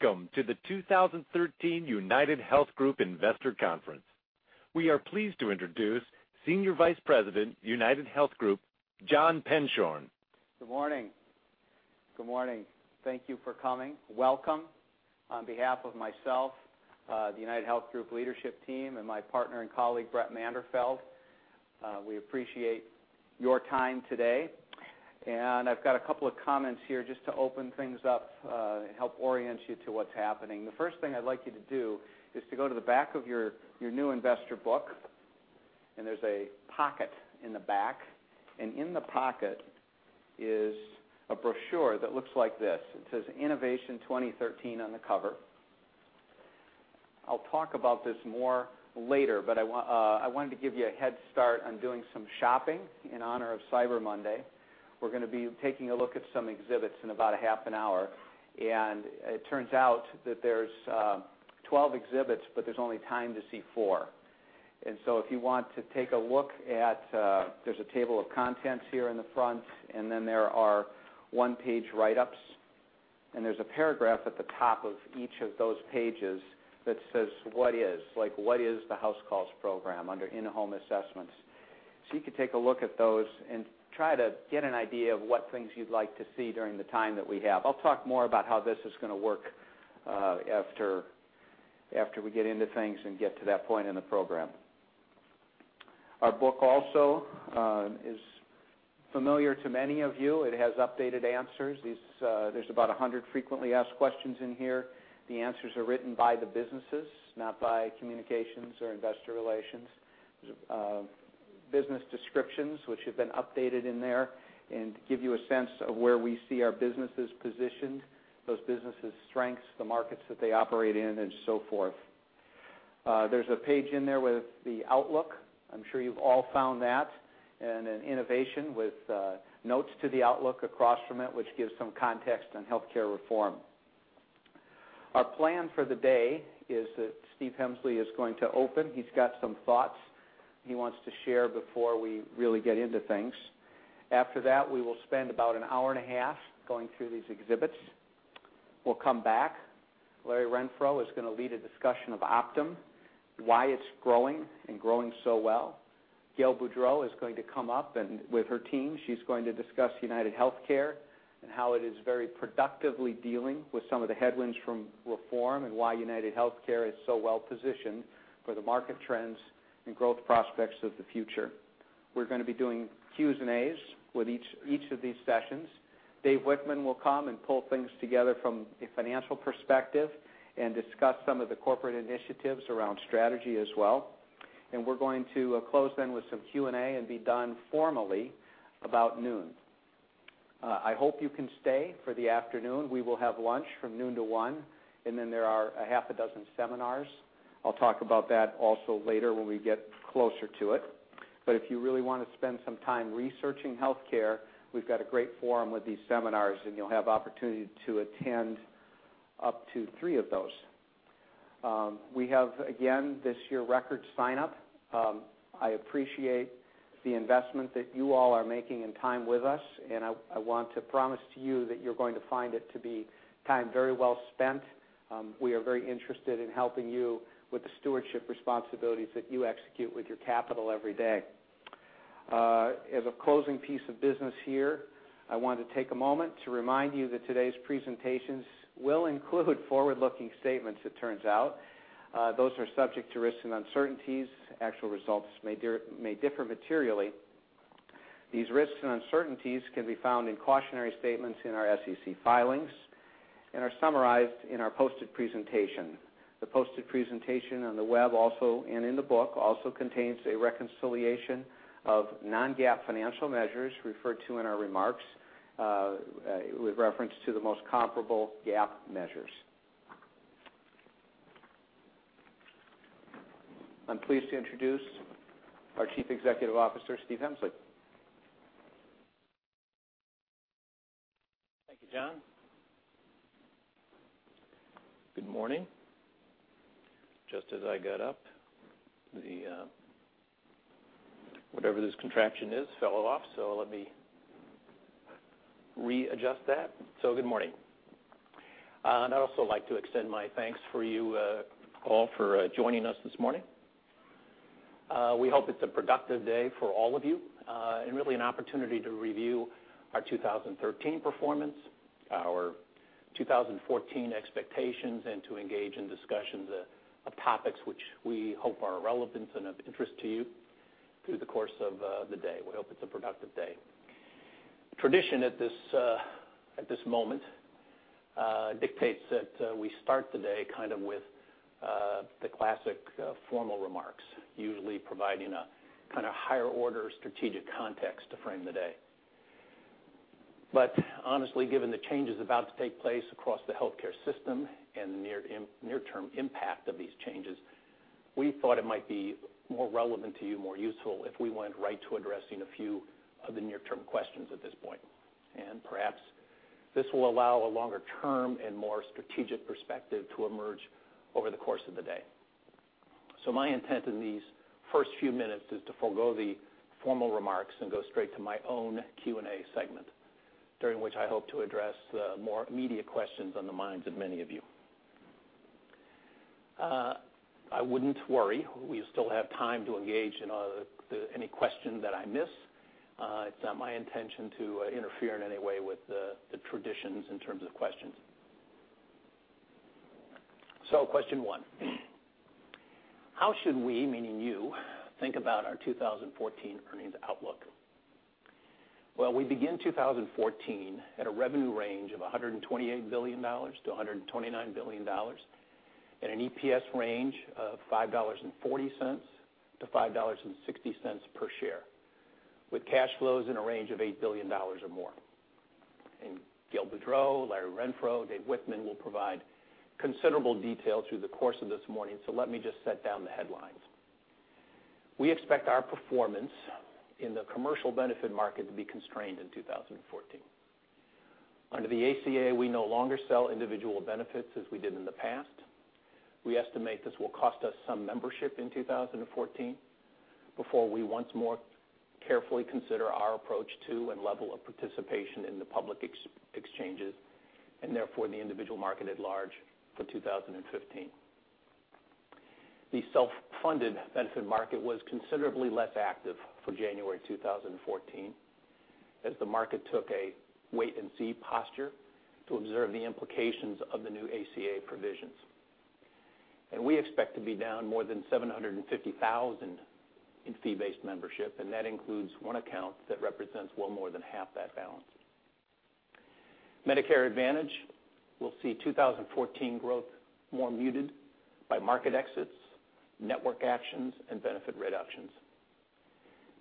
Welcome to the 2013 UnitedHealth Group Investor Conference. We are pleased to introduce Senior Vice President, UnitedHealth Group, John Penshorn. Good morning. Thank you for coming. Welcome. On behalf of myself, the UnitedHealth Group leadership team, and my partner and colleague, Brett Manderfeld, we appreciate your time today. I've got a couple of comments here just to open things up and help orient you to what's happening. The first thing I'd like you to do is to go to the back of your new investor book, and there's a pocket in the back. In the pocket is a brochure that looks like this. It says Innovation 2013 on the cover. I'll talk about this more later, but I wanted to give you a head start on doing some shopping in honor of Cyber Monday. We're going to be taking a look at some exhibits in about a half an hour, and it turns out that there's 12 exhibits, but there's only time to see four. If you want to take a look at, there's a table of contents here in the front, and then there are one-page write-ups, and there's a paragraph at the top of each of those pages that says, "What is?" Like what is the house calls program under in-home assessments? You can take a look at those and try to get an idea of what things you'd like to see during the time that we have. I'll talk more about how this is going to work after we get into things and get to that point in the program. Our book also is familiar to many of you. It has updated answers. There's about 100 frequently asked questions in here. The answers are written by the businesses, not by communications or investor relations. There's business descriptions which have been updated in there and give you a sense of where we see our businesses positioned, those businesses' strengths, the markets that they operate in, and so forth. There's a page in there with the outlook. I'm sure you've all found that. Innovation with notes to the outlook across from it, which gives some context on healthcare reform. Our plan for the day is that Stephen Hemsley is going to open. He's got some thoughts he wants to share before we really get into things. After that, we will spend about an hour and a half going through these exhibits. We'll come back. Larry Renfro is going to lead a discussion of Optum, why it's growing and growing so well. Gail Boudreaux is going to come up and with her team, she's going to discuss UnitedHealthcare and how it is very productively dealing with some of the headwinds from reform and why UnitedHealthcare is so well-positioned for the market trends and growth prospects of the future. We're going to be doing Q&As with each of these sessions. David Wichmann will come and pull things together from a financial perspective and discuss some of the corporate initiatives around strategy as well. We're going to close then with some Q&A and be done formally about noon. I hope you can stay for the afternoon. We will have lunch from noon to 1:00 P.M., and then there are a half a dozen seminars. I'll talk about that also later when we get closer to it. If you really want to spend some time researching healthcare, we've got a great forum with these seminars, and you'll have opportunity to attend up to three of those. We have, again, this year, record sign-up. I appreciate the investment that you all are making in time with us, and I want to promise to you that you're going to find it to be time very well spent. We are very interested in helping you with the stewardship responsibilities that you execute with your capital every day. As a closing piece of business here, I want to take a moment to remind you that today's presentations will include forward-looking statements, it turns out. Those are subject to risks and uncertainties. Actual results may differ materially. These risks and uncertainties can be found in cautionary statements in our SEC filings and are summarized in our posted presentation. The posted presentation on the web also, and in the book, also contains a reconciliation of non-GAAP financial measures referred to in our remarks with reference to the most comparable GAAP measures. I'm pleased to introduce our Chief Executive Officer, Stephen Hemsley. Thank you, John. Good morning. Just as I got up, whatever this contraption is, fell off, so let me readjust that. Good morning. I'd also like to extend my thanks for you all for joining us this morning. We hope it's a productive day for all of you, and really an opportunity to review our 2013 performance, our 2014 expectations, and to engage in discussions of topics which we hope are relevant and of interest to you through the course of the day. We hope it's a productive day. Tradition at this moment dictates that we start the day with the classic formal remarks, usually providing a higher order strategic context to frame the day. Honestly, given the changes about to take place across the healthcare system and the near-term impact of these changes, we thought it might be more relevant to you, more useful, if we went right to addressing a few of the near-term questions at this point. Perhaps this will allow a longer-term and more strategic perspective to emerge over the course of the day. My intent in these first few minutes is to forego the formal remarks and go straight to my own Q&A segment, during which I hope to address the more immediate questions on the minds of many of you. I wouldn't worry. We still have time to engage in any question that I miss. It's not my intention to interfere in any way with the traditions in terms of questions. Question 1, how should we, meaning you, think about our 2014 earnings outlook? We begin 2014 at a revenue range of $128 billion-$129 billion, and an EPS range of $5.40-$5.60 per share, with cash flows in a range of $8 billion or more. Gail Boudreaux, Larry Renfro, Dave Wichmann will provide considerable detail through the course of this morning, let me just set down the headlines. We expect our performance in the commercial benefit market to be constrained in 2014. Under the ACA, we no longer sell individual benefits as we did in the past. We estimate this will cost us some membership in 2014 before we once more carefully consider our approach to and level of participation in the public exchanges, and therefore the individual market at large for 2015. The self-funded benefit market was considerably less active for January 2014, as the market took a wait and see posture to observe the implications of the new ACA provisions. We expect to be down more than 750,000 in fee-based membership, and that includes one account that represents well more than half that balance. Medicare Advantage will see 2014 growth more muted by market exits, network actions, and benefit reductions.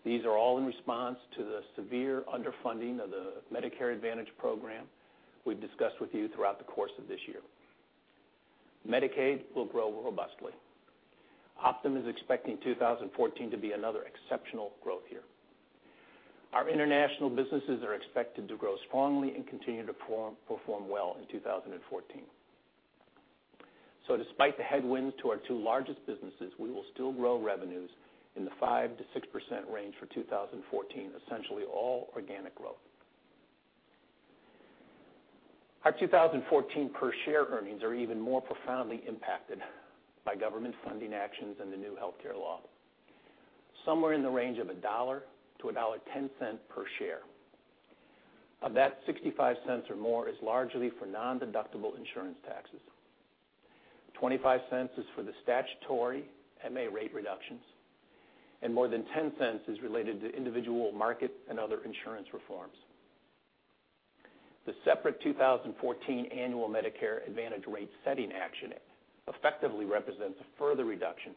These are all in response to the severe underfunding of the Medicare Advantage program we've discussed with you throughout the course of this year. Medicaid will grow robustly. Optum is expecting 2014 to be another exceptional growth year. Our international businesses are expected to grow strongly and continue to perform well in 2014. Despite the headwinds to our two largest businesses, we will still grow revenues in the 5%-6% range for 2014, essentially all organic growth. Our 2014 per share earnings are even more profoundly impacted by government funding actions and the new healthcare law. Somewhere in the range of $1-$1.10 per share. Of that, $0.65 or more is largely for non-deductible insurance taxes. $0.25 is for the statutory MA rate reductions, and more than $0.10 is related to individual market and other insurance reforms. The separate 2014 annual Medicare Advantage rate setting action effectively represents a further reduction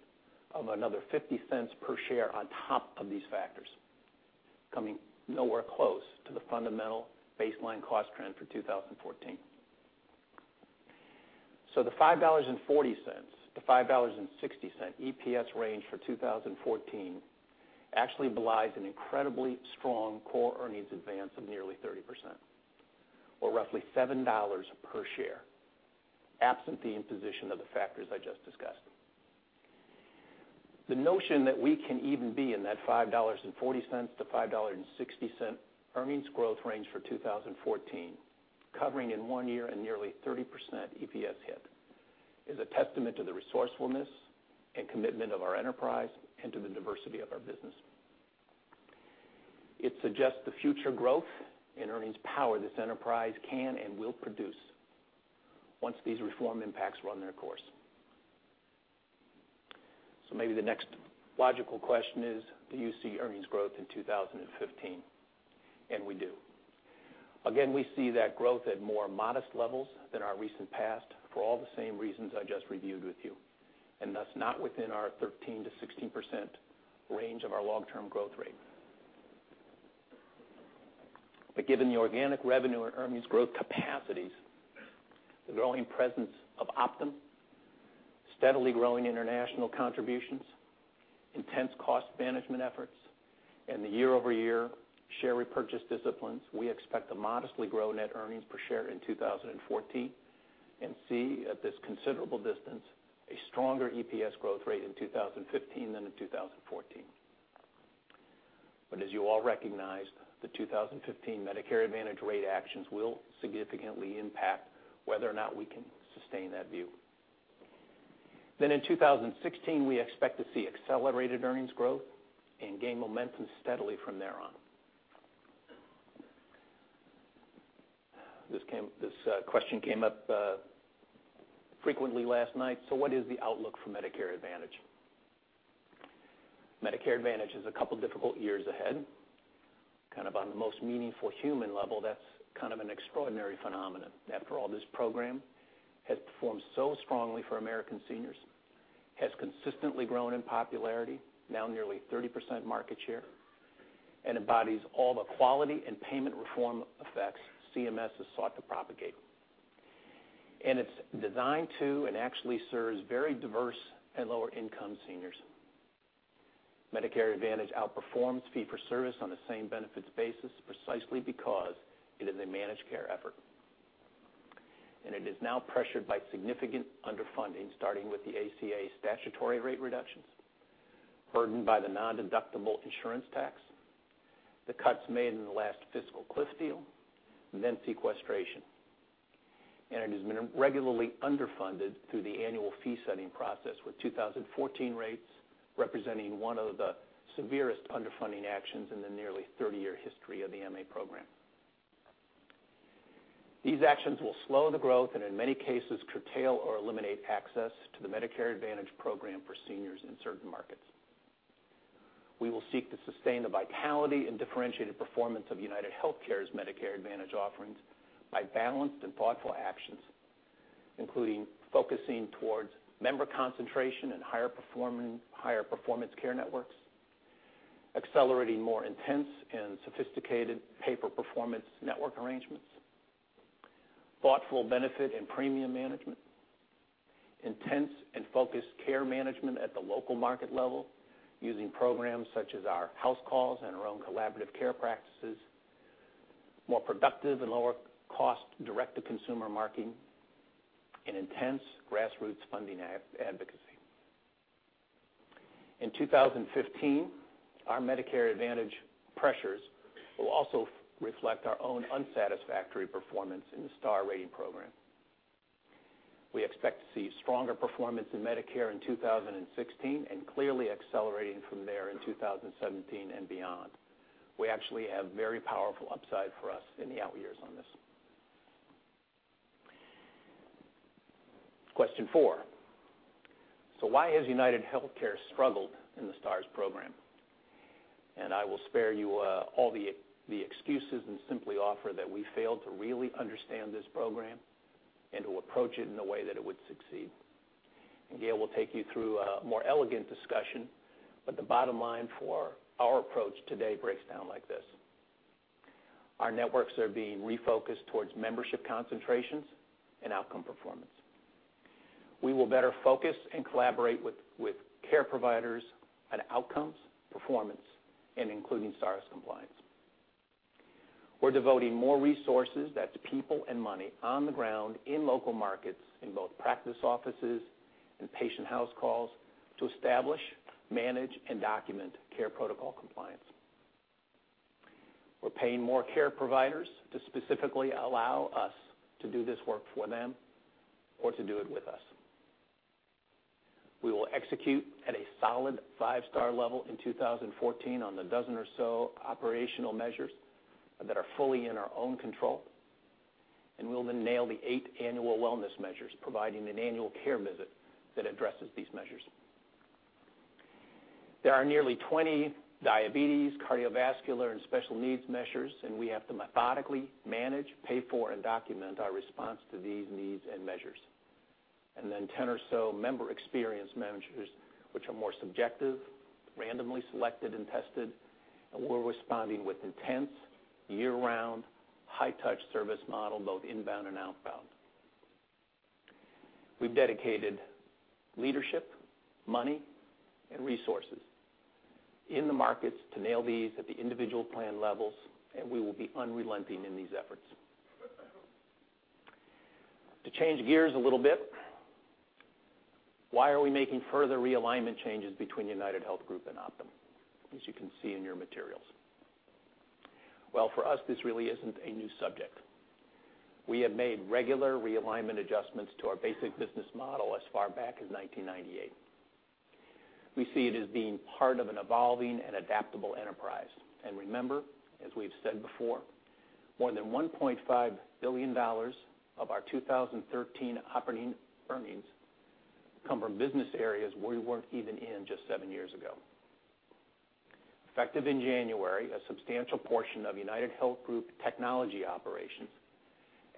of another $0.50 per share on top of these factors, coming nowhere close to the fundamental baseline cost trend for 2014. The $5.40-$5.60 EPS range for 2014 actually belies an incredibly strong core earnings advance of nearly 30%, or roughly $7 per share, absent the imposition of the factors I just discussed. The notion that we can even be in that $5.40-$5.60 earnings growth range for 2014, covering in one year a nearly 30% EPS hit, is a testament to the resourcefulness and commitment of our enterprise and to the diversity of our business. It suggests the future growth and earnings power this enterprise can and will produce once these reform impacts run their course. Maybe the next logical question is, do you see earnings growth in 2015? We do. Again, we see that growth at more modest levels than our recent past for all the same reasons I just reviewed with you, and thus not within our 13%-16% range of our long-term growth rate. Given the organic revenue and earnings growth capacities, the growing presence of Optum, steadily growing international contributions, intense cost management efforts, and the year-over-year share repurchase disciplines, we expect to modestly grow net earnings per share in 2014 and see at this considerable distance a stronger EPS growth rate in 2015 than in 2014. As you all recognize, the 2015 Medicare Advantage rate actions will significantly impact whether or not we can sustain that view. In 2016, we expect to see accelerated earnings growth and gain momentum steadily from there on. This question came up frequently last night. What is the outlook for Medicare Advantage? Medicare Advantage has a couple difficult years ahead. On the most meaningful human level, that's an extraordinary phenomenon. After all, this program has performed so strongly for American seniors, has consistently grown in popularity, now nearly 30% market share, and embodies all the quality and payment reform effects CMS has sought to propagate. It's designed to and actually serves very diverse and lower income seniors. Medicare Advantage outperforms fee-for-service on the same benefits basis precisely because it is a managed care effort. It is now pressured by significant underfunding, starting with the ACA statutory rate reductions, burdened by the nondeductible insurance tax, the cuts made in the last fiscal cliff deal, and then sequestration. It has been regularly underfunded through the annual fee-setting process, with 2014 rates representing one of the severest underfunding actions in the nearly 30-year history of the MA program. These actions will slow the growth, and in many cases, curtail or eliminate access to the Medicare Advantage program for seniors in certain markets. We will seek to sustain the vitality and differentiated performance of UnitedHealthcare's Medicare Advantage offerings by balanced and thoughtful actions, including focusing towards member concentration and higher performance care networks, accelerating more intense and sophisticated pay-for-performance network arrangements, thoughtful benefit and premium management, intense and focused care management at the local market level using programs such as our house calls and our own collaborative care practices, more productive and lower-cost direct-to-consumer marketing, and intense grassroots funding advocacy. In 2015, our Medicare Advantage pressures will also reflect our own unsatisfactory performance in the Star Ratings program. We expect to see stronger performance in Medicare in 2016 and clearly accelerating from there in 2017 and beyond. We actually have very powerful upside for us in the out years on this. Question four: Why has UnitedHealthcare struggled in the Star Ratings program? I will spare you all the excuses and simply offer that we failed to really understand this program and to approach it in a way that it would succeed. Gail will take you through a more elegant discussion, but the bottom line for our approach today breaks down like this. Our networks are being refocused towards membership concentrations and outcome performance. We will better focus and collaborate with care providers on outcomes, performance, and including Star Ratings compliance. We're devoting more resources, that's people and money, on the ground in local markets in both practice offices and patient house calls to establish, manage, and document care protocol compliance. We're paying more care providers to specifically allow us to do this work for them or to do it with us. We will execute at a solid five-star level in 2014 on the dozen or so operational measures that are fully in our own control, and we will then nail the eight annual wellness measures, providing an annual care visit that addresses these measures. There are nearly 20 diabetes, cardiovascular, and special needs measures, and we have to methodically manage, pay for, and document our response to these needs and measures. Then 10 or so member experience measures, which are more subjective, randomly selected and tested, and we're responding with intense year-round high-touch service model, both inbound and outbound. We've dedicated leadership, money, and resources in the markets to nail these at the individual plan levels, and we will be unrelenting in these efforts. To change gears a little bit, why are we making further realignment changes between UnitedHealth Group and Optum, as you can see in your materials? For us, this really isn't a new subject. We have made regular realignment adjustments to our basic business model as far back as 1998. We see it as being part of an evolving and adaptable enterprise. Remember, as we've said before, more than $1.5 billion of our 2013 operating earnings come from business areas we weren't even in just seven years ago. Effective in January, a substantial portion of UnitedHealth Group technology operations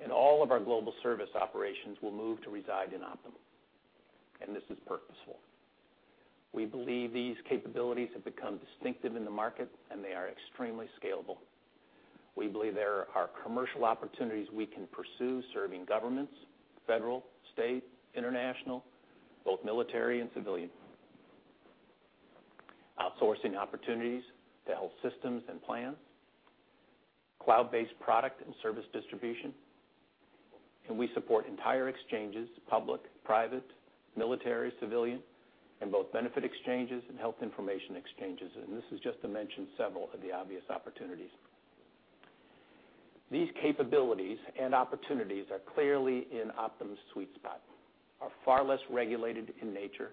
and all of our global service operations will move to reside in Optum, this is purposeful. We believe these capabilities have become distinctive in the market, and they are extremely scalable. We believe there are commercial opportunities we can pursue serving governments, federal, state, international, both military and civilian. Outsourcing opportunities to health systems and plans, cloud-based product and service distribution, we support entire exchanges, public, private, military, civilian, and both benefit exchanges and health information exchanges. This is just to mention several of the obvious opportunities. These capabilities and opportunities are clearly in Optum's sweet spot, are far less regulated in nature,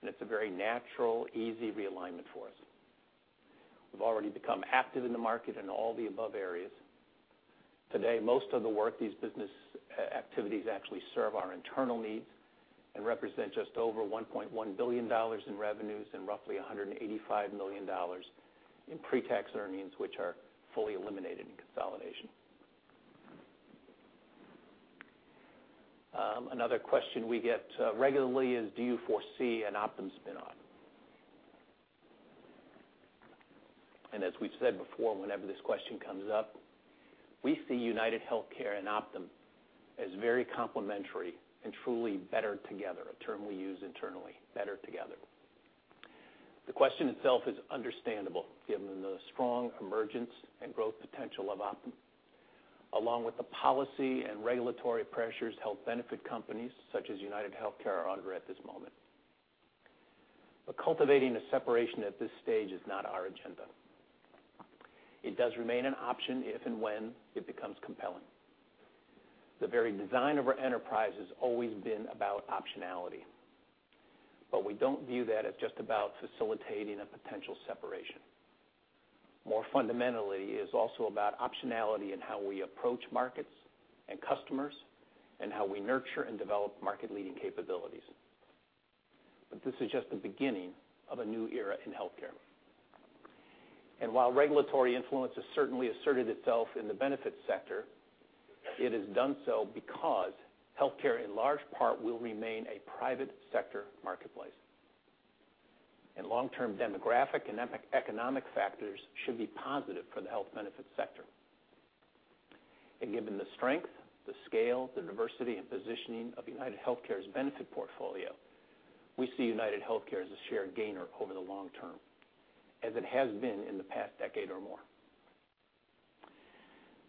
and it's a very natural, easy realignment for us. We've already become active in the market in all the above areas. Today, most of the work these business activities actually serve our internal needs and represent just over $1.1 billion in revenues and roughly $185 million in pre-tax earnings, which are fully eliminated in consolidation. Another question we get regularly is: Do you foresee an Optum spin-off? As we've said before, whenever this question comes up, we see UnitedHealthcare and Optum as very complementary and truly better together, a term we use internally, better together. The question itself is understandable given the strong emergence and growth potential of Optum, along with the policy and regulatory pressures health benefit companies such as UnitedHealthcare are under at this moment. Cultivating a separation at this stage is not our agenda. It does remain an option if and when it becomes compelling. The very design of our enterprise has always been about optionality. We don't view that as just about facilitating a potential separation. More fundamentally, it is also about optionality in how we approach markets and customers, and how we nurture and develop market-leading capabilities. This is just the beginning of a new era in healthcare. While regulatory influence has certainly asserted itself in the benefits sector, it has done so because healthcare in large part will remain a private sector marketplace. Long-term demographic and economic factors should be positive for the health benefit sector. Given the strength, the scale, the diversity, and positioning of UnitedHealthcare's benefit portfolio, we see UnitedHealthcare as a shared gainer over the long term, as it has been in the past decade or more.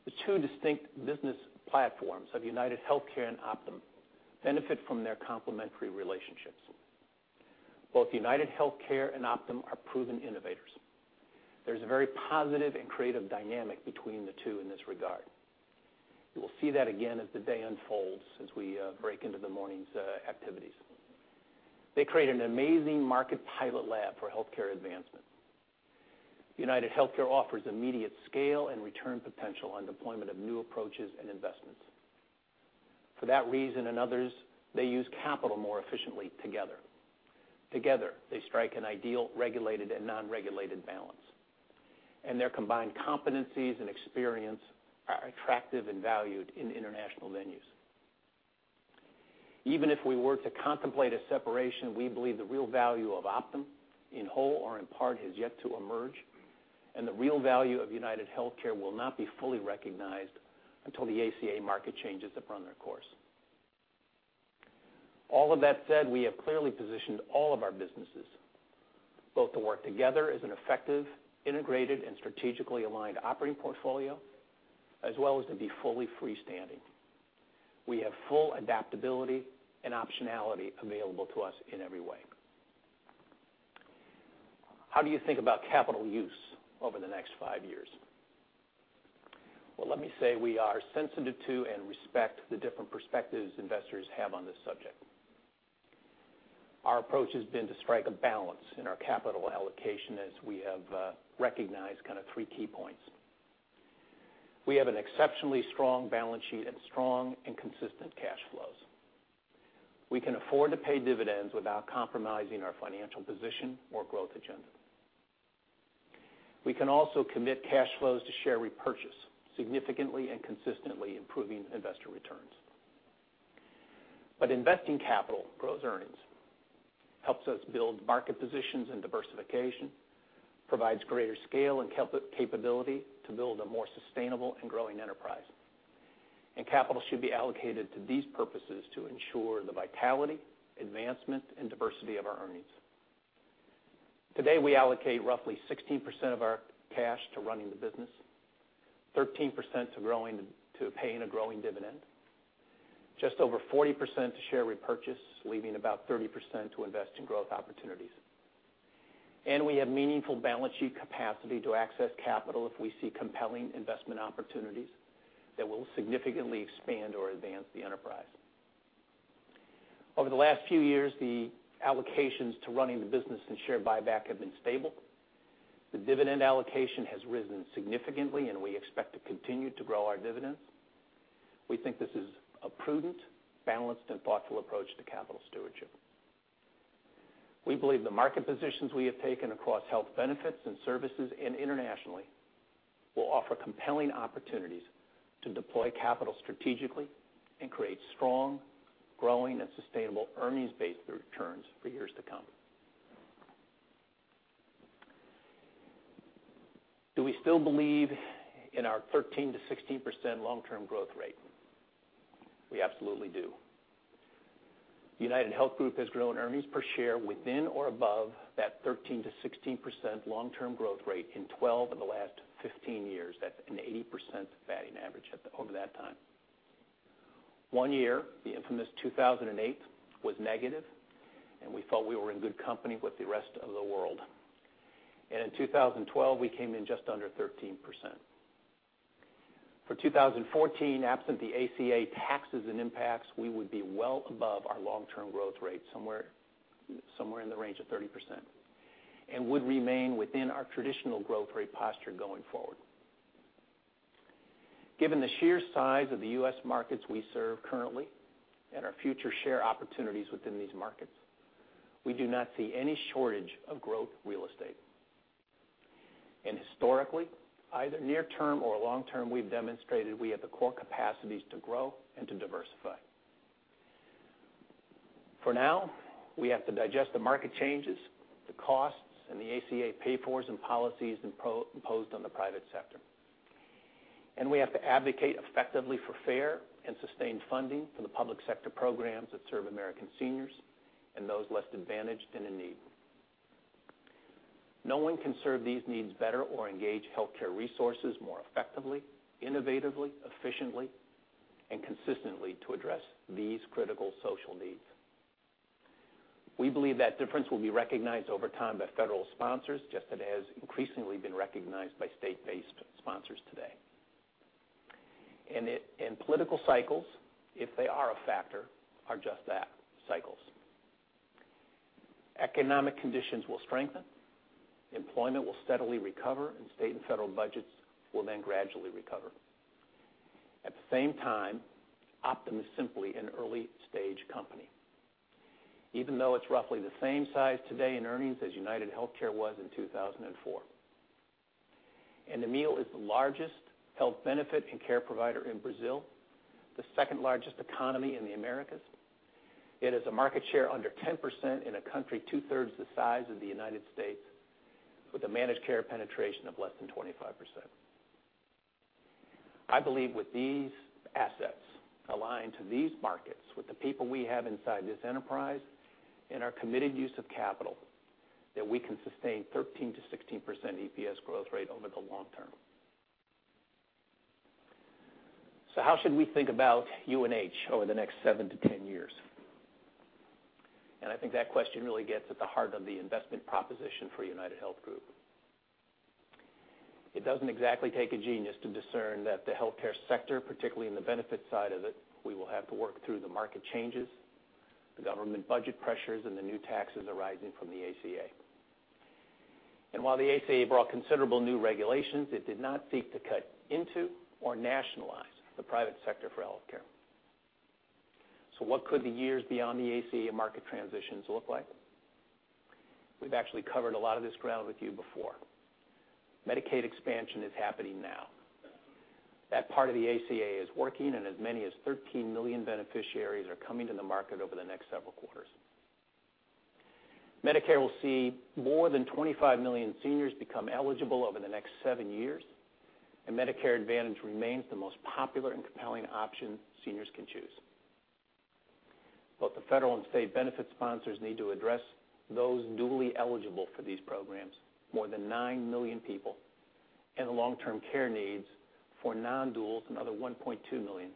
The two distinct business platforms of UnitedHealthcare and Optum benefit from their complementary relationships. Both UnitedHealthcare and Optum are proven innovators. There's a very positive and creative dynamic between the two in this regard. You will see that again as the day unfolds, as we break into the morning's activities. They create an amazing market pilot lab for healthcare advancement. UnitedHealthcare offers immediate scale and return potential on deployment of new approaches and investments. For that reason and others, they use capital more efficiently together. Together, they strike an ideal regulated and non-regulated balance. Their combined competencies and experience are attractive and valued in international venues. Even if we were to contemplate a separation, we believe the real value of Optum, in whole or in part, has yet to emerge, and the real value of UnitedHealthcare will not be fully recognized until the ACA market changes have run their course. All of that said, we have clearly positioned all of our businesses both to work together as an effective, integrated, and strategically aligned operating portfolio, as well as to be fully freestanding. We have full adaptability and optionality available to us in every way. How do you think about capital use over the next five years? Let me say we are sensitive to and respect the different perspectives investors have on this subject. Our approach has been to strike a balance in our capital allocation as we have recognized kind of three key points. We have an exceptionally strong balance sheet and strong and consistent cash flows. We can afford to pay dividends without compromising our financial position or growth agenda. We can also commit cash flows to share repurchase, significantly and consistently improving investor returns. Investing capital grows earnings, helps us build market positions and diversification, provides greater scale and capability to build a more sustainable and growing enterprise. Capital should be allocated to these purposes to ensure the vitality, advancement, and diversity of our earnings. Today, we allocate roughly 16% of our cash to running the business, 13% to paying a growing dividend, just over 40% to share repurchase, leaving about 30% to invest in growth opportunities. We have meaningful balance sheet capacity to access capital if we see compelling investment opportunities that will significantly expand or advance the enterprise. Over the last few years, the allocations to running the business and share buyback have been stable. The dividend allocation has risen significantly. We expect to continue to grow our dividends. We think this is a prudent, balanced, and thoughtful approach to capital stewardship. We believe the market positions we have taken across health benefits and services and internationally will offer compelling opportunities to deploy capital strategically and create strong, growing, and sustainable earnings-based returns for years to come. Do we still believe in our 13%-16% long-term growth rate? We absolutely do. UnitedHealth Group has grown earnings per share within or above that 13%-16% long-term growth rate in 12 of the last 15 years. That's an 80% batting average over that time. One year, the infamous 2008, was negative. We felt we were in good company with the rest of the world. In 2012, we came in just under 13%. For 2014, absent the ACA taxes and impacts, we would be well above our long-term growth rate, somewhere in the range of 30%. We would remain within our traditional growth rate posture going forward. Given the sheer size of the U.S. markets we serve currently and our future share opportunities within these markets, we do not see any shortage of growth real estate. Historically, either near term or long term, we've demonstrated we have the core capacities to grow and to diversify. For now, we have to digest the market changes, the costs, and the ACA pay-fors and policies imposed on the private sector. We have to advocate effectively for fair and sustained funding for the public sector programs that serve American seniors and those less advantaged and in need. No one can serve these needs better or engage healthcare resources more effectively, innovatively, efficiently, and consistently to address these critical social needs. We believe that difference will be recognized over time by federal sponsors, just as it has increasingly been recognized by state-based sponsors today. Political cycles, if they are a factor, are just that, cycles. Economic conditions will strengthen, employment will steadily recover, and state and federal budgets will then gradually recover. At the same time, Optum is simply an early-stage company. Even though it's roughly the same size today in earnings as UnitedHealthcare was in 2004. Amil is the largest health benefit and care provider in Brazil, the second-largest economy in the Americas. It has a market share under 10% in a country two-thirds the size of the United States, with a managed care penetration of less than 25%. I believe with these assets aligned to these markets, with the people we have inside this enterprise, and our committed use of capital, that we can sustain 13%-16% EPS growth rate over the long term. How should we think about UNH over the next seven to 10 years? I think that question really gets at the heart of the investment proposition for UnitedHealth Group. It doesn't exactly take a genius to discern that the healthcare sector, particularly in the benefit side of it, we will have to work through the market changes, the government budget pressures, and the new taxes arising from the ACA. While the ACA brought considerable new regulations, it did not seek to cut into or nationalize the private sector for healthcare. What could the years beyond the ACA market transitions look like? We've actually covered a lot of this ground with you before. Medicaid expansion is happening now. That part of the ACA is working, and as many as 13 million beneficiaries are coming to the market over the next several quarters. Medicare will see more than 25 million seniors become eligible over the next seven years, and Medicare Advantage remains the most popular and compelling option seniors can choose. Both the federal and state benefit sponsors need to address those newly eligible for these programs, more than nine million people, and the long-term care needs for non-duals, another 1.2 million.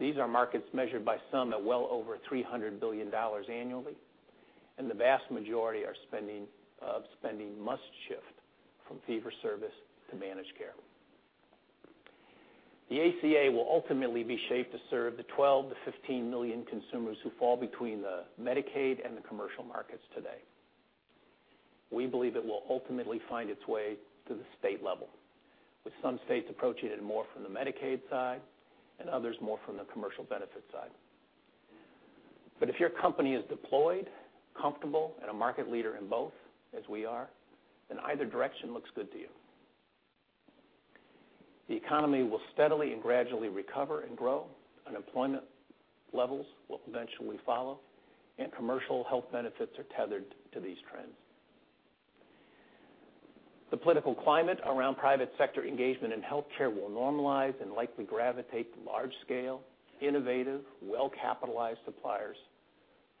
These are markets measured by some at well over $300 billion annually, the vast majority of spending must shift from fee-for-service to managed care. The ACA will ultimately be shaped to serve the 12 to 15 million consumers who fall between the Medicaid and the commercial markets today. We believe it will ultimately find its way to the state level, with some states approaching it more from the Medicaid side and others more from the commercial benefit side. If your company is deployed, comfortable, and a market leader in both, as we are, then either direction looks good to you. The economy will steadily and gradually recover and grow. Unemployment levels will eventually follow, commercial health benefits are tethered to these trends. The political climate around private sector engagement in healthcare will normalize and likely gravitate to large-scale, innovative, well-capitalized suppliers,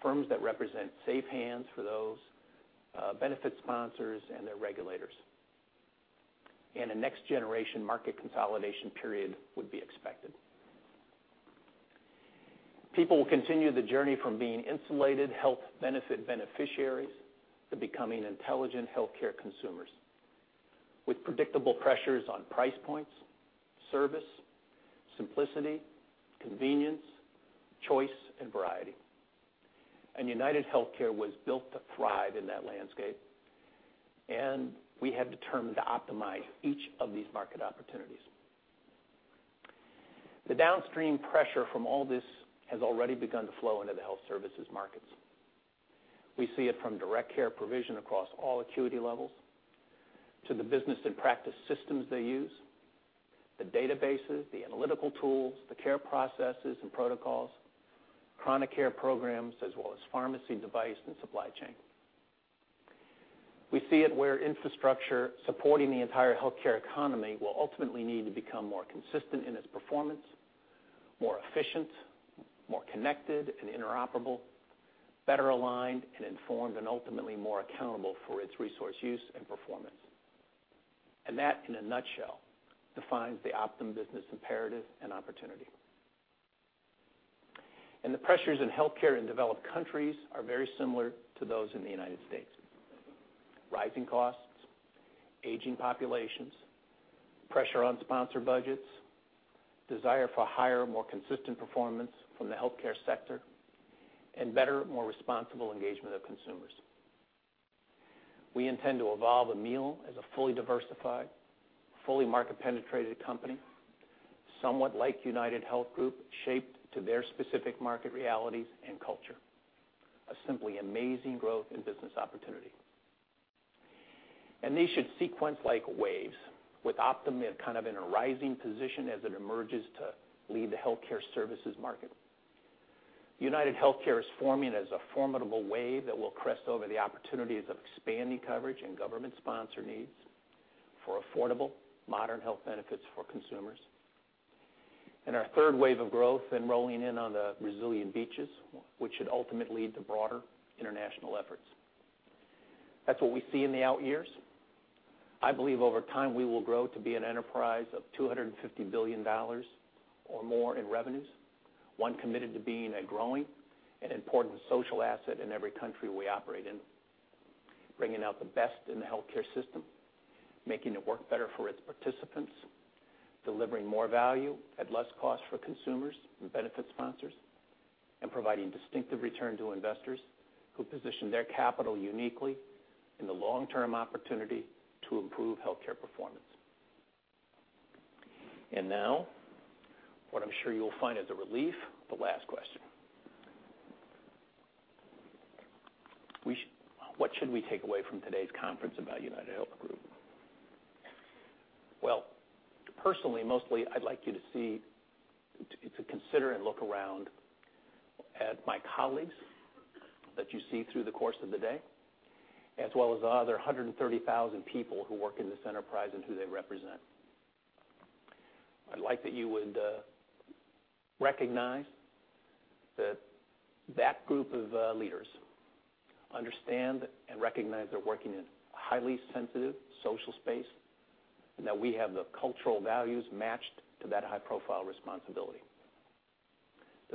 firms that represent safe hands for those benefit sponsors and their regulators. A next-generation market consolidation period would be expected. People will continue the journey from being insulated health benefit beneficiaries to becoming intelligent healthcare consumers with predictable pressures on price points, service, simplicity, convenience, choice, and variety. UnitedHealthcare was built to thrive in that landscape, and we have determined to optimize each of these market opportunities. The downstream pressure from all this has already begun to flow into the health services markets. We see it from direct care provision across all acuity levels to the business and practice systems they use, the databases, the analytical tools, the care processes and protocols, chronic care programs, as well as pharmacy device and supply chain. We see it where infrastructure supporting the entire healthcare economy will ultimately need to become more consistent in its performance, more efficient, more connected, and interoperable, better aligned and informed, and ultimately more accountable for its resource use and performance. That, in a nutshell, defines the Optum business imperative and opportunity. The pressures in healthcare in developed countries are very similar to those in the U.S. Rising costs, aging populations, pressure on sponsor budgets, desire for higher, more consistent performance from the healthcare sector, and better, more responsible engagement of consumers. We intend to evolve Amil as a fully diversified, fully market-penetrated company, somewhat like UnitedHealth Group, shaped to their specific market realities and culture. A simply amazing growth and business opportunity. They should sequence like waves, with Optum in a rising position as it emerges to lead the healthcare services market. UnitedHealthcare is forming as a formidable wave that will crest over the opportunities of expanding coverage and government sponsor needs for affordable modern health benefits for consumers. Our third wave of growth, enrolling in on the Brazilian beaches, which should ultimately lead to broader international efforts. That's what we see in the out years. I believe over time, we will grow to be an enterprise of $250 billion or more in revenues, one committed to being a growing and important social asset in every country we operate in, bringing out the best in the healthcare system, making it work better for its participants, delivering more value at less cost for consumers and benefit sponsors, providing distinctive return to investors who position their capital uniquely in the long-term opportunity to improve healthcare performance. Now, what I'm sure you'll find is a relief, the last question. What should we take away from today's conference about UnitedHealth Group? Well, personally, mostly, I'd like you to consider and look around at my colleagues that you see through the course of the day, as well as the other 130,000 people who work in this enterprise and who they represent. I'd like that you would recognize that that group of leaders understand and recognize they're working in a highly sensitive social space, and that we have the cultural values matched to that high-profile responsibility.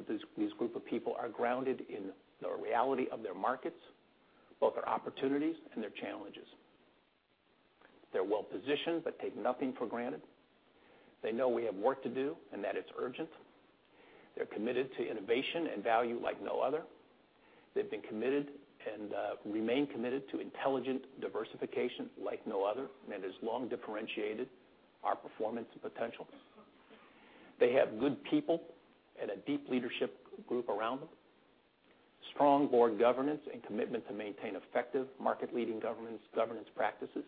This group of people are grounded in the reality of their markets, both their opportunities and their challenges. They're well-positioned but take nothing for granted. They know we have work to do, and that it's urgent. They're committed to innovation and value like no other. They've been committed and remain committed to intelligent diversification like no other, and that has long differentiated our performance and potential. They have good people and a deep leadership group around them, strong board governance, and commitment to maintain effective market-leading governance practices.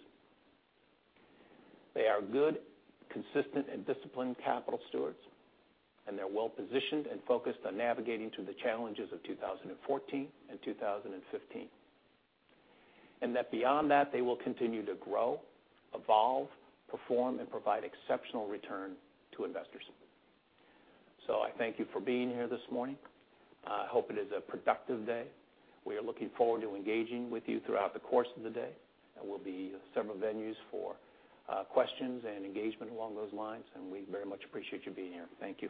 They are good, consistent, and disciplined capital stewards, and they're well-positioned and focused on navigating through the challenges of 2014 and 2015. Beyond that, they will continue to grow, evolve, perform, and provide exceptional return to investors. I thank you for being here this morning. I hope it is a productive day. We are looking forward to engaging with you throughout the course of the day. There will be several venues for questions and engagement along those lines, and we very much appreciate you being here. Thank you.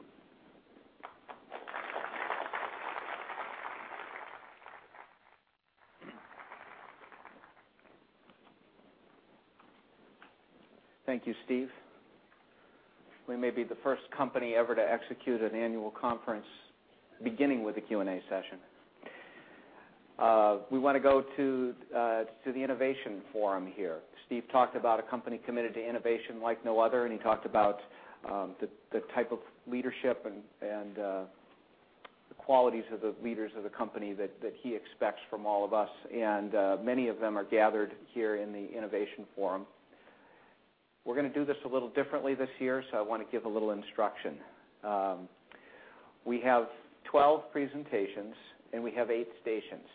Thank you, Steve. We may be the first company ever to execute an annual conference beginning with a Q&A session. We want to go to the innovation forum here. Steve talked about a company committed to innovation like no other, and he talked about the type of leadership and the qualities of the leaders of the company that he expects from all of us. Many of them are gathered here in the innovation forum. We're going to do this a little differently this year, so I want to give a little instruction. We have 12 presentations. We have eight stations.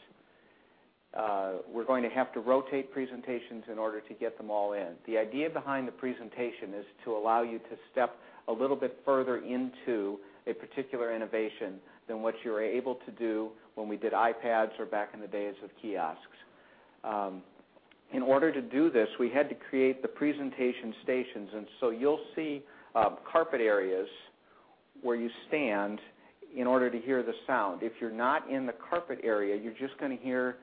We're going to have to rotate presentations in order to get them all in. The idea behind the presentation is to allow you to step a little bit further into a particular innovation than what you were able to do when we did iPads or back in the days of kiosks. In order to do this, we had to create the presentation stations. You'll see carpet areas where you stand in order to hear the sound. If you're not in the carpet area, you're just going to hear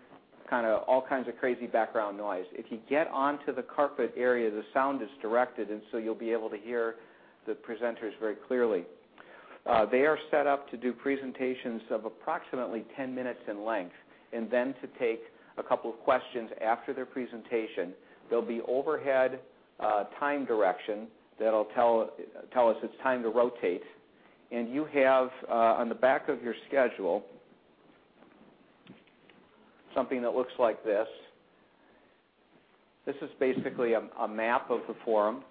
all kinds of crazy background noise. If you get onto the carpet area, the sound is directed. You'll be able to hear the presenters very clearly. They are set up to do presentations of approximately 10 minutes in length, and then to take a couple of questions after their presentation. There'll be overhead time direction that'll tell us it's time to rotate. You have, on the back of your schedule, something that looks like this. This is basically a map of the forum.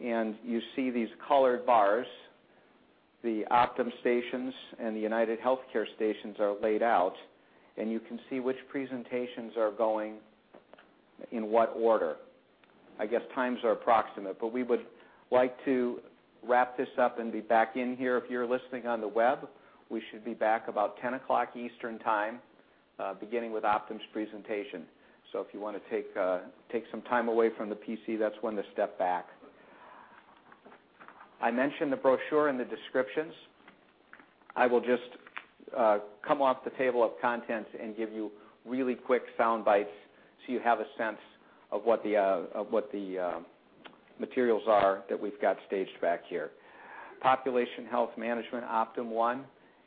You see these colored bars. The Optum stations and the UnitedHealthcare stations are laid out. You can see which presentations are going in what order. I guess times are approximate, but we would like to wrap this up and be back in here. If you're listening on the web, we should be back about 10:00 Eastern Time, beginning with Optum's presentation. If you want to take some time away from the PC, that's when to step back. I mentioned the brochure and the descriptions. I will just come off the table of contents and give you really quick soundbites so you have a sense of what the materials are that we've got staged back here. Population Health Management Optum One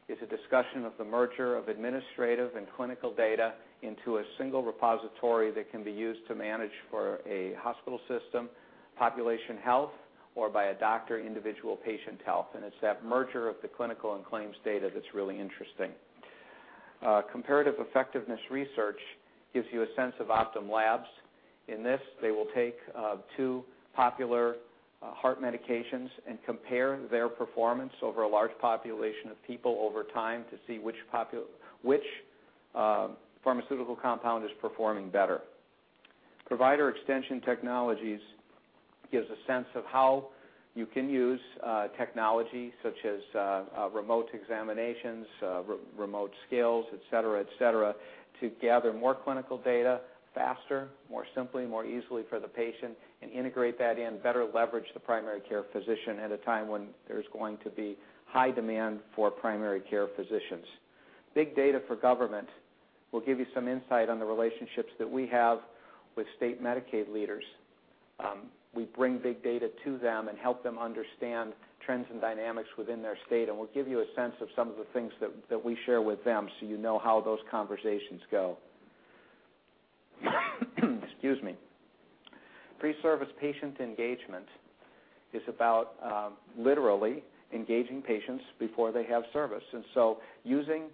is a discussion of the merger of administrative and clinical data into a single repository that can be used to manage for a hospital system, population health, or by a doctor, individual patient health. It's that merger of the clinical and claims data that's really interesting. Comparative effectiveness research gives you a sense of Optum Labs. In this, they will take two popular heart medications and compare their performance over a large population of people over time to see which pharmaceutical compound is performing better. Provider extension technologies gives a sense of how you can use technology such as remote examinations, remote scales, et cetera, to gather more clinical data faster, more simply, more easily for the patient, and integrate that and better leverage the primary care physician at a time when there's going to be high demand for primary care physicians. Big data for government will give you some insight on the relationships that we have with state Medicaid leaders. We bring big data to them and help them understand trends and dynamics within their state, and we'll give you a sense of some of the things that we share with them so you know how those conversations go. Excuse me. Pre-service patient engagement is about literally engaging patients before they have service. Using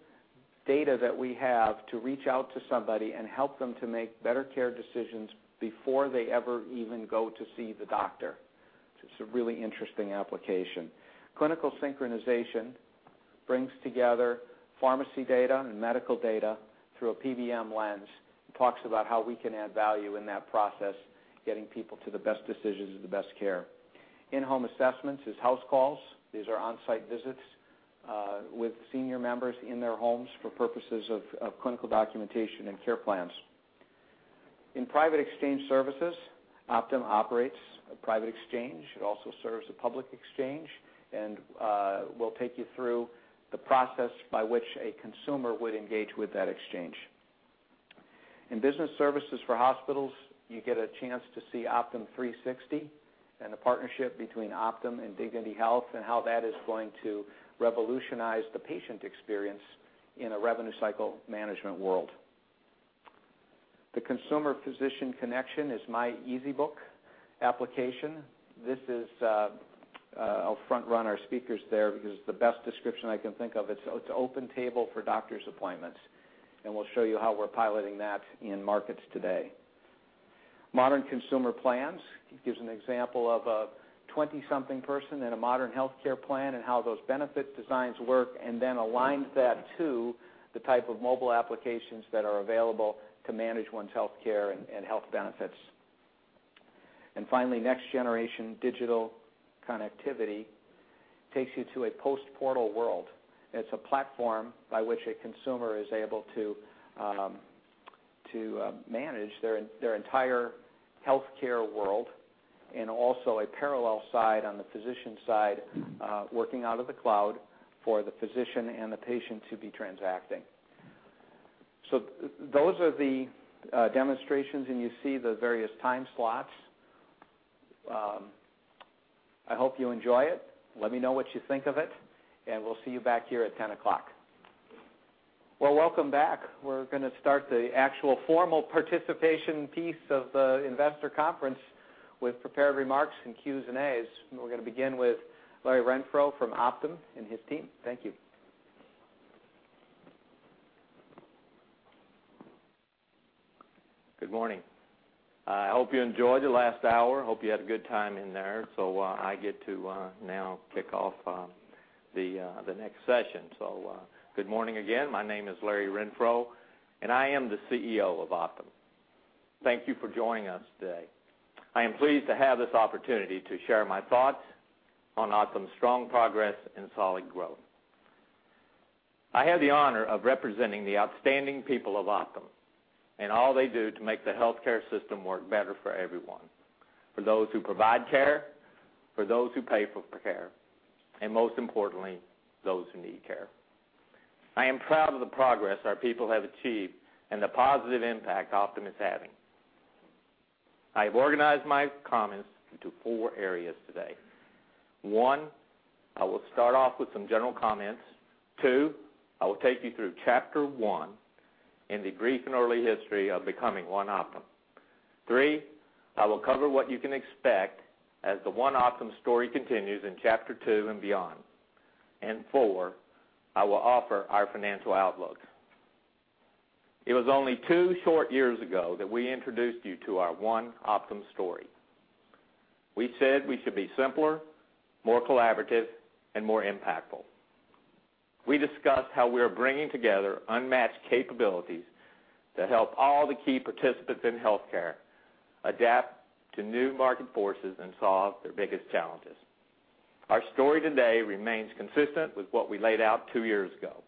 data that we have to reach out to somebody and help them to make better care decisions before they ever even go to see the doctor. It's a really interesting application. Clinical synchronization brings together pharmacy data and medical data through a PBM lens. It talks about how we can add value in that process, getting people to the best decisions and the best care. In-home assessments is house calls. These are on-site visits with senior members in their homes for purposes of clinical documentation and care plans. In private exchange services, Optum operates a private exchange. It also serves a public exchange. We'll take you through the process by which a consumer would engage with that exchange. In business services for hospitals, you get a chance to see Optum360 and the partnership between Optum and Dignity Health, and how that is going to revolutionize the patient experience in a revenue cycle management world. The consumer physician connection is my Easy Book application. I'll front-run our speakers there because it's the best description I can think of. It's OpenTable for doctor's appointments, and we'll show you how we're piloting that in markets today. Modern consumer plans. It gives an example of a 20-something person in a modern healthcare plan and how those benefit designs work, and then aligns that to the type of mobile applications that are available to manage one's healthcare and health benefits. Finally, next generation digital connectivity takes you to a post-portal world. It's a platform by which a consumer is able to manage their entire healthcare world, and also a parallel side on the physician side, working out of the cloud for the physician and the patient to be transacting. Those are the demonstrations, and you see the various time slots. I hope you enjoy it. Let me know what you think of it, and we'll see you back here at 10:00 A.M. Welcome back. We're going to start the actual formal participation piece of the investor conference with prepared remarks and Q's and A's. We're going to begin with Larry Renfro from Optum and his team. Thank you. Good morning. I hope you enjoyed the last hour. Hope you had a good time in there. I get to now kick off the next session. Good morning again. My name is Larry Renfro, and I am the CEO of Optum. Thank you for joining us today. I am pleased to have this opportunity to share my thoughts on Optum's strong progress and solid growth. I have the honor of representing the outstanding people of Optum and all they do to make the healthcare system work better for everyone, for those who provide care, for those who pay for care, and most importantly, those who need care. I am proud of the progress our people have achieved and the positive impact Optum is having. I have organized my comments into four areas today. One, I will start off with some general comments. Two, I will take you through chapter one in the brief and early history of becoming One Optum. Three, I will cover what you can expect as the One Optum story continues in chapter two and beyond. Four, I will offer our financial outlook. It was only two short years ago that we introduced you to our One Optum story. We said we should be simpler, more collaborative, and more impactful. We discussed how we are bringing together unmatched capabilities to help all the key participants in healthcare adapt to new market forces and solve their biggest challenges. Our story today remains consistent with what we laid out two years ago,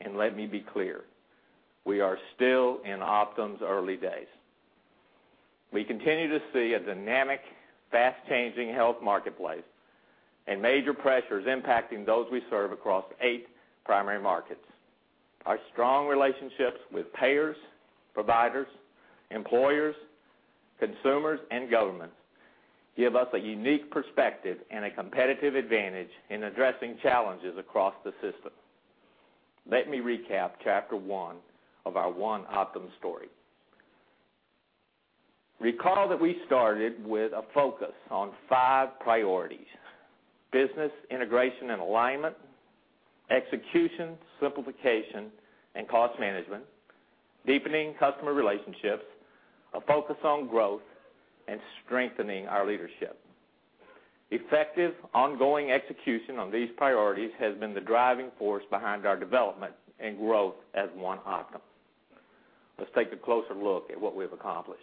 and let me be clear, we are still in Optum's early days. We continue to see a dynamic, fast-changing health marketplace and major pressures impacting those we serve across eight primary markets. Our strong relationships with payers, providers, employers, consumers, and governments give us a unique perspective and a competitive advantage in addressing challenges across the system. Let me recap chapter one of our One Optum story. Recall that we started with a focus on five priorities: business integration and alignment, execution, simplification, and cost management, deepening customer relationships, a focus on growth, and strengthening our leadership. Effective ongoing execution on these priorities has been the driving force behind our development and growth as One Optum. Let's take a closer look at what we've accomplished.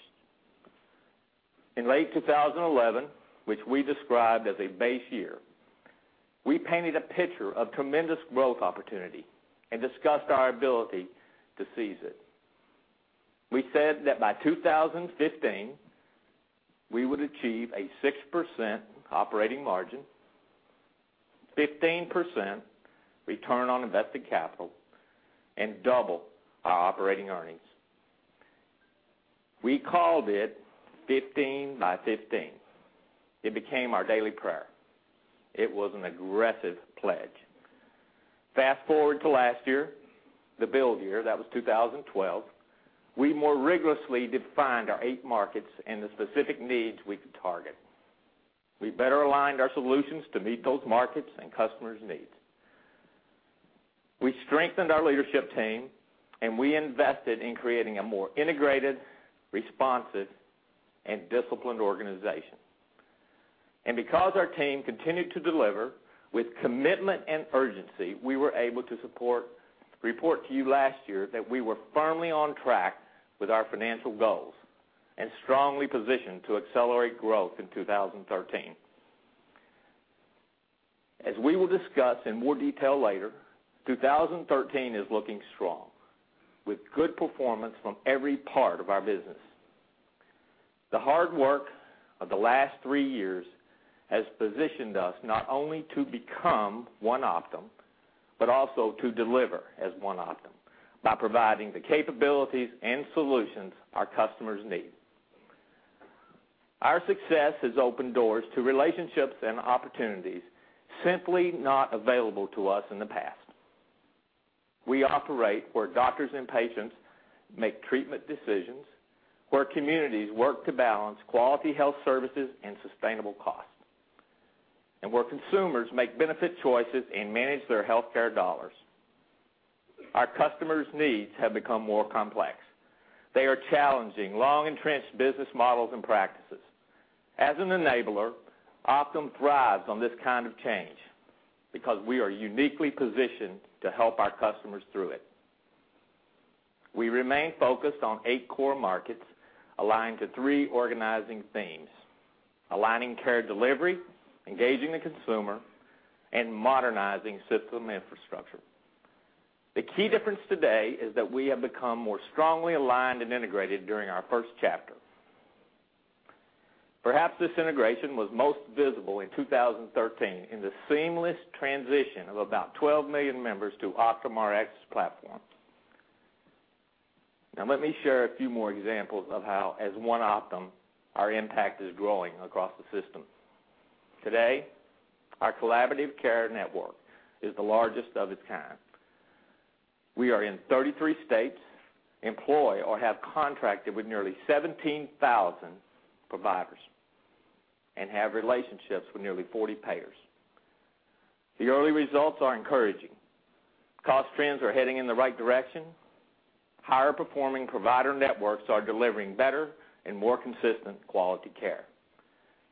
In late 2011, which we described as a base year, we painted a picture of tremendous growth opportunity and discussed our ability to seize it. We said that by 2015, we would achieve a 6% operating margin, 15% return on invested capital, and double our operating earnings. We called it 15 by 15. It became our daily prayer. It was an aggressive pledge. Fast-forward to last year, the build year, that was 2012, we more rigorously defined our eight markets and the specific needs we could target. We better aligned our solutions to meet those markets and customers' needs. We strengthened our leadership team, we invested in creating a more integrated, responsive, and disciplined organization. Because our team continued to deliver with commitment and urgency, we were able to report to you last year that we were firmly on track with our financial goals and strongly positioned to accelerate growth in 2013. As we will discuss in more detail later, 2013 is looking strong, with good performance from every part of our business. The hard work of the last three years has positioned us not only to become One Optum, but also to deliver as One Optum, by providing the capabilities and solutions our customers need. Our success has opened doors to relationships and opportunities simply not available to us in the past. We operate where doctors and patients make treatment decisions, where communities work to balance quality health services and sustainable costs, and where consumers make benefit choices and manage their healthcare dollars. Our customers' needs have become more complex. They are challenging long-entrenched business models and practices. As an enabler, Optum thrives on this kind of change because we are uniquely positioned to help our customers through it. We remain focused on eight core markets, aligned to three organizing themes: aligning care delivery, engaging the consumer, and modernizing system infrastructure. The key difference today is that we have become more strongly aligned and integrated during our first chapter. Perhaps this integration was most visible in 2013 in the seamless transition of about 12 million members to Optum Rx platforms. Let me share a few more examples of how, as One Optum, our impact is growing across the system. Today, our collaborative care network is the largest of its kind. We are in 33 states, employ or have contracted with nearly 17,000 providers and have relationships with nearly 40 payers. The early results are encouraging. Cost trends are heading in the right direction. Higher performing provider networks are delivering better and more consistent quality care,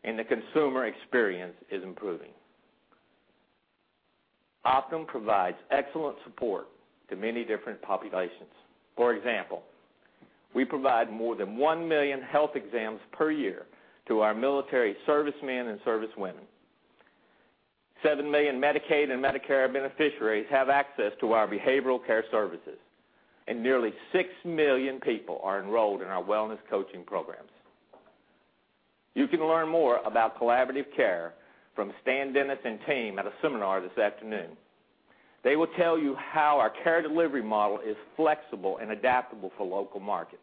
and the consumer experience is improving. Optum provides excellent support to many different populations. For example, we provide more than 1 million health exams per year to our military servicemen and servicewomen. Seven million Medicaid and Medicare beneficiaries have access to our behavioral care services, and nearly six million people are enrolled in our wellness coaching programs. You can learn more about collaborative care from Stan Dennis and team at a seminar this afternoon. They will tell you how our care delivery model is flexible and adaptable for local markets,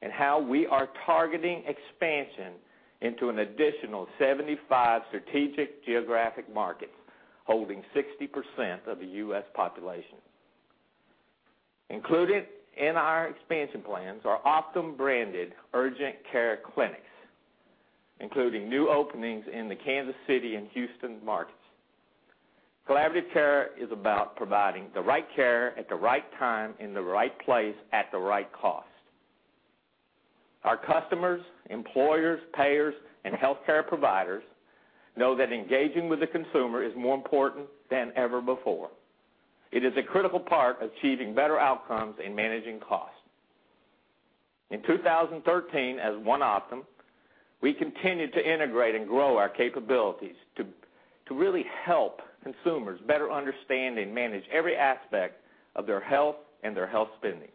and how we are targeting expansion into an additional 75 strategic geographic markets, holding 60% of the U.S. population. Included in our expansion plans are Optum-branded urgent care clinics, including new openings in the Kansas City and Houston markets. Collaborative care is about providing the right care at the right time, in the right place, at the right cost. Our customers, employers, payers, and healthcare providers know that engaging with the consumer is more important than ever before. It is a critical part of achieving better outcomes and managing costs. In 2013, as One Optum, we continued to integrate and grow our capabilities to really help consumers better understand and manage every aspect of their health and their health spending.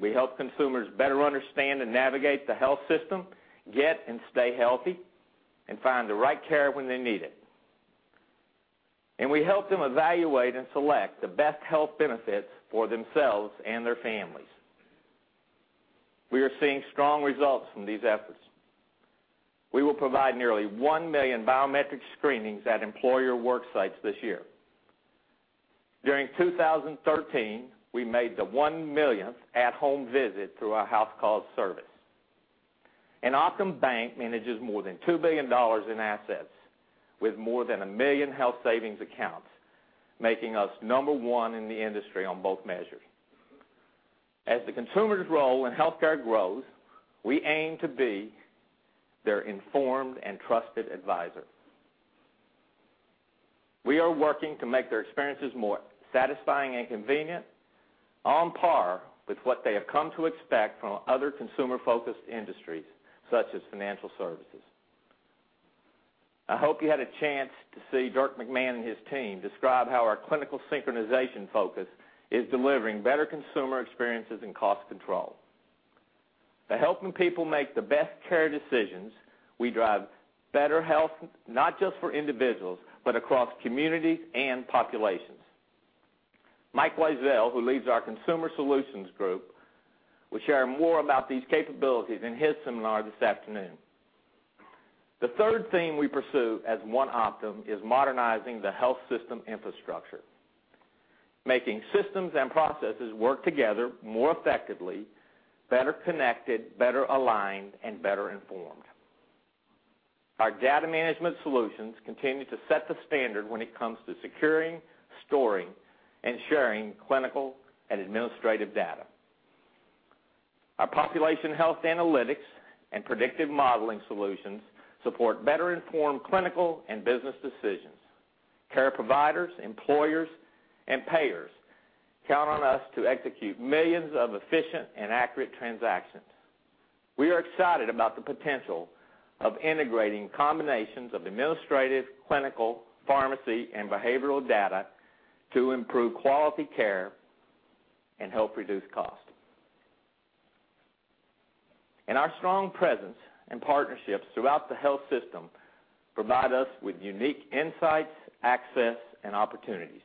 We help consumers better understand and navigate the health system, get and stay healthy, and find the right care when they need it. We help them evaluate and select the best health benefits for themselves and their families. We are seeing strong results from these efforts. We will provide nearly 1 million biometric screenings at employer work sites this year. During 2013, we made the 1 millionth at-home visit through our house call service. Optum Bank manages more than $2 billion in assets with more than 1 million health savings accounts, making us number one in the industry on both measures. As the consumer's role in healthcare grows, we aim to be their informed and trusted advisor. We are working to make their experiences more satisfying and convenient, on par with what they have come to expect from other consumer-focused industries, such as financial services. I hope you had a chance to see Dirk McMahon and his team describe how our clinical synchronization focus is delivering better consumer experiences and cost control. By helping people make the best care decisions, we drive better health, not just for individuals, but across communities and populations. Mike Wiswell, who leads our consumer solutions group, will share more about these capabilities in his seminar this afternoon. The third theme we pursue as One Optum is modernizing the health system infrastructure, making systems and processes work together more effectively, better connected, better aligned, and better informed. Our data management solutions continue to set the standard when it comes to securing, storing, and sharing clinical and administrative data. Our population health analytics and predictive modeling solutions support better-informed clinical and business decisions. Care providers, employers, and payers count on us to execute millions of efficient and accurate transactions. We are excited about the potential of integrating combinations of administrative, clinical, pharmacy, and behavioral data to improve quality care and help reduce cost. Our strong presence and partnerships throughout the health system provide us with unique insights, access, and opportunities.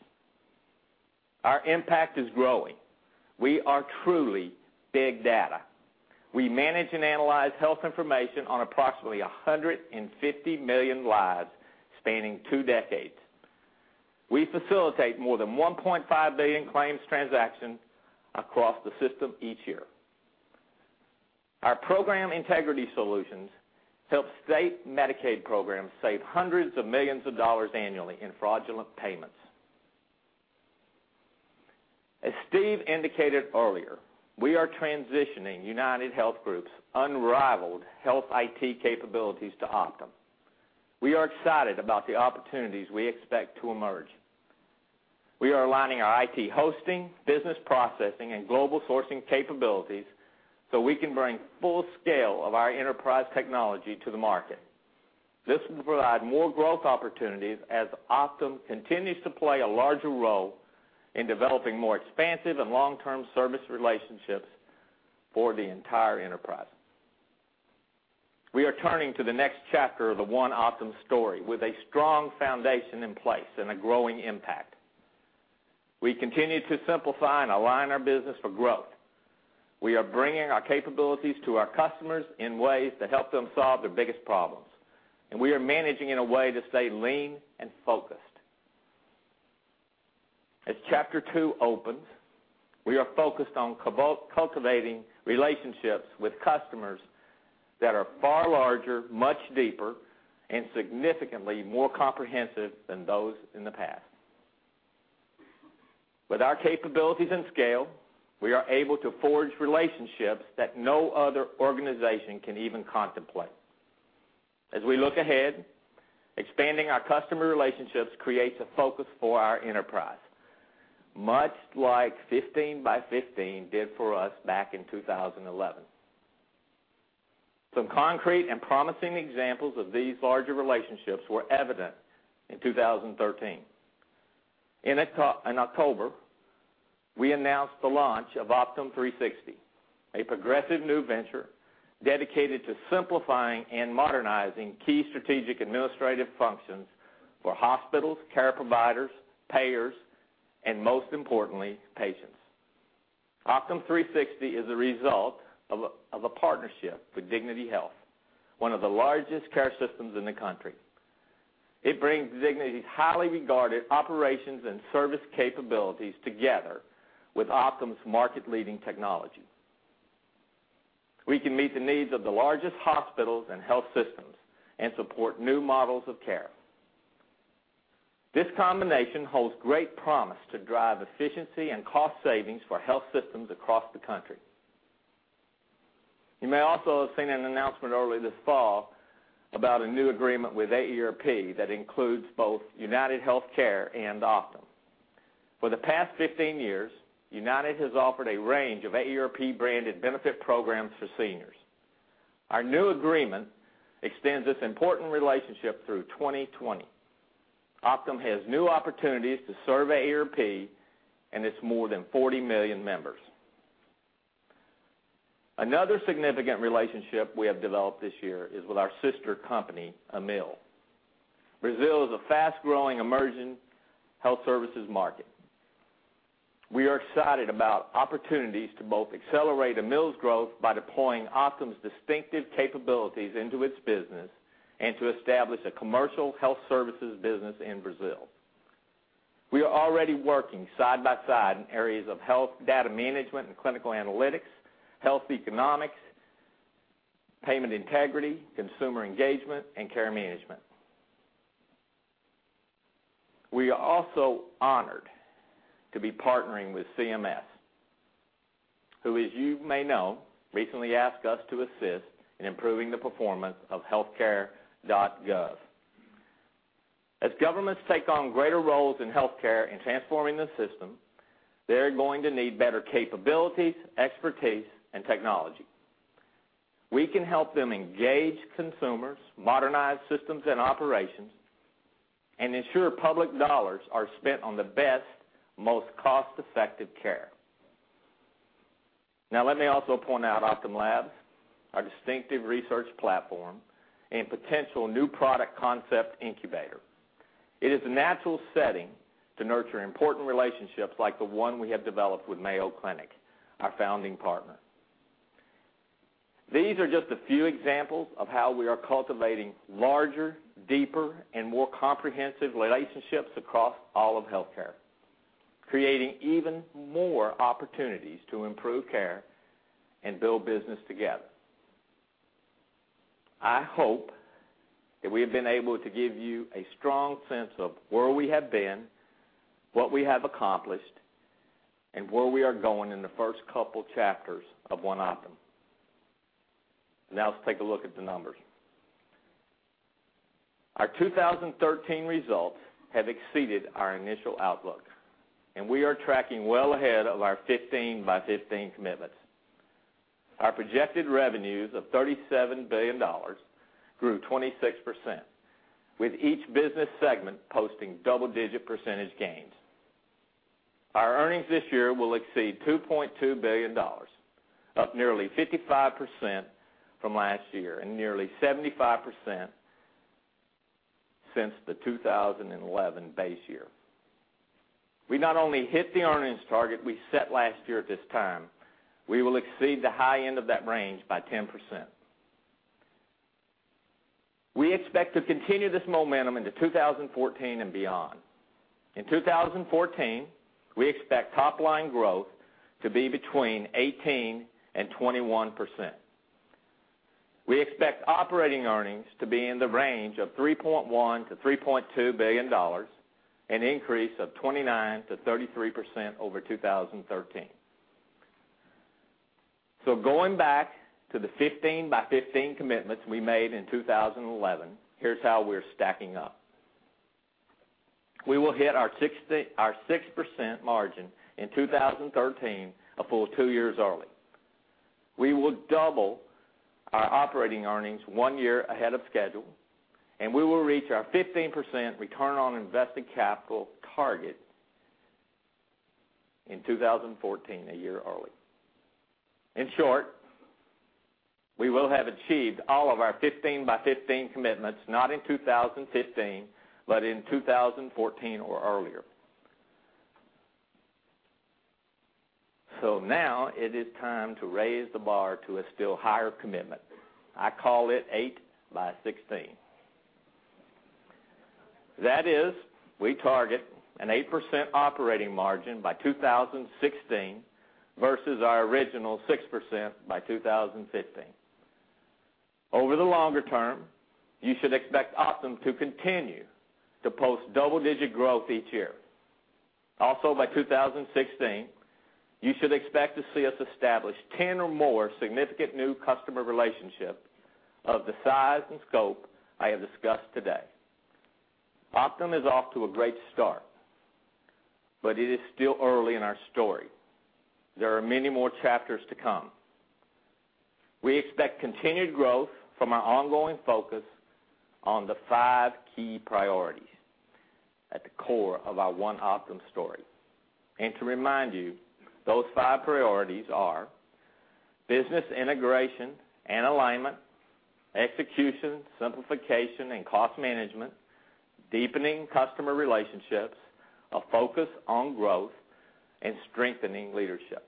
Our impact is growing. We are truly big data. We manage and analyze health information on approximately 150 million lives spanning two decades. We facilitate more than 1.5 billion claims transactions across the system each year. Our program integrity solutions help state Medicaid programs save hundreds of millions of dollars annually in fraudulent payments. As Steve indicated earlier, we are transitioning UnitedHealth Group's unrivaled health IT capabilities to Optum. We are excited about the opportunities we expect to emerge. We are aligning our IT hosting, business processing, and global sourcing capabilities so we can bring full scale of our enterprise technology to the market. This will provide more growth opportunities as Optum continues to play a larger role in developing more expansive and long-term service relationships for the entire enterprise. We are turning to the next chapter of the One Optum story with a strong foundation in place and a growing impact. We continue to simplify and align our business for growth. We are bringing our capabilities to our customers in ways that help them solve their biggest problems. We are managing in a way that stay lean and focused. As chapter two opens, we are focused on cultivating relationships with customers that are far larger, much deeper, and significantly more comprehensive than those in the past. With our capabilities and scale, we are able to forge relationships that no other organization can even contemplate. As we look ahead, expanding our customer relationships creates a focus for our enterprise, much like 15 by 15 did for us back in 2011. Some concrete and promising examples of these larger relationships were evident in 2013. In October, we announced the launch of Optum360, a progressive new venture dedicated to simplifying and modernizing key strategic administrative functions for hospitals, care providers, payers, and most importantly, patients. Optum360 is a result of a partnership with Dignity Health, one of the largest care systems in the country. It brings Dignity's highly regarded operations and service capabilities together with Optum's market-leading technology. We can meet the needs of the largest hospitals and health systems and support new models of care. This combination holds great promise to drive efficiency and cost savings for health systems across the country. You may also have seen an announcement earlier this fall about a new agreement with AARP that includes both UnitedHealthcare and Optum. For the past 15 years, United has offered a range of AARP-branded benefit programs for seniors. Our new agreement extends this important relationship through 2020. Optum has new opportunities to serve AARP and its more than 40 million members. Another significant relationship we have developed this year is with our sister company, Amil. Brazil is a fast-growing, emerging health services market. We are excited about opportunities to both accelerate Amil's growth by deploying Optum's distinctive capabilities into its business and to establish a commercial health services business in Brazil. We are already working side by side in areas of health data management and clinical analytics, health economics, payment integrity, consumer engagement, and care management. We are also honored to be partnering with CMS, who, as you may know, recently asked us to assist in improving the performance of healthcare.gov. As governments take on greater roles in healthcare in transforming the system, they're going to need better capabilities, expertise, and technology. We can help them engage consumers, modernize systems and operations, and ensure public dollars are spent on the best, most cost-effective care. Let me also point out Optum Labs, our distinctive research platform, and potential new product concept incubator. It is a natural setting to nurture important relationships like the one we have developed with Mayo Clinic, our founding partner. These are just a few examples of how we are cultivating larger, deeper, and more comprehensive relationships across all of healthcare, creating even more opportunities to improve care and build business together. I hope that we have been able to give you a strong sense of where we have been, what we have accomplished, and where we are going in the first couple of chapters of One Optum. Let's take a look at the numbers. Our 2013 results have exceeded our initial outlook, and we are tracking well ahead of our 15 by 15 commitments. Our projected revenues of $37 billion grew 26%, with each business segment posting double-digit percentage gains. Our earnings this year will exceed $2.2 billion, up nearly 55% from last year, and nearly 75% since the 2011 base year. We not only hit the earnings target we set last year at this time, we will exceed the high end of that range by 10%. We expect to continue this momentum into 2014 and beyond. In 2014, we expect top-line growth to be between 18%-21%. We expect operating earnings to be in the range of $3.1 billion-$3.2 billion, an increase of 29%-33% over 2013. Going back to the 15 by 15 commitments we made in 2011, here's how we're stacking up. We will hit our 6% margin in 2013, a full two years early. We will double our operating earnings one year ahead of schedule, and we will reach our 15% return on invested capital target in 2014, a year early. In short, we will have achieved all of our 15 by 15 commitments, not in 2015, but in 2014 or earlier. It is time to raise the bar to a still higher commitment. I call it 8 by 16. That is, we target an 8% operating margin by 2016 versus our original 6% by 2015. Over the longer term, you should expect Optum to continue to post double-digit growth each year. Also, by 2016, you should expect to see us establish 10 or more significant new customer relationships of the size and scope I have discussed today. Optum is off to a great start, but it is still early in our story. There are many more chapters to come. We expect continued growth from our ongoing focus on the five key priorities at the core of our One Optum story. To remind you, those five priorities are business integration and alignment, execution, simplification, and cost management, deepening customer relationships, a focus on growth, and strengthening leadership.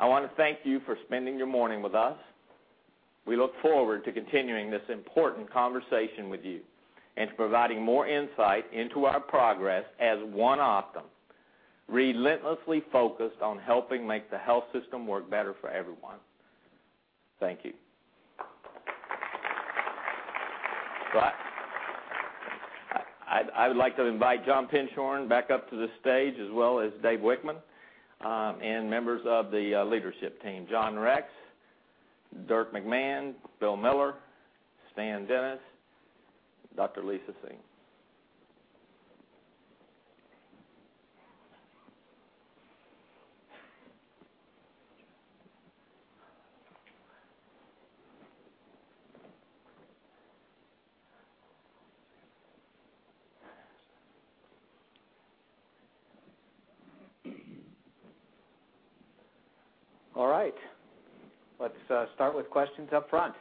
I want to thank you for spending your morning with us. We look forward to continuing this important conversation with you and to providing more insight into our progress as One Optum, relentlessly focused on helping make the health system work better for everyone. Thank you. I'd like to invite John Penshorn back up to the stage as well as Dave Wichmann, and members of the leadership team, John Rex, Dirk McMahon, Bill Miller, Stan Dennis, Dr. Lisa Singh. All right. Let's start with questions up front.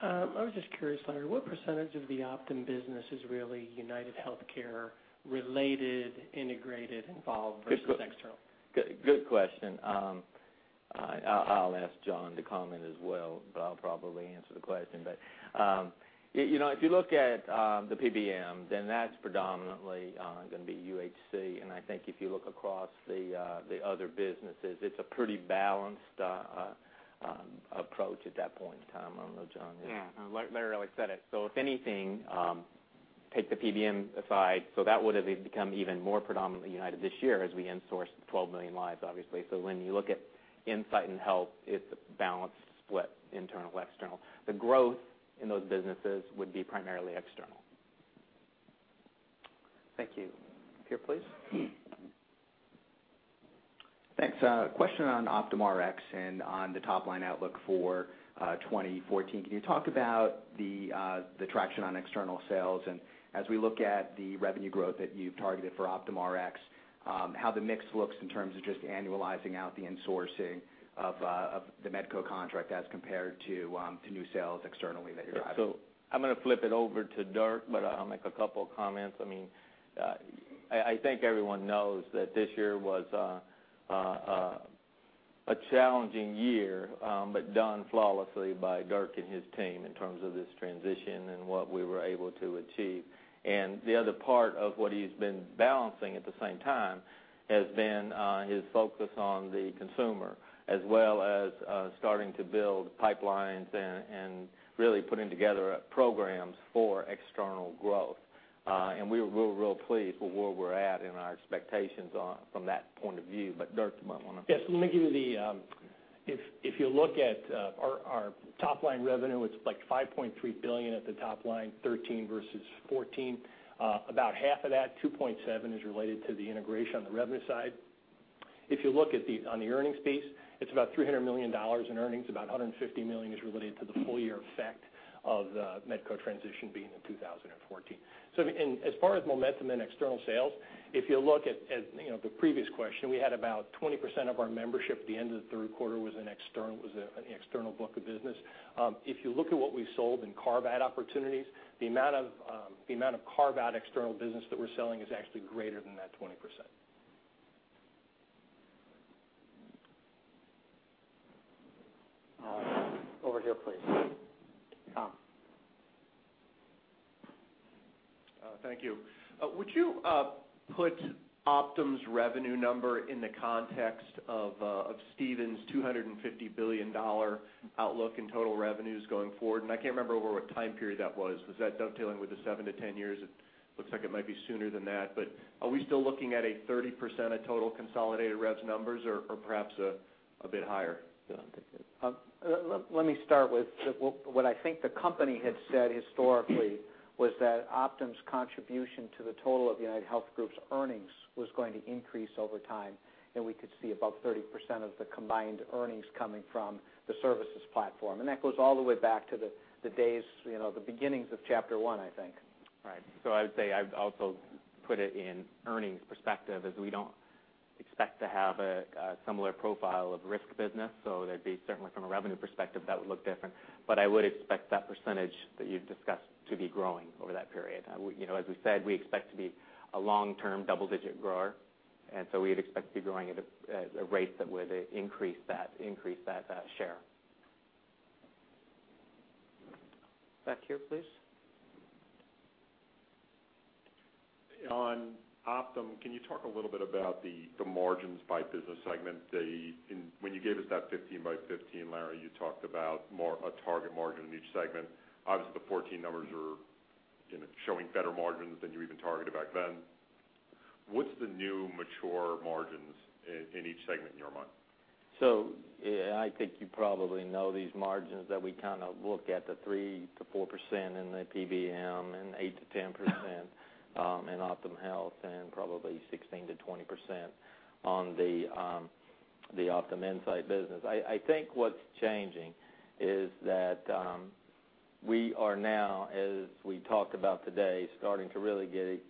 I was just curious, Larry, what % of the Optum business is really UnitedHealthcare related, integrated, involved versus external? Good question. I'll ask John to comment as well, but I'll probably answer the question. If you look at the PBM, then that's predominantly going to be UHC. I think if you look across the other businesses, it's a pretty balanced approach at that point in time. I don't know, John. Larry already said it. If anything, take the PBM aside, that would have become even more predominantly United this year as we insourced 12 million lives, obviously. When you look at Optum Insight and Optum Health, it's a balanced split, internal, external. The growth in those businesses would be primarily external. Thank you. Here, please. Thanks. A question on Optum Rx and on the top-line outlook for 2014. Can you talk about the traction on external sales and as we look at the revenue growth that you've targeted for Optum Rx, how the mix looks in terms of just annualizing out the insourcing of the Medco contract as compared to new sales externally that you're driving? I'm going to flip it over to Dirk, but I'll make a couple comments. I think everyone knows that this year was a challenging year, but done flawlessly by Dirk and his team in terms of this transition and what we were able to achieve. The other part of what he's been balancing at the same time has been his focus on the consumer, as well as starting to build pipelines and really putting together programs for external growth. We're real pleased with where we're at and our expectations from that point of view. Dirk might want to- Yes, let me give you the, if you look at our top-line revenue, it's like $5.3 billion at the top line 2013 versus 2014. About half of that, $2.7 billion, is related to the integration on the revenue side. If you look on the earnings piece, it's about $300 million in earnings, about $150 million is related to the full-year effect of the Medco transition being in 2014. As far as momentum in external sales, if you look at the previous question, we had about 20% of our membership at the end of the third quarter was in the external book of business. If you look at what we sold in carve-out opportunities, the amount of carve-out external business that we're selling is actually greater than that 20%. Over here, please. Tom. Thank you. Would you put Optum's revenue number in the context of Steve's $250 billion outlook in total revenues going forward? I can't remember over what time period that was. Was that dovetailing with the seven to 10 years? It looks like it might be sooner than that, but are we still looking at a 30% of total consolidated revs numbers or perhaps a bit higher? John, take this. Let me start with what I think the company had said historically was that Optum's contribution to the total of UnitedHealth Group's earnings was going to increase over time, we could see about 30% of the combined earnings coming from the services platform. That goes all the way back to the beginnings of chapter one, I think. Right. I would say I'd also put it in earnings perspective as we don't expect to have a similar profile of risk business. There'd be certainly from a revenue perspective, that would look different. I would expect that percentage that you've discussed to be growing over that period. We said, we expect to be a long-term double-digit grower, we'd expect to be growing at a rate that would increase that share. Back here, please. On Optum, can you talk a little bit about the margins by business segment? When you gave us that 15 by 15, Larry, you talked about a target margin in each segment. Obviously, the 2014 numbers are showing better margins than you even targeted back then. What's the new mature margins in each segment in your mind? I think you probably know these margins that we look at, the 3%-4% in the PBM and 8%-10% in Optum Health and probably 16%-20% on the Optum Insight business. I think what's changing is that we are now, as we talked about today, starting to really get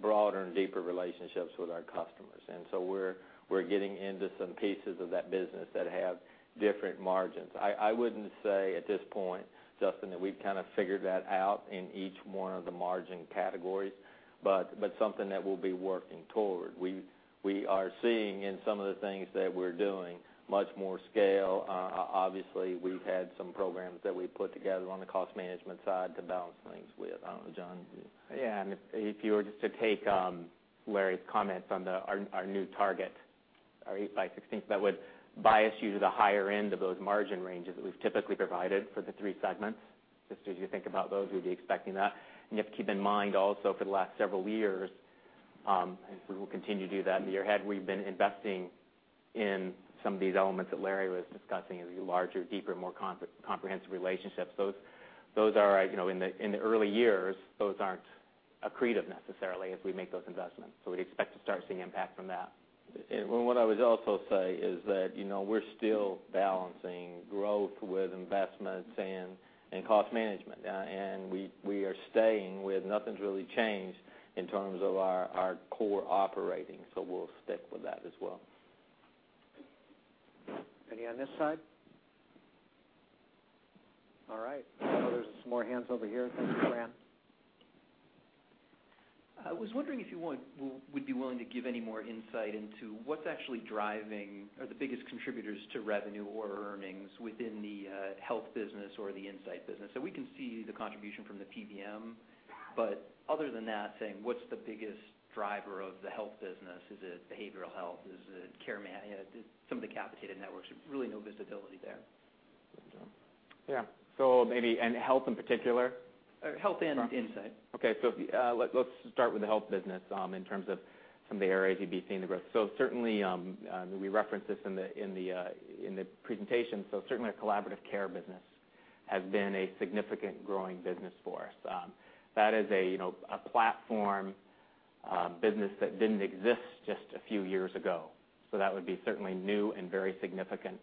broader and deeper relationships with our customers. We're getting into some pieces of that business that have different margins. I wouldn't say at this point, Justin, that we've figured that out in each one of the margin categories, but something that we'll be working toward. We are seeing in some of the things that we're doing much more scale. Obviously, we've had some programs that we put together on the cost management side to balance things with. I don't know, John. Yeah, if you were just to take Larry's comments on our new target, our 8 by 16, that would bias you to the higher end of those margin ranges that we've typically provided for the three segments. Just as you think about those, we'd be expecting that. You have to keep in mind also for the last several years, and we will continue to do that in the year ahead, we've been investing in some of these elements that Larry was discussing as larger, deeper, more comprehensive relationships. Those are in the early years, those aren't accretive necessarily as we make those investments. We'd expect to start seeing impact from that. What I would also say is that we're still balancing growth with investments and cost management. We are staying with nothing's really changed in terms of our core operating. We'll stick with that as well. Any on this side? All right. I know there's some more hands over here. Thank you, Fran. I was wondering if you would be willing to give any more insight into what's actually driving or the biggest contributors to revenue or earnings within the health business or the insight business. We can see the contribution from the PBM, but other than that, saying, what's the biggest driver of the health business? Is it behavioral health? Is it care management? Some of the capitated networks, really no visibility there. Yeah. Maybe, and Health in particular? Health and Insight. Certainly, we referenced this in the presentation, certainly our collaborative care business has been a significant growing business for us. That is a platform business that didn't exist just a few years ago. That would be certainly new and very significant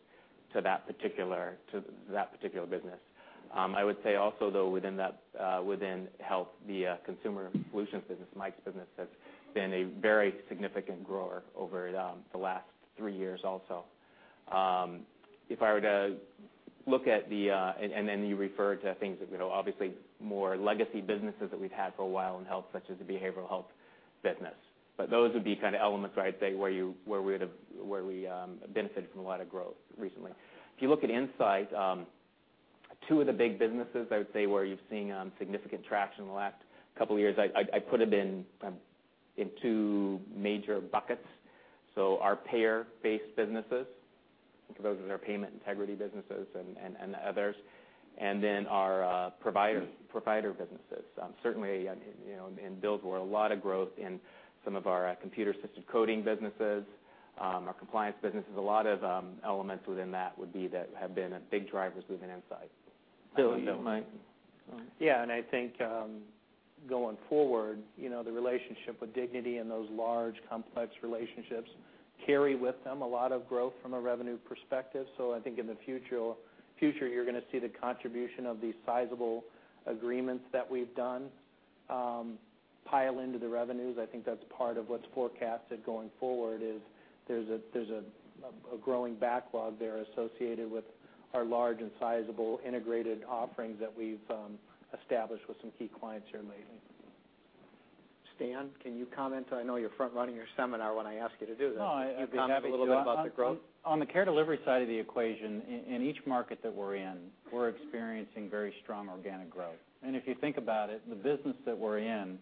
to that particular business. I would say also, though, within Health, the Consumer Solutions business, Mike's business, has been a very significant grower over the last three years also. If I were to look at the You refer to things that, obviously, more legacy businesses that we've had for a while in Health, such as the behavioral health business. Those would be elements where I'd say we benefited from a lot of growth recently. If you look at Insight, two of the big businesses, I would say, where you're seeing significant traction in the last couple of years, I put them in two major buckets. Our payer-based businesses, I think those are our payment integrity businesses and others. Our provider businesses. Certainly, in Bill's where a lot of growth in some of our computer-assisted coding businesses, our compliance businesses. A lot of elements within that would be that have been big drivers within Insight. Bill, you might? Yeah, I think, going forward, the relationship with Dignity and those large, complex relationships carry with them a lot of growth from a revenue perspective. I think in the future, you're going to see the contribution of these sizable agreements that we've done pile into the revenues. I think that's part of what's forecasted going forward is there's a growing backlog there associated with our large and sizable integrated offerings that we've established with some key clients here lately. Stan, can you comment? I know you're front running your seminar when I ask you to do this. Can you comment a little bit about the growth? On the care delivery side of the equation, in each market that we're in, we're experiencing very strong organic growth. If you think about it, the business that we're in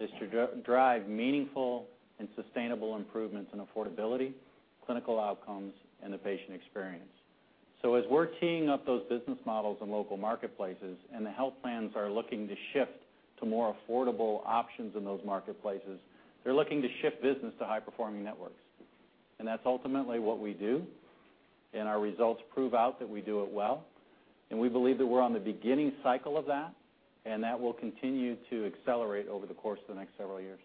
is to drive meaningful and sustainable improvements in affordability, clinical outcomes, and the patient experience. As we're keying up those business models in local marketplaces and the health plans are looking to shift to more affordable options in those marketplaces, they're looking to shift business to high-performing networks. That's ultimately what we do, and our results prove out that we do it well. We believe that we're on the beginning cycle of that, and that will continue to accelerate over the course of the next several years.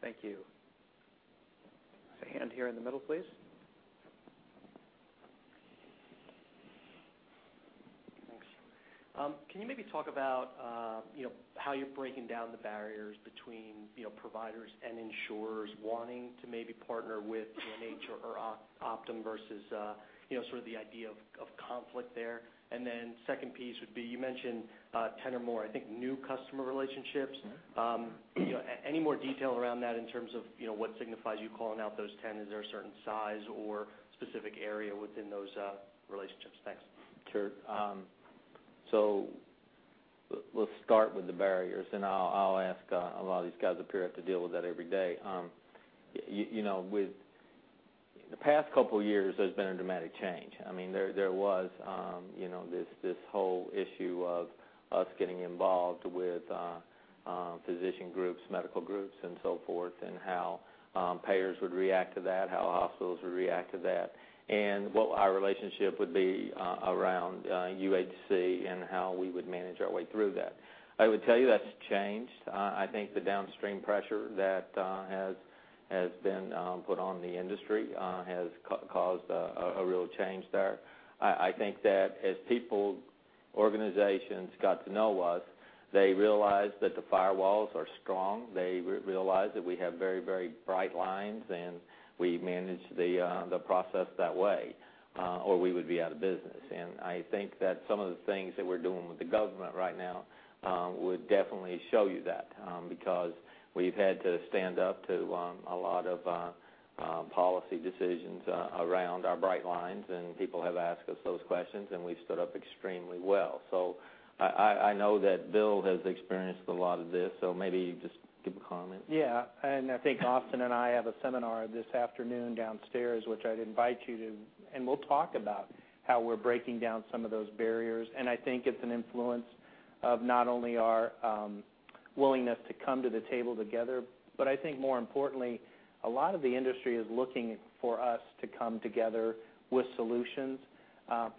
Thank you. There's a hand here in the middle, please. Thanks. Can you maybe talk about how you're breaking down the barriers between providers and insurers wanting to maybe partner with UNH or Optum versus the idea of conflict there? Second piece would be, you mentioned 10 or more, I think, new customer relationships. Any more detail around that in terms of what signifies you calling out those 10? Is there a certain size or specific area within those relationships? Thanks. Sure. Let's start with the barriers, and I'll ask a lot of these guys up here who have to deal with that every day. With the past couple of years, there's been a dramatic change. There was this whole issue of us getting involved with physician groups, medical groups, and so forth, and how payers would react to that, how hospitals would react to that, and what our relationship would be around UHC and how we would manage our way through that. I would tell you that's changed. I think the downstream pressure that has been put on the industry has caused a real change there. I think that as people, organizations got to know us, they realized that the firewalls are strong. They realized that we have very bright lines, and we manage the process that way, or we would be out of business. I think that some of the things that we're doing with the government right now would definitely show you that, because we've had to stand up to a lot of policy decisions around our bright lines, and people have asked us those questions, and we've stood up extremely well. I know that Bill has experienced a lot of this, so maybe just give a comment. Yeah. I think Austin and I have a seminar this afternoon downstairs, which I'd invite you to. We'll talk about how we're breaking down some of those barriers. I think it's an influence of not only our willingness to come to the table together, but I think more importantly, a lot of the industry is looking for us to come together with solutions.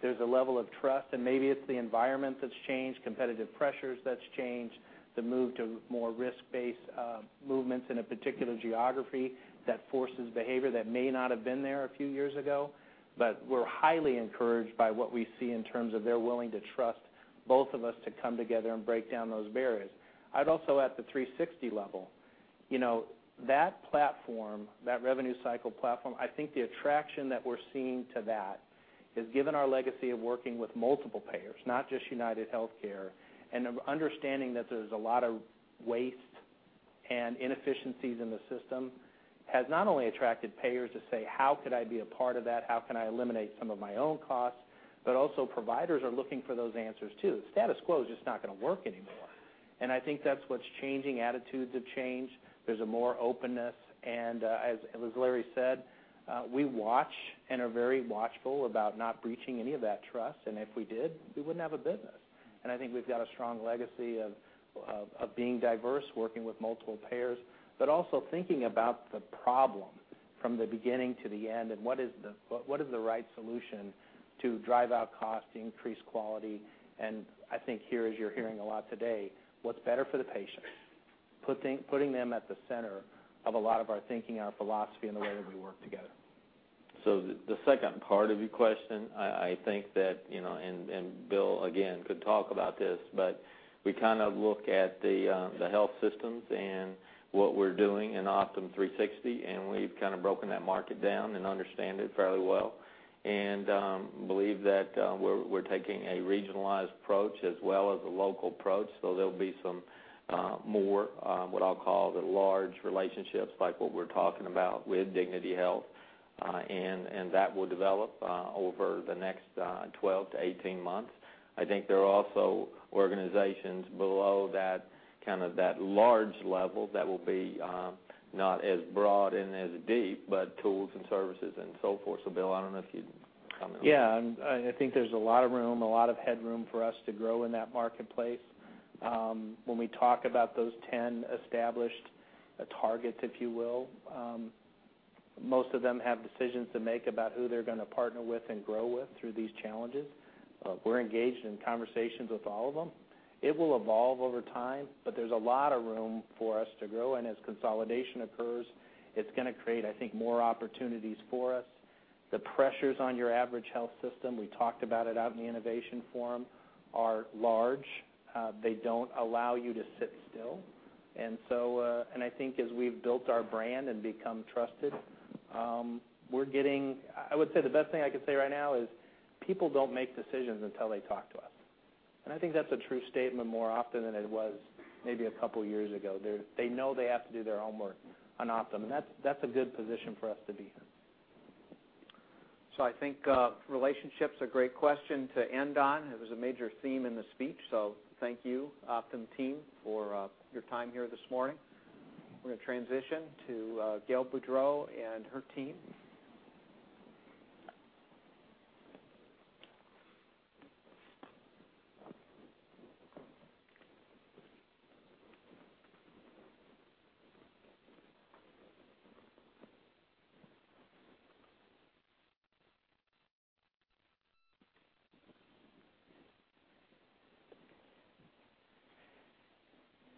There's a level of trust, and maybe it's the environment that's changed, competitive pressures that's changed, the move to more risk-based movements in a particular geography that forces behavior that may not have been there a few years ago. We're highly encouraged by what we see in terms of they're willing to trust both of us to come together and break down those barriers. I'd also, at the 360 level, that platform, that revenue cycle platform, I think the attraction that we're seeing to that is given our legacy of working with multiple payers, not just UnitedHealthcare, and understanding that there's a lot of waste and inefficiencies in the system, has not only attracted payers to say, "How could I be a part of that? How can I eliminate some of my own costs?" Also providers are looking for those answers, too. The status quo is just not going to work anymore, and I think that's what's changing. Attitudes have changed. There's more openness and, as Larry said, we watch and are very watchful about not breaching any of that trust, and if we did, we wouldn't have a business. I think we've got a strong legacy of being diverse, working with multiple payers, but also thinking about the problem from the beginning to the end and what is the right solution to drive out cost, increase quality, and I think here, as you're hearing a lot today, what's better for the patients, putting them at the center of a lot of our thinking, our philosophy, and the way that we work together. The second part of your question, I think that, and Bill, again, could talk about this, but we look at the health systems and what we're doing in Optum360. We've broken that market down and understand it fairly well and believe that we're taking a regionalized approach as well as a local approach. There'll be some more what I'll call the large relationships, like what we're talking about with Dignity Health, and that will develop over the next 12 to 18 months. I think there are also organizations below that large level that will be not as broad and as deep, but tools and services and so forth. Bill, I don't know if you'd comment. Yeah. I think there's a lot of room, a lot of headroom for us to grow in that marketplace. When we talk about those 10 established targets, if you will, most of them have decisions to make about who they're going to partner with and grow with through these challenges. We're engaged in conversations with all of them. It will evolve over time, but there's a lot of room for us to grow. As consolidation occurs, it's going to create, I think, more opportunities for us. The pressures on your average health system, we talked about it out in the innovation forum, are large. They don't allow you to sit still. I think as we've built our brand and become trusted, I would say the best thing I could say right now is people don't make decisions until they talk to us. I think that's a true statement more often than it was maybe a couple of years ago. They know they have to do their homework on Optum, and that's a good position for us to be in. I think relationship's a great question to end on. It was a major theme in the speech, so thank you, Optum team, for your time here this morning. We're going to transition to Gail Boudreaux and her team.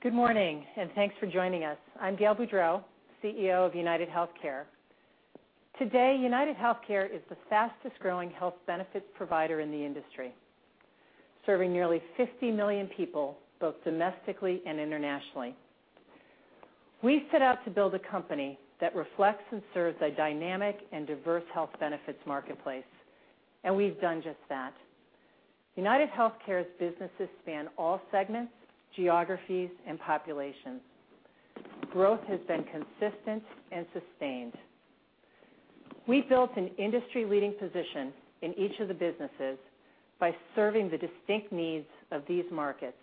Good morning, and thanks for joining us. I'm Gail Boudreaux, CEO of UnitedHealthcare. Today, UnitedHealthcare is the fastest growing health benefits provider in the industry, serving nearly 50 million people, both domestically and internationally. We set out to build a company that reflects and serves a dynamic and diverse health benefits marketplace, and we've done just that. UnitedHealthcare's businesses span all segments, geographies, and populations. Growth has been consistent and sustained. We built an industry-leading position in each of the businesses by serving the distinct needs of these markets,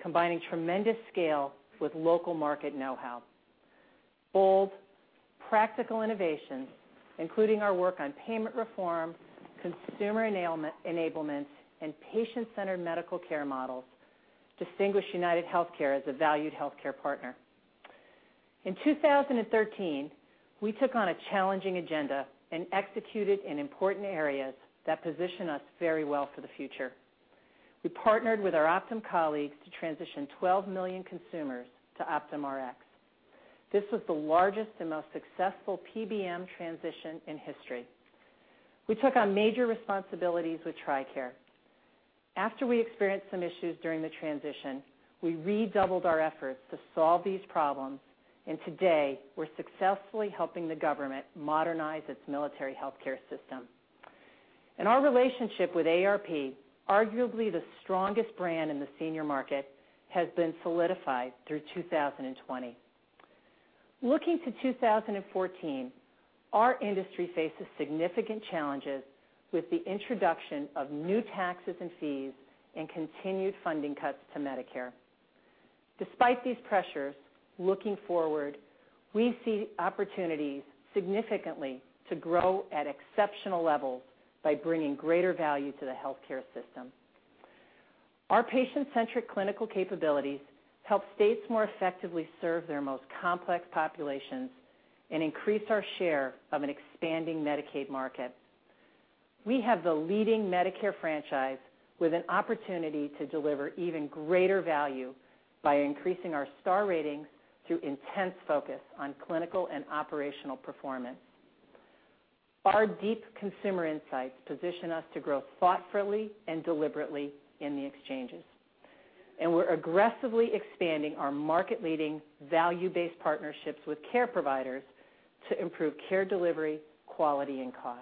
combining tremendous scale with local market know-how. Bold, practical innovations, including our work on payment reform, consumer enablement, and patient-centered medical care models, distinguish UnitedHealthcare as a valued healthcare partner. In 2013, we took on a challenging agenda and executed in important areas that position us very well for the future. We partnered with our Optum colleagues to transition 12 million consumers to Optum Rx. This was the largest and most successful PBM transition in history. We took on major responsibilities with TRICARE. After we experienced some issues during the transition, we redoubled our efforts to solve these problems, today, we're successfully helping the government modernize its military healthcare system. Our relationship with AARP, arguably the strongest brand in the senior market, has been solidified through 2020. Looking to 2014, our industry faces significant challenges with the introduction of new taxes and fees and continued funding cuts to Medicare. Despite these pressures, looking forward, we see opportunities significantly to grow at exceptional levels by bringing greater value to the healthcare system. Our patient-centric clinical capabilities help states more effectively serve their most complex populations and increase our share of an expanding Medicaid market. We have the leading Medicare franchise with an opportunity to deliver even greater value by increasing our Star Ratings through intense focus on clinical and operational performance. Our deep consumer insights position us to grow thoughtfully and deliberately in the exchanges. We're aggressively expanding our market-leading value-based partnerships with care providers to improve care delivery, quality, and cost.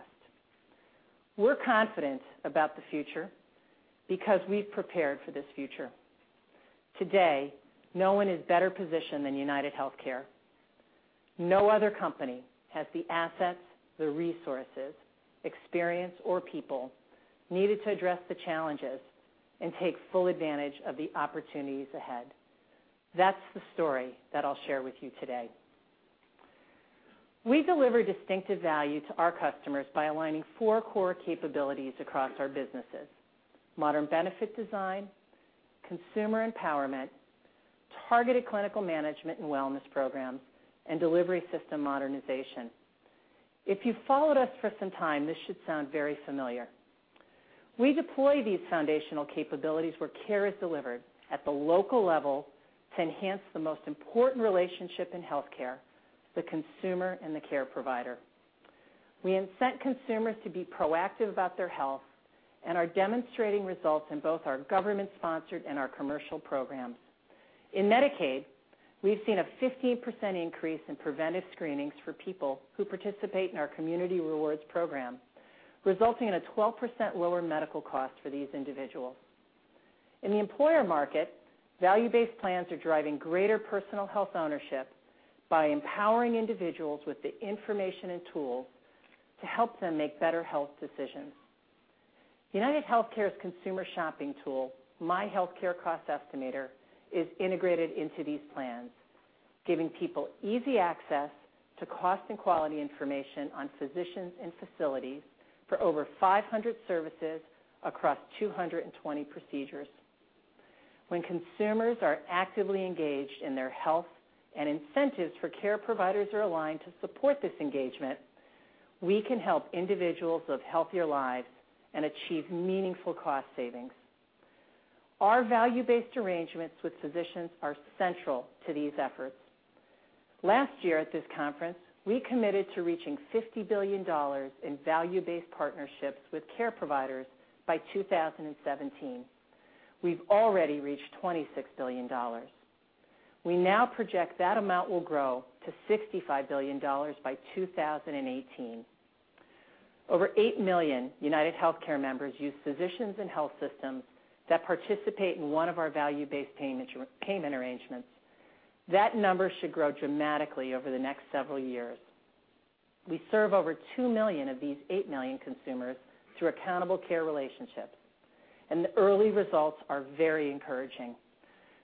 We're confident about the future because we've prepared for this future. Today, no one is better positioned than UnitedHealthcare. No other company has the assets, the resources, experience, or people needed to address the challenges and take full advantage of the opportunities ahead. That's the story that I'll share with you today. We deliver distinctive value to our customers by aligning four core capabilities across our businesses, modern benefit design, consumer empowerment, targeted clinical management and wellness programs, and delivery system modernization. If you've followed us for some time, this should sound very familiar. We deploy these foundational capabilities where care is delivered at the local level to enhance the most important relationship in healthcare, the consumer and the care provider. We incent consumers to be proactive about their health and are demonstrating results in both our government-sponsored and our commercial programs. In Medicaid, we've seen a 15% increase in preventive screenings for people who participate in our Community Rewards program, resulting in a 12% lower medical cost for these individuals. In the employer market, value-based plans are driving greater personal health ownership by empowering individuals with the information and tools to help them make better health decisions. UnitedHealthcare's consumer shopping tool, myHealthcare Cost Estimator, is integrated into these plans, giving people easy access to cost and quality information on physicians and facilities for over 500 services across 220 procedures. When consumers are actively engaged in their health and incentives for care providers are aligned to support this engagement, we can help individuals live healthier lives and achieve meaningful cost savings. Our value-based arrangements with physicians are central to these efforts. Last year at this conference, we committed to reaching $50 billion in value-based partnerships with care providers by 2017. We've already reached $26 billion. We now project that amount will grow to $65 billion by 2018. Over 8 million UnitedHealthcare members use physicians and health systems that participate in one of our value-based payment arrangements. That number should grow dramatically over the next several years. We serve over 2 million of these 8 million consumers through accountable care relationships, and the early results are very encouraging.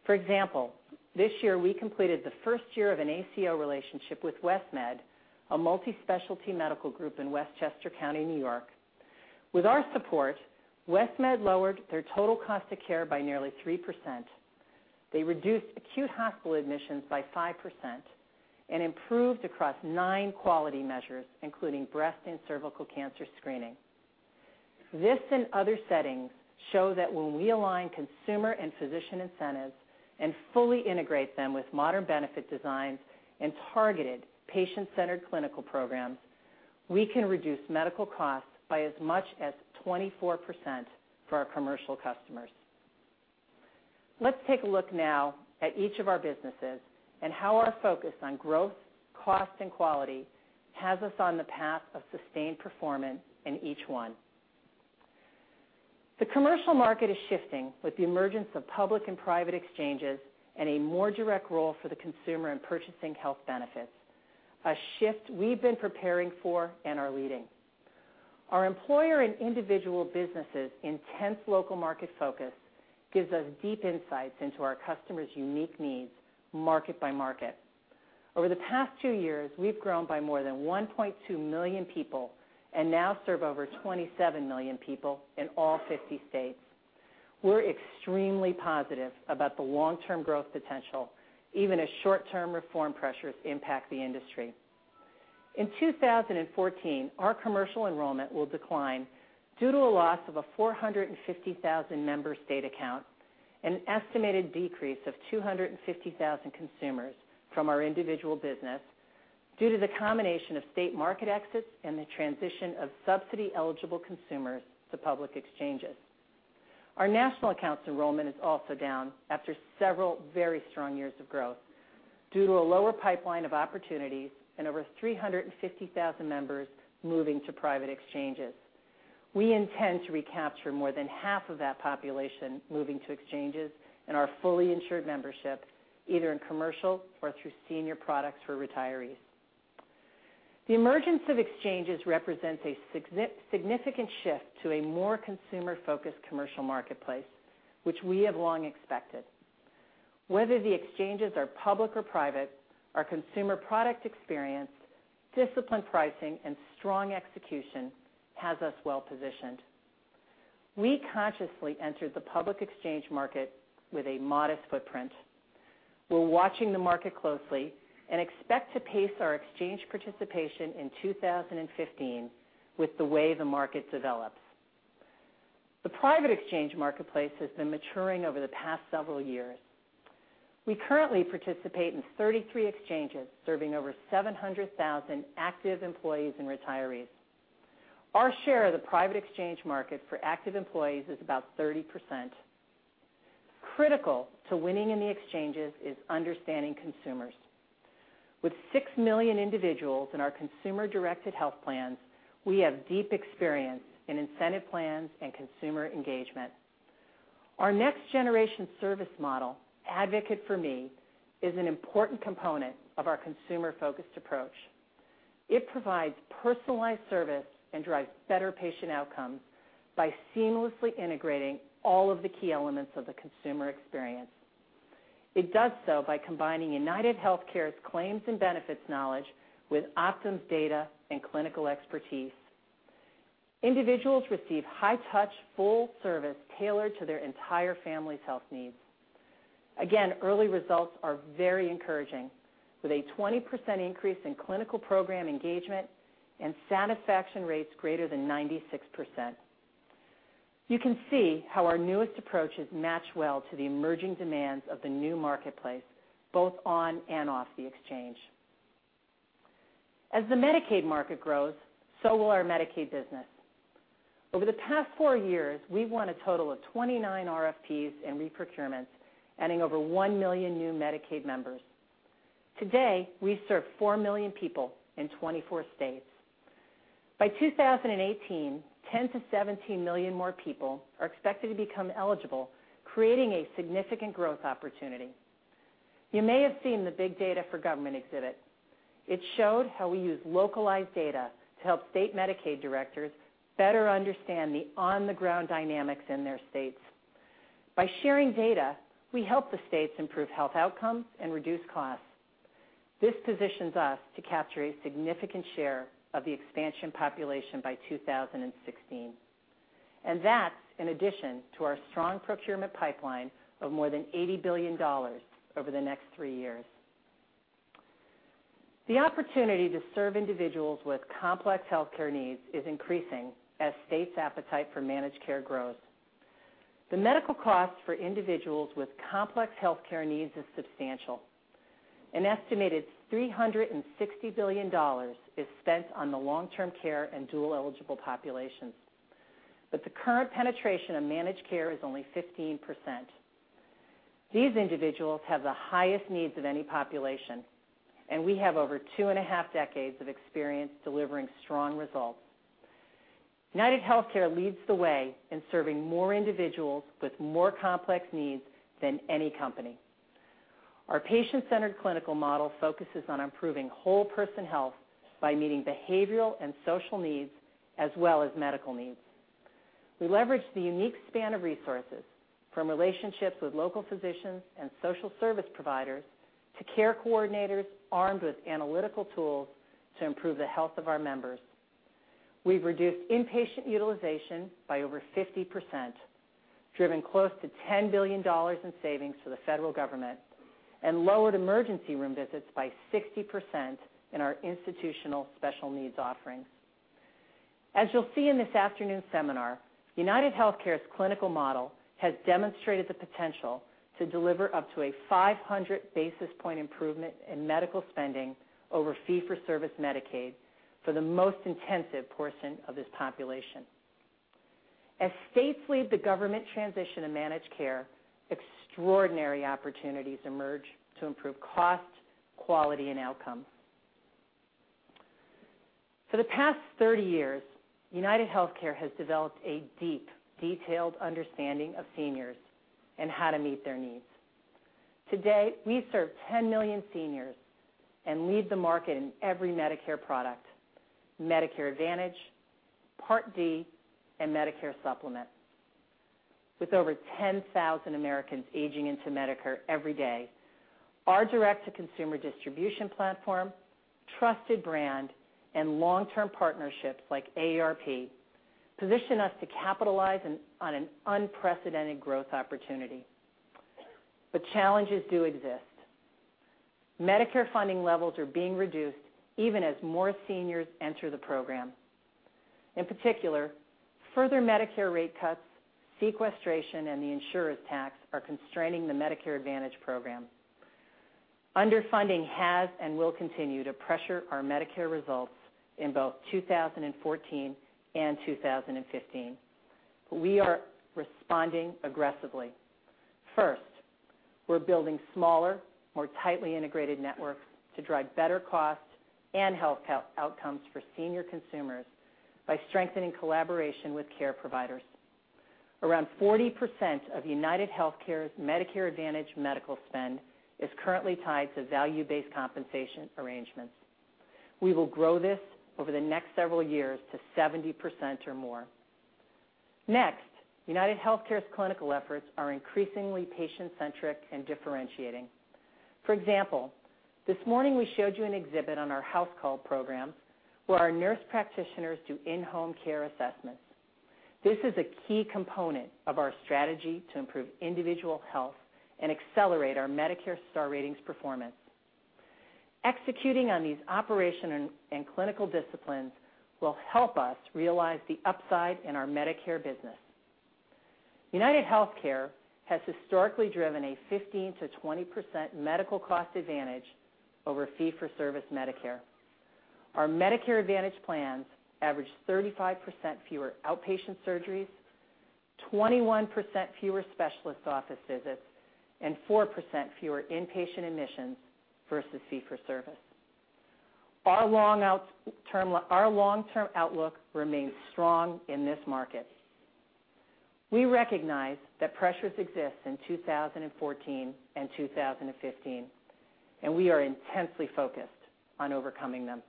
For example, this year we completed the first year of an ACO relationship with Westmed, a multi-specialty medical group in Westchester County, New York. With our support, Westmed lowered their total cost of care by nearly 3%. They reduced acute hospital admissions by 5% and improved across nine quality measures, including breast and cervical cancer screening. This and other settings show that when we align consumer and physician incentives and fully integrate them with modern benefit designs and targeted patient-centered clinical programs, we can reduce medical costs by as much as 24% for our commercial customers. Let's take a look now at each of our businesses and how our focus on growth, cost, and quality has us on the path of sustained performance in each one. The commercial market is shifting with the emergence of public and private exchanges and a more direct role for the consumer in purchasing health benefits, a shift we've been preparing for and are leading. Our employer and individual businesses' intense local market focus gives us deep insights into our customers' unique needs, market by market. Over the past two years, we've grown by more than 1.2 million people and now serve over 27 million people in all 50 states. We're extremely positive about the long-term growth potential, even as short-term reform pressures impact the industry. In 2014, our commercial enrollment will decline due to a loss of a 450,000-member state account and an estimated decrease of 250,000 consumers from our individual business due to the combination of state market exits and the transition of subsidy-eligible consumers to public exchanges. Our national accounts enrollment is also down after several very strong years of growth due to a lower pipeline of opportunities and over 350,000 members moving to private exchanges. We intend to recapture more than half of that population moving to exchanges in our fully insured membership, either in commercial or through senior products for retirees. The emergence of exchanges represents a significant shift to a more consumer-focused commercial marketplace, which we have long expected. Whether the exchanges are public or private, our consumer product experience, disciplined pricing, and strong execution has us well positioned. We consciously entered the public exchange market with a modest footprint. We're watching the market closely and expect to pace our exchange participation in 2015 with the way the market develops. The private exchange marketplace has been maturing over the past several years. We currently participate in 33 exchanges serving over 700,000 active employees and retirees. Our share of the private exchange market for active employees is about 30%. Critical to winning in the exchanges is understanding consumers. With six million individuals in our consumer-directed health plans, we have deep experience in incentive plans and consumer engagement. Our next generation service model, Advocate4Me, is an important component of our consumer-focused approach. It provides personalized service and drives better patient outcomes by seamlessly integrating all of the key elements of the consumer experience. It does so by combining UnitedHealthcare's claims and benefits knowledge with Optum's data and clinical expertise. Individuals receive high-touch, full service tailored to their entire family's health needs. Again, early results are very encouraging, with a 20% increase in clinical program engagement and satisfaction rates greater than 96%. You can see how our newest approaches match well to the emerging demands of the new marketplace, both on and off the exchange. As the Medicaid market grows, so will our Medicaid business. Over the past 4 years, we've won a total of 29 RFPs and re-procurements, adding over 1 million new Medicaid members. Today, we serve 4 million people in 24 states. By 2018, 10 million-17 million more people are expected to become eligible, creating a significant growth opportunity. You may have seen the big data for government exhibit. It showed how we use localized data to help state Medicaid directors better understand the on-the-ground dynamics in their states. By sharing data, we help the states improve health outcomes and reduce costs. This positions us to capture a significant share of the expansion population by 2016. That's in addition to our strong procurement pipeline of more than $80 billion over the next 3 years. The opportunity to serve individuals with complex healthcare needs is increasing as states' appetite for managed care grows. The medical costs for individuals with complex healthcare needs is substantial. An estimated $360 billion is spent on the long-term care and dual-eligible populations. The current penetration of managed care is only 15%. These individuals have the highest needs of any population. We have over two and a half decades of experience delivering strong results. UnitedHealthcare leads the way in serving more individuals with more complex needs than any company. Our patient-centered clinical model focuses on improving whole person health by meeting behavioral and social needs as well as medical needs. We leverage the unique span of resources from relationships with local physicians and social service providers to care coordinators armed with analytical tools to improve the health of our members. We've reduced inpatient utilization by over 50%, driven close to $10 billion in savings for the federal government, and lowered emergency room visits by 60% in our institutional special needs offerings. As you'll see in this afternoon's seminar, UnitedHealthcare's clinical model has demonstrated the potential to deliver up to a 500 basis point improvement in medical spending over fee-for-service Medicaid for the most intensive portion of this population. As states lead the government transition to managed care, extraordinary opportunities emerge to improve cost, quality, and outcomes. For the past 30 years, UnitedHealthcare has developed a deep, detailed understanding of seniors and how to meet their needs. Today, we serve 10 million seniors and lead the market in every Medicare product, Medicare Advantage, Part D, and Medicare Supplement. With over 10,000 Americans aging into Medicare every day, our direct-to-consumer distribution platform, trusted brand, and long-term partnerships like AARP position us to capitalize on an unprecedented growth opportunity. Challenges do exist. Medicare funding levels are being reduced even as more seniors enter the program. In particular, further Medicare rate cuts, sequestration, and the insurers tax are constraining the Medicare Advantage program. Underfunding has and will continue to pressure our Medicare results in both 2014 and 2015. We are responding aggressively. First, we're building smaller, more tightly integrated networks to drive better costs and health outcomes for senior consumers by strengthening collaboration with care providers. Around 40% of UnitedHealthcare's Medicare Advantage medical spend is currently tied to value-based compensation arrangements. We will grow this over the next several years to 70% or more. Next, UnitedHealthcare's clinical efforts are increasingly patient-centric and differentiating. For example, this morning we showed you an exhibit on our house call program where our nurse practitioners do in-home care assessments. This is a key component of our strategy to improve individual health and accelerate our Medicare Star Ratings performance. Executing on these operation and clinical disciplines will help us realize the upside in our Medicare business. UnitedHealthcare has historically driven a 15%-20% medical cost advantage over fee for service Medicare. Our Medicare Advantage plans average 35% fewer outpatient surgeries, 21% fewer specialist office visits, and 4% fewer inpatient admissions versus fee for service. Our long-term outlook remains strong in this market. We recognize that pressures exist in 2014 and 2015, and we are intensely focused on overcoming them.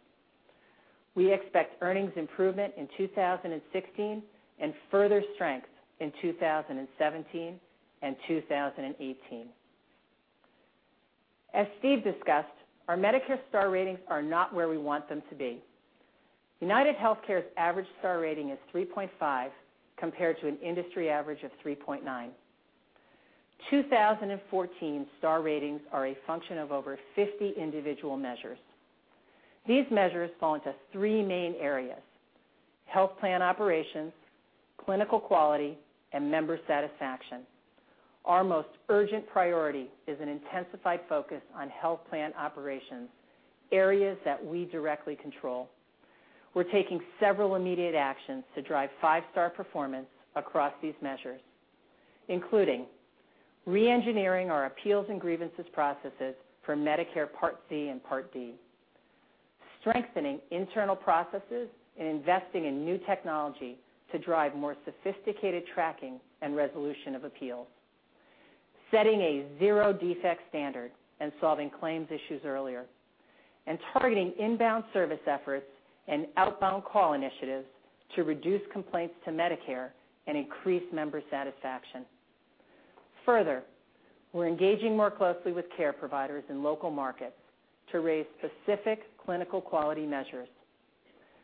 We expect earnings improvement in 2016, and further strength in 2017 and 2018. As Steve discussed, our Medicare Star Ratings are not where we want them to be. UnitedHealthcare's average Star Rating is 3.5, compared to an industry average of 3.9. 2014 Star Ratings are a function of over 50 individual measures. These measures fall into three main areas, health plan operations, clinical quality, and member satisfaction. Our most urgent priority is an intensified focus on health plan operations, areas that we directly control. We're taking several immediate actions to drive five-star performance across these measures, including re-engineering our appeals and grievances processes for Medicare Part C and Part D, strengthening internal processes, and investing in new technology to drive more sophisticated tracking and resolution of appeals. Setting a zero-defect standard and solving claims issues earlier, and targeting inbound service efforts and outbound call initiatives to reduce complaints to Medicare and increase member satisfaction. We're engaging more closely with care providers in local markets to raise specific clinical quality measures.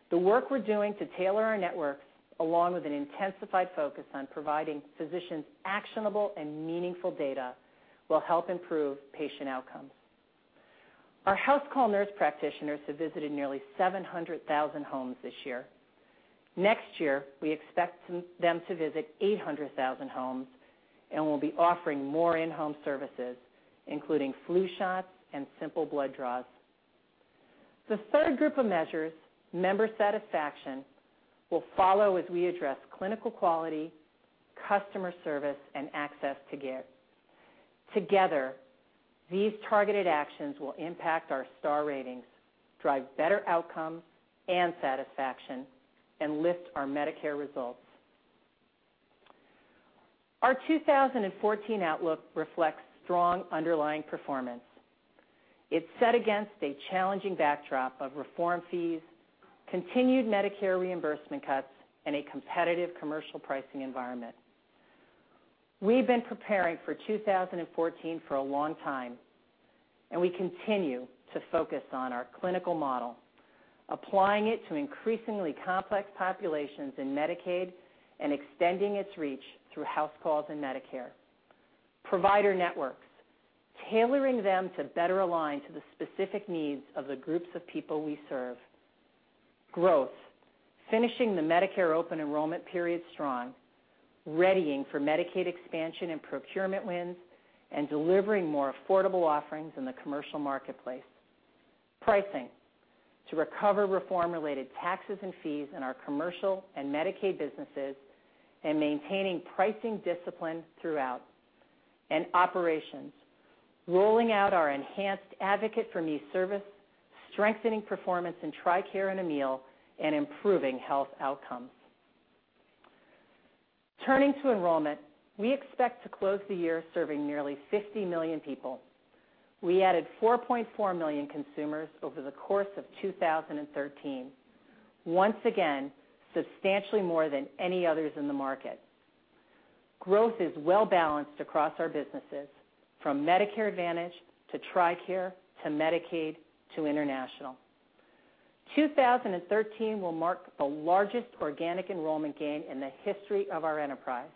The work we're doing to tailor our networks, along with an intensified focus on providing physicians actionable and meaningful data, will help improve patient outcomes. Our house call nurse practitioners have visited nearly 700,000 homes this year. Next year, we expect them to visit 800,000 homes, and we'll be offering more in-home services, including flu shots and simple blood draws. The third group of measures, member satisfaction, will follow as we address clinical quality, customer service, and access to care. Together, these targeted actions will impact our Star Ratings, drive better outcomes and satisfaction, and lift our Medicare results. Our 2014 outlook reflects strong underlying performance. It's set against a challenging backdrop of reform fees, continued Medicare reimbursement cuts, and a competitive commercial pricing environment. We've been preparing for 2014 for a long time, and we continue to focus on our clinical model, applying it to increasingly complex populations in Medicaid, and extending its reach through house calls and Medicare. Provider networks, tailoring them to better align to the specific needs of the groups of people we serve. Growth, finishing the Medicare open enrollment period strong, readying for Medicaid expansion and procurement wins, and delivering more affordable offerings in the commercial marketplace. Pricing, to recover reform-related taxes and fees in our commercial and Medicaid businesses, and maintaining pricing discipline throughout, and operations. Rolling out our enhanced Advocate4Me service, strengthening performance in TRICARE and Amil, and improving health outcomes. Turning to enrollment, we expect to close the year serving nearly 50 million people. We added 4.4 million consumers over the course of 2013. Once again, substantially more than any others in the market. Growth is well-balanced across our businesses, from Medicare Advantage, to TRICARE, to Medicaid, to International. 2013 will mark the largest organic enrollment gain in the history of our enterprise.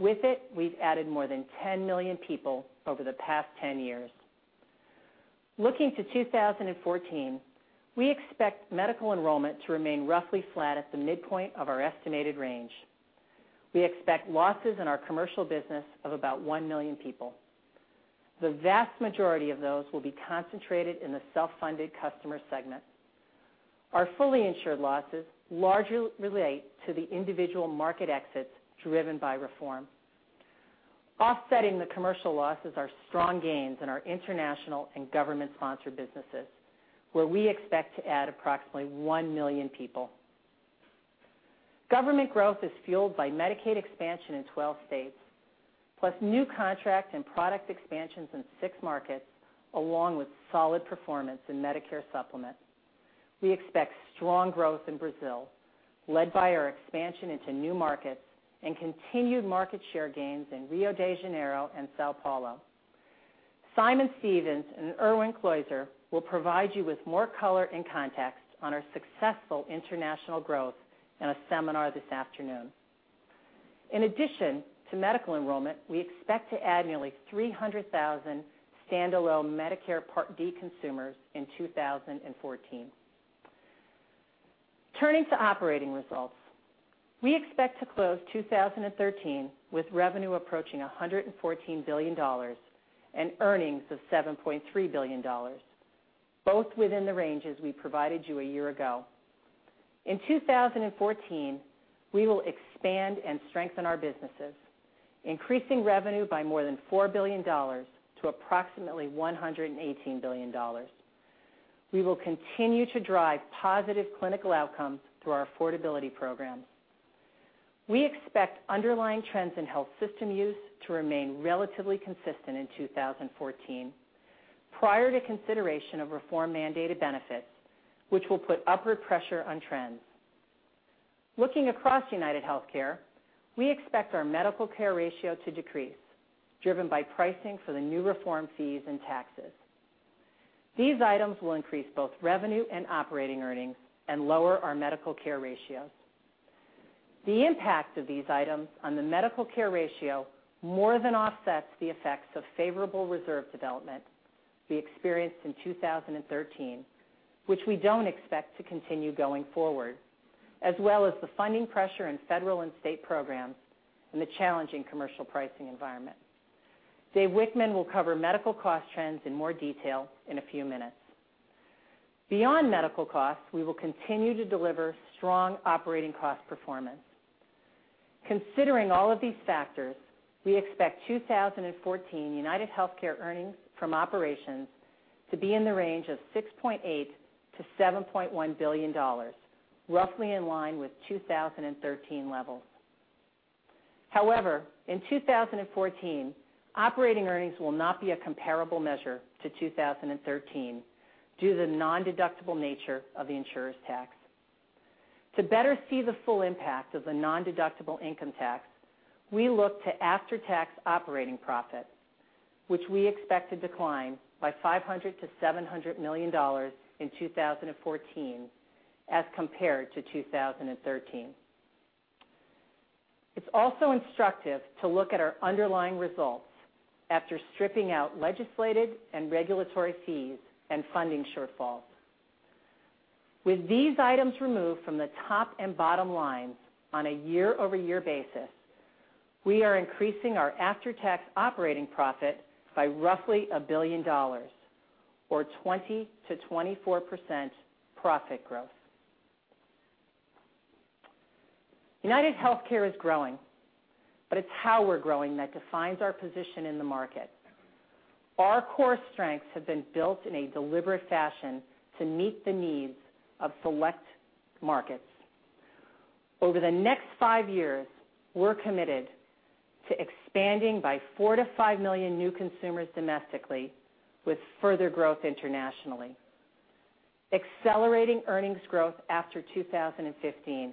With it, we have added more than 10 million people over the past 10 years. Looking to 2014, we expect medical enrollment to remain roughly flat at the midpoint of our estimated range. We expect losses in our commercial business of about 1 million people. The vast majority of those will be concentrated in the self-funded customer segment. Our fully insured losses largely relate to the individual market exits driven by reform. Offsetting the commercial losses are strong gains in our international and government-sponsored businesses, where we expect to add approximately 1 million people. Government growth is fueled by Medicaid expansion in 12 states, plus new contract and product expansions in six markets, along with solid performance in Medicare Supplement. We expect strong growth in Brazil, led by our expansion into new markets and continued market share gains in Rio de Janeiro and São Paulo. Simon Stevens and Erwin Kleuser will provide you with more color and context on our successful international growth in a seminar this afternoon. In addition to medical enrollment, we expect to add nearly 300,000 standalone Medicare Part D consumers in 2014. Turning to operating results, we expect to close 2013 with revenue approaching $114 billion and earnings of $7.3 billion, both within the ranges we provided you a year ago. In 2014, we will expand and strengthen our businesses, increasing revenue by more than $4 billion to approximately $118 billion. We will continue to drive positive clinical outcomes through our affordability programs. We expect underlying trends in health system use to remain relatively consistent in 2014, prior to consideration of reform-mandated benefits, which will put upward pressure on trends. Looking across UnitedHealthcare, we expect our medical care ratio to decrease, driven by pricing for the new reform fees and taxes. These items will increase both revenue and operating earnings and lower our medical care ratios. The impact of these items on the medical care ratio more than offsets the effects of favorable reserve development we experienced in 2013, which we do not expect to continue going forward, as well as the funding pressure in federal and state programs and the challenging commercial pricing environment. Dave Wichmann will cover medical cost trends in more detail in a few minutes. Beyond medical costs, we will continue to deliver strong operating cost performance. Considering all of these factors, we expect 2014 UnitedHealthcare earnings from operations to be in the range of $6.8 billion-$7.1 billion, roughly in line with 2013 levels. However, in 2014, operating earnings will not be a comparable measure to 2013 due to the non-deductible nature of the insurer's tax. To better see the full impact of the non-deductible income tax, we look to after-tax operating profit, which we expect to decline by $500 million-$700 million in 2014 as compared to 2013. It is also instructive to look at our underlying results after stripping out legislated and regulatory fees and funding shortfalls. With these items removed from the top and bottom lines on a year-over-year basis, we are increasing our after-tax operating profit by roughly $1 billion, or 20%-24% profit growth. UnitedHealthcare is growing, but it is how we are growing that defines our position in the market. Our core strengths have been built in a deliberate fashion to meet the needs of select markets. Over the next five years, we're committed to expanding by 4 million-5 million new consumers domestically with further growth internationally, accelerating earnings growth after 2015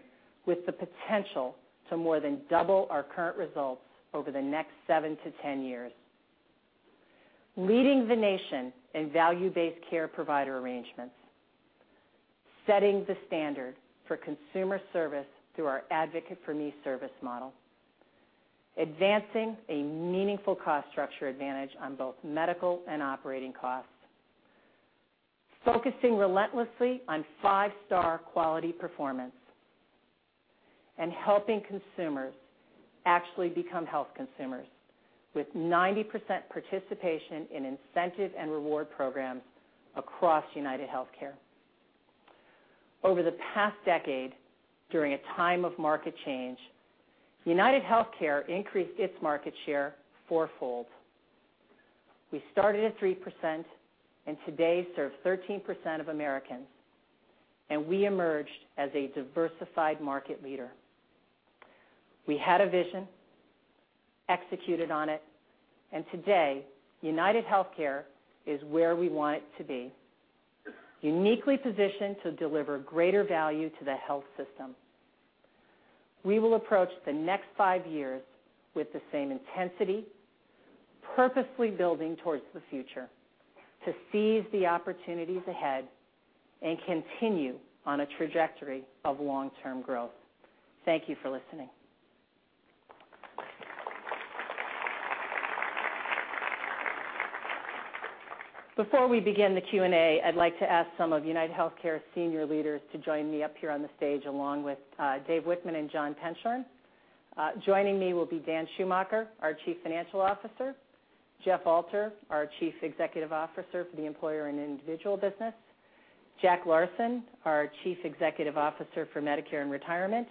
with the potential to more than double our current results over the next 7-10 years, leading the nation in value-based care provider arrangements, setting the standard for consumer service through our Advocate4Me service model, advancing a meaningful cost structure advantage on both medical and operating costs, focusing relentlessly on 5-Star quality performance, and helping consumers actually become health consumers with 90% participation in incentive and reward programs across UnitedHealthcare. Over the past decade, during a time of market change, UnitedHealthcare increased its market share fourfold. We started at 3% and today serve 13% of Americans, and we emerged as a diversified market leader. Today, UnitedHealthcare is where we want it to be, uniquely positioned to deliver greater value to the health system. We will approach the next five years with the same intensity, purposefully building towards the future to seize the opportunities ahead and continue on a trajectory of long-term growth. Thank you for listening. Before we begin the Q&A, I'd like to ask some of UnitedHealthcare's senior leaders to join me up here on the stage along with Dave Wichmann and John Penshorn. Joining me will be Dan Schumacher, our Chief Financial Officer, Jeff Alter, our Chief Executive Officer for the employer and individual business, Jack Larsen, our Chief Executive Officer for Medicare and Retirement,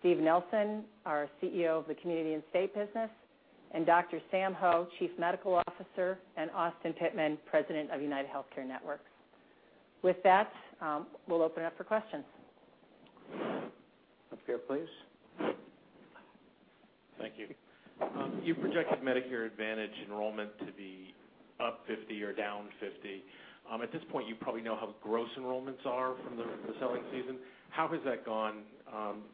Steve Nelson, our CEO of the community and state business, and Dr. Sam Ho, Chief Medical Officer, and Austin Pittman, President of UnitedHealthcare Network. With that, we'll open up for questions. Up here, please. Thank you. You projected Medicare Advantage enrollment to be up 50 or down 50. At this point, you probably know how gross enrollments are from the selling season. How has that gone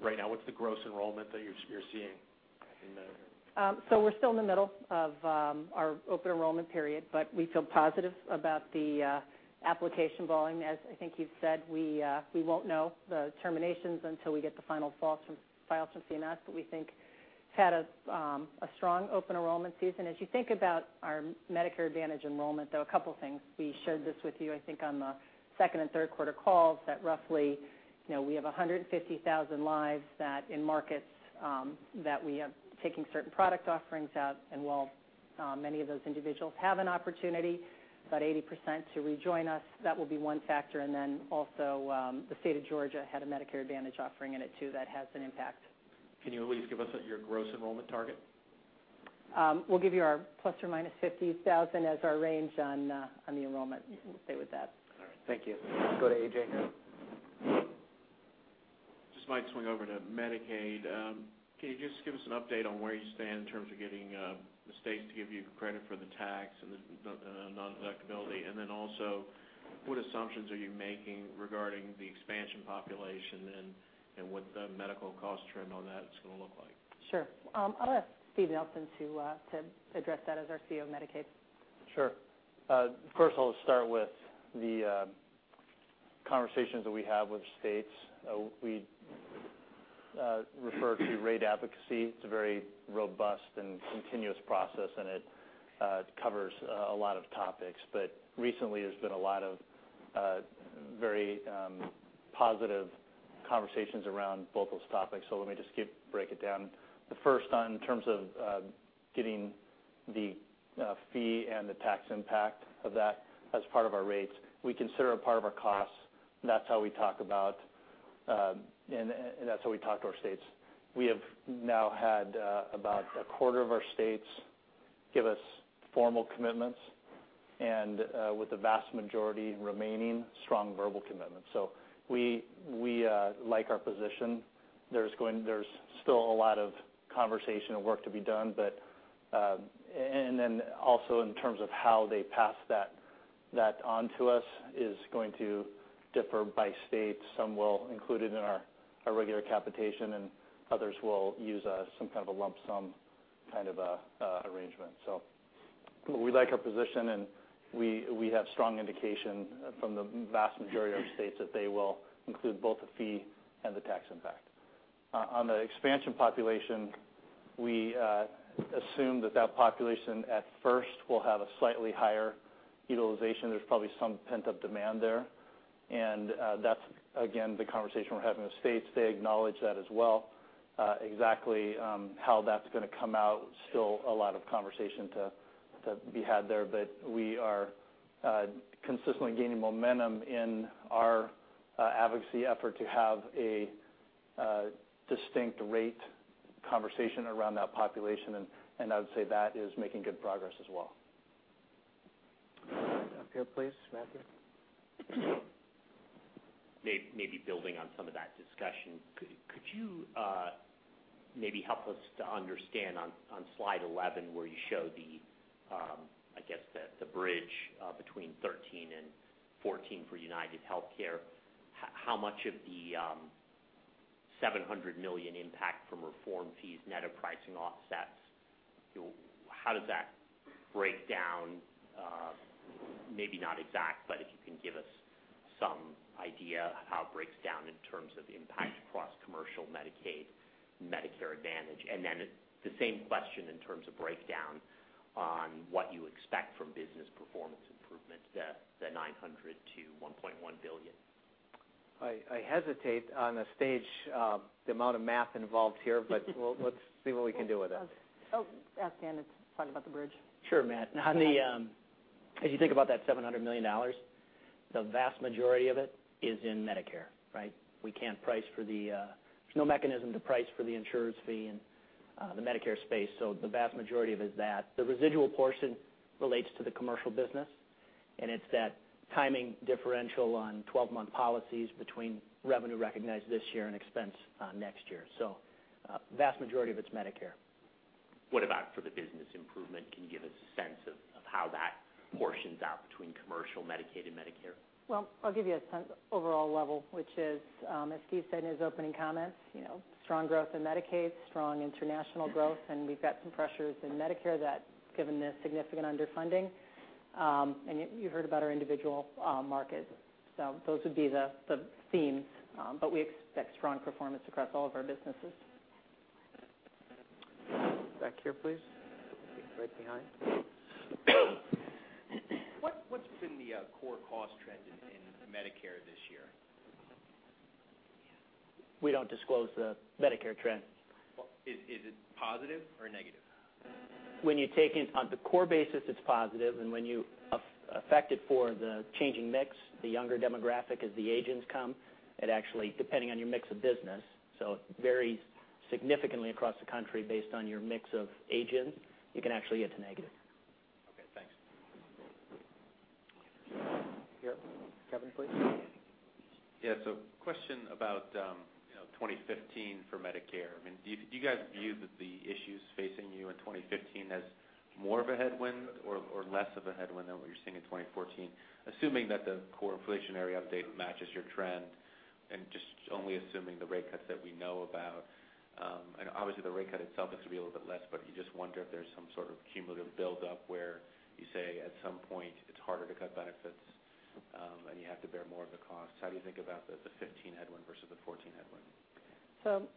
right now? What's the gross enrollment that you're seeing? We're still in the middle of our open enrollment period, but we feel positive about the application volume. As I think you've said, we won't know the terminations until we get the final files from CMS, but we think had a strong open enrollment season. As you think about our Medicare Advantage enrollment, though, a couple things. We shared this with you, I think, on the second and third quarter calls that roughly we have 150,000 lives that in markets that we have taken certain product offerings out, and while many of those individuals have an opportunity, about 80% to rejoin us. That will be one factor, and then also the state of Georgia had a Medicare Advantage offering in it, too, that has an impact. Can you at least give us your gross enrollment target? We'll give you our plus or minus 50,000 as our range on the enrollment. We'll stay with that. All right. Thank you. Let's go to A.J. now. Just might swing over to Medicaid. Can you just give us an update on where you stand in terms of getting the states to give you credit for the tax and the non-deductibility? Then also, what assumptions are you making regarding the expansion population and what the medical cost trend on that is going to look like? Sure. I'll ask Steve Nelson to address that as our CEO of Medicaid. Sure. First I'll start with the conversations that we have with states. We refer to rate advocacy. It's a very robust and continuous process, it covers a lot of topics. Recently, there's been a lot of very positive conversations around both those topics. Let me just break it down. The first on in terms of getting the fee and the tax impact of that as part of our rates. We consider it part of our costs, and that's how we talk to our states. We have now had about a quarter of our states give us formal commitments, and with the vast majority remaining strong verbal commitments. We like our position. There's still a lot of conversation and work to be done, and then also in terms of how they pass that onto us is going to differ by state. Some will include it in our regular capitation, and others will use some kind of a lump sum arrangement. We like our position, and we have strong indication from the vast majority of states that they will include both the fee and the tax impact. On the expansion population, we assume that that population at first will have a slightly higher utilization. There's probably some pent-up demand there, and that's again, the conversation we're having with states. They acknowledge that as well. Exactly how that's going to come out, still a lot of conversation to be had there, but we are consistently gaining momentum in our advocacy effort to have a distinct rate conversation around that population, and I would say that is making good progress as well. Up here, please, Matthew. Maybe building on some of that discussion, could you maybe help us to understand on slide 11 where you show, I guess, the bridge between 2013 and 2014 for UnitedHealthcare. How much of the $700 million impact from reform fees, net of pricing offsets, how does that break down? Maybe not exact, but if you can give us some idea of how it breaks down in terms of the impact across commercial Medicaid, Medicare Advantage. The same question in terms of breakdown on what you expect from business performance improvement, the $900 million-$1.1 billion. I hesitate on the stage the amount of math involved here. Let's see what we can do with that. Ask Dan to talk about the bridge. Sure, Matt. As you think about that $700 million, the vast majority of it is in Medicare, right? There's no mechanism to price for the insurers fee in the Medicare space. The vast majority of it is that. The residual portion relates to the commercial business, and it's that timing differential on 12-month policies between revenue recognized this year and expense next year. Vast majority of it's Medicare. What about for the business improvement? Can you give us a sense of how that portions out between commercial Medicaid and Medicare? I'll give you a sense overall level, which is, as Steve said in his opening comments, strong growth in Medicaid, strong international growth, and we've got some pressures in Medicare that given the significant underfunding. You heard about our individual markets. Those would be the themes, but we expect strong performance across all of our businesses. Back here, please. Right behind. What's been the core cost trend in Medicare this year? We don't disclose the Medicare trend. Is it positive or negative? On the core basis, it's positive. When you affect it for the changing mix, the younger demographic as the agents come, it actually, depending on your mix of business, so it varies significantly across the country based on your mix of agents. You can actually get to negative. Okay, thanks. Here. Kevin, please. Question about 2015 for Medicare. Do you guys view the issues facing you in 2015 as more of a headwind or less of a headwind than what you're seeing in 2014? Assuming that the core inflationary update matches your trend and just only assuming the rate cuts that we know about. Obviously, the rate cut itself is to be a little bit less, but you just wonder if there's some sort of cumulative build-up where you say, at some point, it's harder to cut benefits, and you have to bear more of the cost. How do you think about the 2015 headwind versus the 2014 headwind?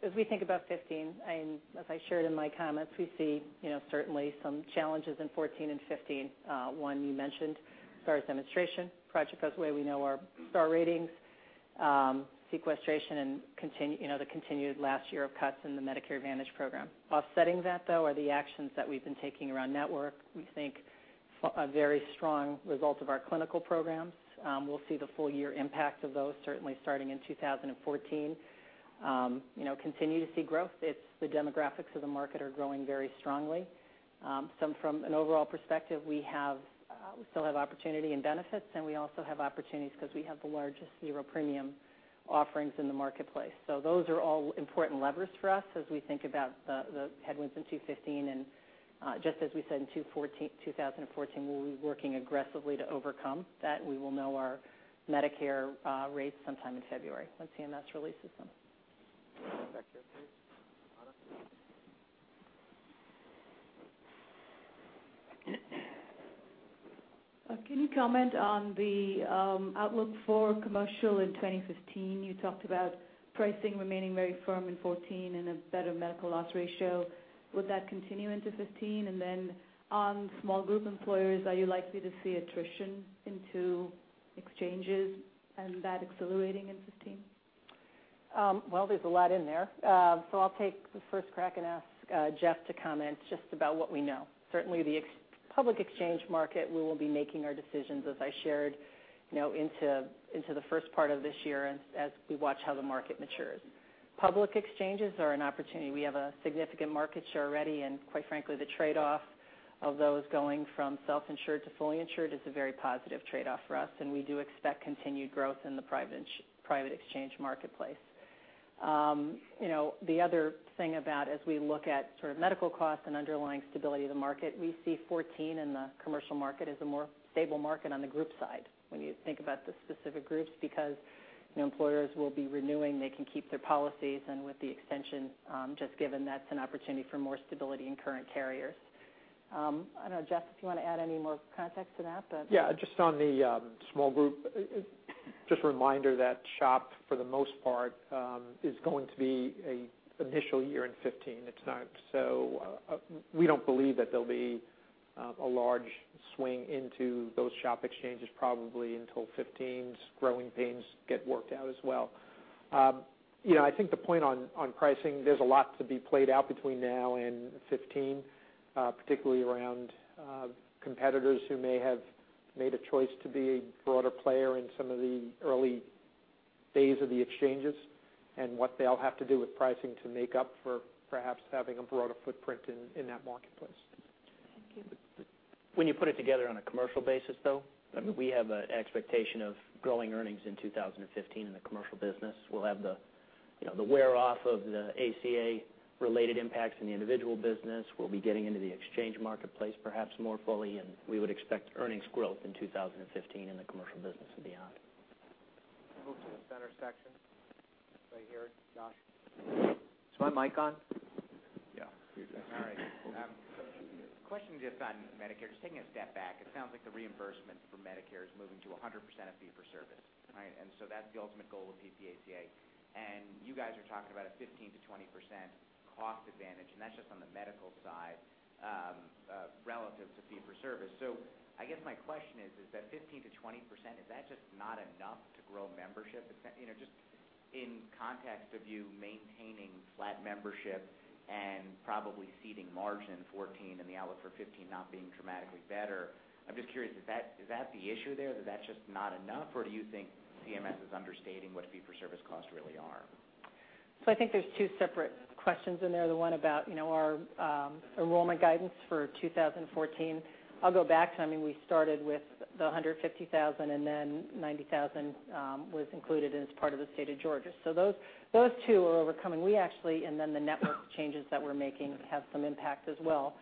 As we think about 2015, as I shared in my comments, we see certainly some challenges in 2014 and 2015. One you mentioned as far as demonstration project goes, the way we know our Star Ratings, sequestration, and the continued last year of cuts in the Medicare Advantage program. Offsetting that, though, are the actions that we've been taking around network. We think very strong results of our clinical programs. We'll see the full-year impact of those, certainly starting in 2014. Continue to see growth. The demographics of the market are growing very strongly. From an overall perspective, we still have opportunity and benefits, and we also have opportunities because we have the largest zero-premium offerings in the marketplace. Those are all important levers for us as we think about the headwinds in 2015. Just as we said in 2014, we'll be working aggressively to overcome that. We will know our Medicare rates sometime in February, once CMS releases them. Back here, please. Ana? Can you comment on the outlook for commercial in 2015? You talked about pricing remaining very firm in 2014 and a better medical loss ratio. Would that continue into 2015? On small group employers, are you likely to see attrition into exchanges and that accelerating in 2015? Well, there's a lot in there. I'll take the first crack and ask Jeff to comment just about what we know. Certainly, the public exchange market, we will be making our decisions, as I shared, into the first part of this year and as we watch how the market matures. Public exchanges are an opportunity. We have a significant market share already, and quite frankly, the trade-off of those going from self-insured to fully insured is a very positive trade-off for us, and we do expect continued growth in the private exchange marketplace. The other thing about as we look at sort of medical costs and underlying stability of the market, we see 2014 in the commercial market as a more stable market on the group side when you think about the specific groups, because employers will be renewing, they can keep their policies, and with the extension just given, that's an opportunity for more stability in current carriers. I don't know, Jeff, if you want to add any more context to that? Yeah, just on the small group, just a reminder that SHOP for the most part, is going to be an initial year in 2015. We don't believe that there'll be a large swing into those SHOP exchanges probably until 2015's growing pains get worked out as well. I think the point on pricing, there's a lot to be played out between now and 2015, particularly around competitors who may have made a choice to be a broader player in some of the early days of the exchanges, and what they'll have to do with pricing to make up for perhaps having a broader footprint in that marketplace. Thank you. When you put it together on a commercial basis, though, we have an expectation of growing earnings in 2015 in the commercial business. We'll have the wear-off of the ACA-related impacts in the individual business. We'll be getting into the exchange marketplace perhaps more fully, and we would expect earnings growth in 2015 in the commercial business and beyond. Move to the center section, right here. Josh? Is my mic on? Yeah. All right. Question just on Medicare, just taking a step back, it sounds like the reimbursement for Medicare is moving to 100% of fee for service. That's the ultimate goal of PPACA. You guys are talking about a 15%-20% cost advantage, and that's just on the medical side, relative to fee for service. I guess my question is that 15%-20%, is that just not enough to grow membership? Just in context of you maintaining flat membership and probably ceding margin in 2014 and the outlook for 2015 not being dramatically better, I'm just curious, is that the issue there? That that's just not enough? Or do you think CMS is understating what fee-for-service costs really are? I think there's two separate questions in there. The one about our enrollment guidance for 2014. I'll go back to, we started with the 150,000, then 90,000 was included, and it's part of the state of Georgia. Those two are overcoming. The network changes that we're making have some impact as well.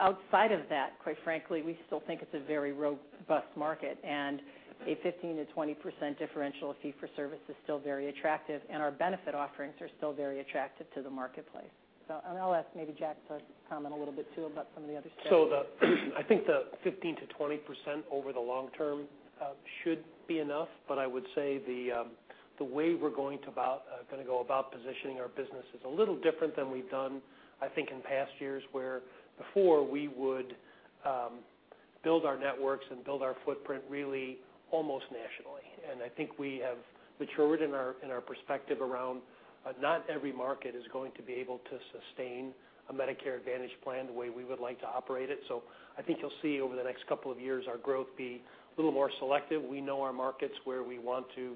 Outside of that, quite frankly, we still think it's a very robust market, and a 15%-20% differential fee for service is still very attractive, and our benefit offerings are still very attractive to the marketplace. I'll ask maybe Jack to comment a little bit too about some of the other stuff. I think the 15%-20% over the long term should be enough, I would say the way we're going to go about positioning our business is a little different than we've done, I think, in past years, where before we would build our networks and build our footprint really almost nationally. I think we have matured in our perspective around not every market is going to be able to sustain a Medicare Advantage plan the way we would like to operate it. I think you'll see over the next couple of years our growth be a little more selective. We know our markets where we want to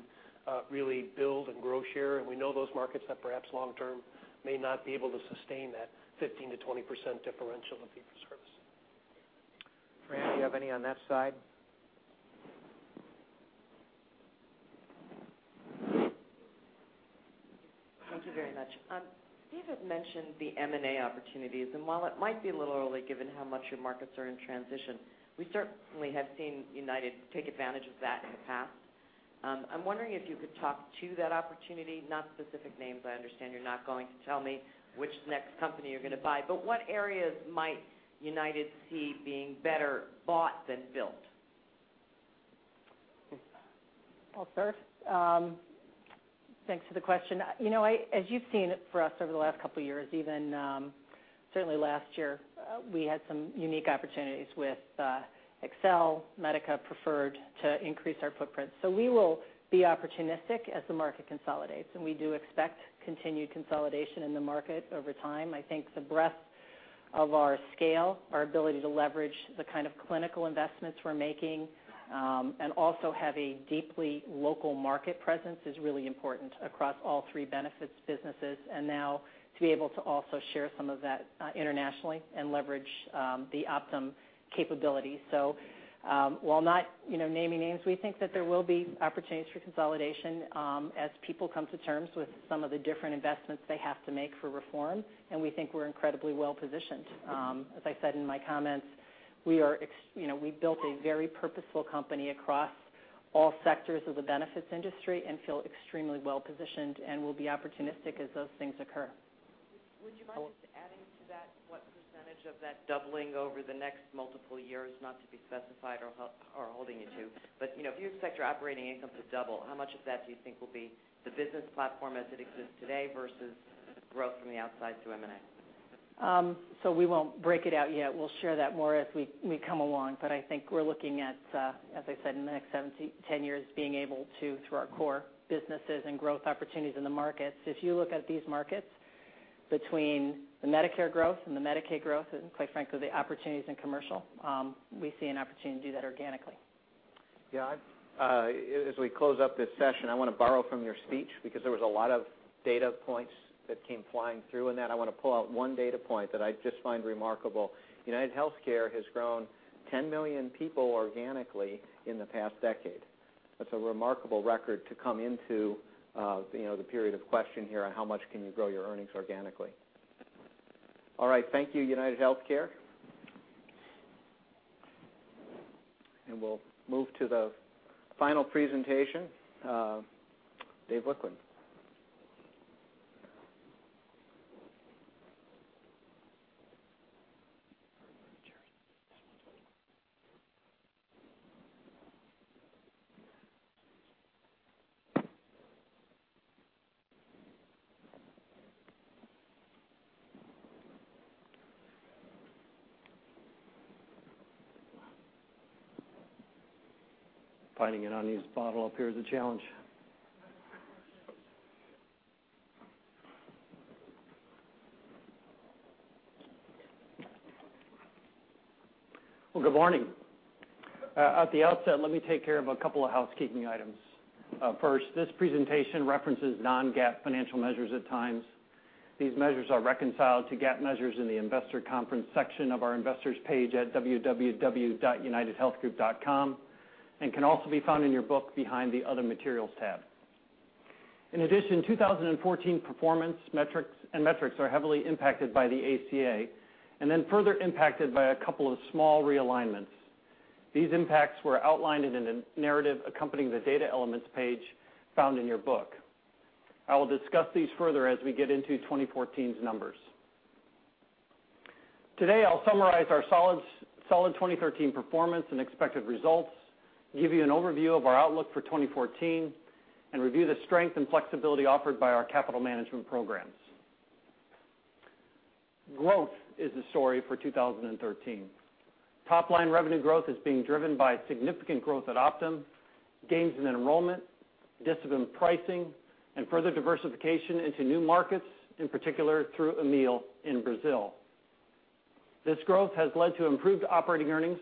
really build and grow share, and we know those markets that perhaps long term may not be able to sustain that 15%-20% differential of fee for service. Fran, do you have any on that side? Thank you very much. Steve had mentioned the M&A opportunities. While it might be a little early given how much your markets are in transition, we certainly have seen United take advantage of that in the past. I'm wondering if you could talk to that opportunity, not specific names. I understand you're not going to tell me which next company you're going to buy, what areas might United see being better bought than built? I'll start. Thanks for the question. As you've seen for us over the last couple of years, even certainly last year, we had some unique opportunities with Excel, Medica Preferred to increase our footprint. We will be opportunistic as the market consolidates, and we do expect continued consolidation in the market over time. I think the breadth of our scale, our ability to leverage the kind of clinical investments we're making, and also have a deeply local market presence is really important across all three benefits businesses. Now to be able to also share some of that internationally and leverage the Optum capabilities. While not naming names, we think that there will be opportunities for consolidation as people come to terms with some of the different investments they have to make for reform, and we think we're incredibly well-positioned. As I said in my comments, we built a very purposeful company across all sectors of the benefits industry and feel extremely well-positioned and will be opportunistic as those things occur. Would you mind just adding to that what percentage of that doubling over the next multiple years, not to be specified or holding you to, but if you expect your operating income to double, how much of that do you think will be the business platform as it exists today versus growth from the outside through M&A? We won't break it out yet. We'll share that more as we come along. I think we're looking at, as I said, in the next 7-10 years, being able to, through our core businesses and growth opportunities in the markets. If you look at these markets between the Medicare growth and the Medicaid growth, and quite frankly, the opportunities in commercial, we see an opportunity to do that organically. Yeah. As we close up this session, I want to borrow from your speech because there was a lot of data points that came flying through in that. I want to pull out one data point that I just find remarkable. UnitedHealthcare has grown 10 million people organically in the past decade. That's a remarkable record to come into the period of question here on how much can you grow your earnings organically. Right. Thank you, UnitedHealthcare. We'll move to the final presentation. Dave Wichmann. Finding an unused bottle up here is a challenge. Good morning. At the outset, let me take care of a couple of housekeeping items. First, this presentation references non-GAAP financial measures at times. These measures are reconciled to GAAP measures in the investor conference section of our investors page at www.unitedhealthgroup.com and can also be found in your book behind the Other Materials tab. 2014 performance and metrics are heavily impacted by the ACA and then further impacted by a couple of small realignments. These impacts were outlined in the narrative accompanying the data elements page found in your book. I will discuss these further as we get into 2014's numbers. Today, I'll summarize our solid 2013 performance and expected results, give you an overview of our outlook for 2014, and review the strength and flexibility offered by our capital management programs. Growth is the story for 2013. Top-line revenue growth is being driven by significant growth at Optum, gains in enrollment, discipline pricing, and further diversification into new markets, in particular through Amil in Brazil. This growth has led to improved operating earnings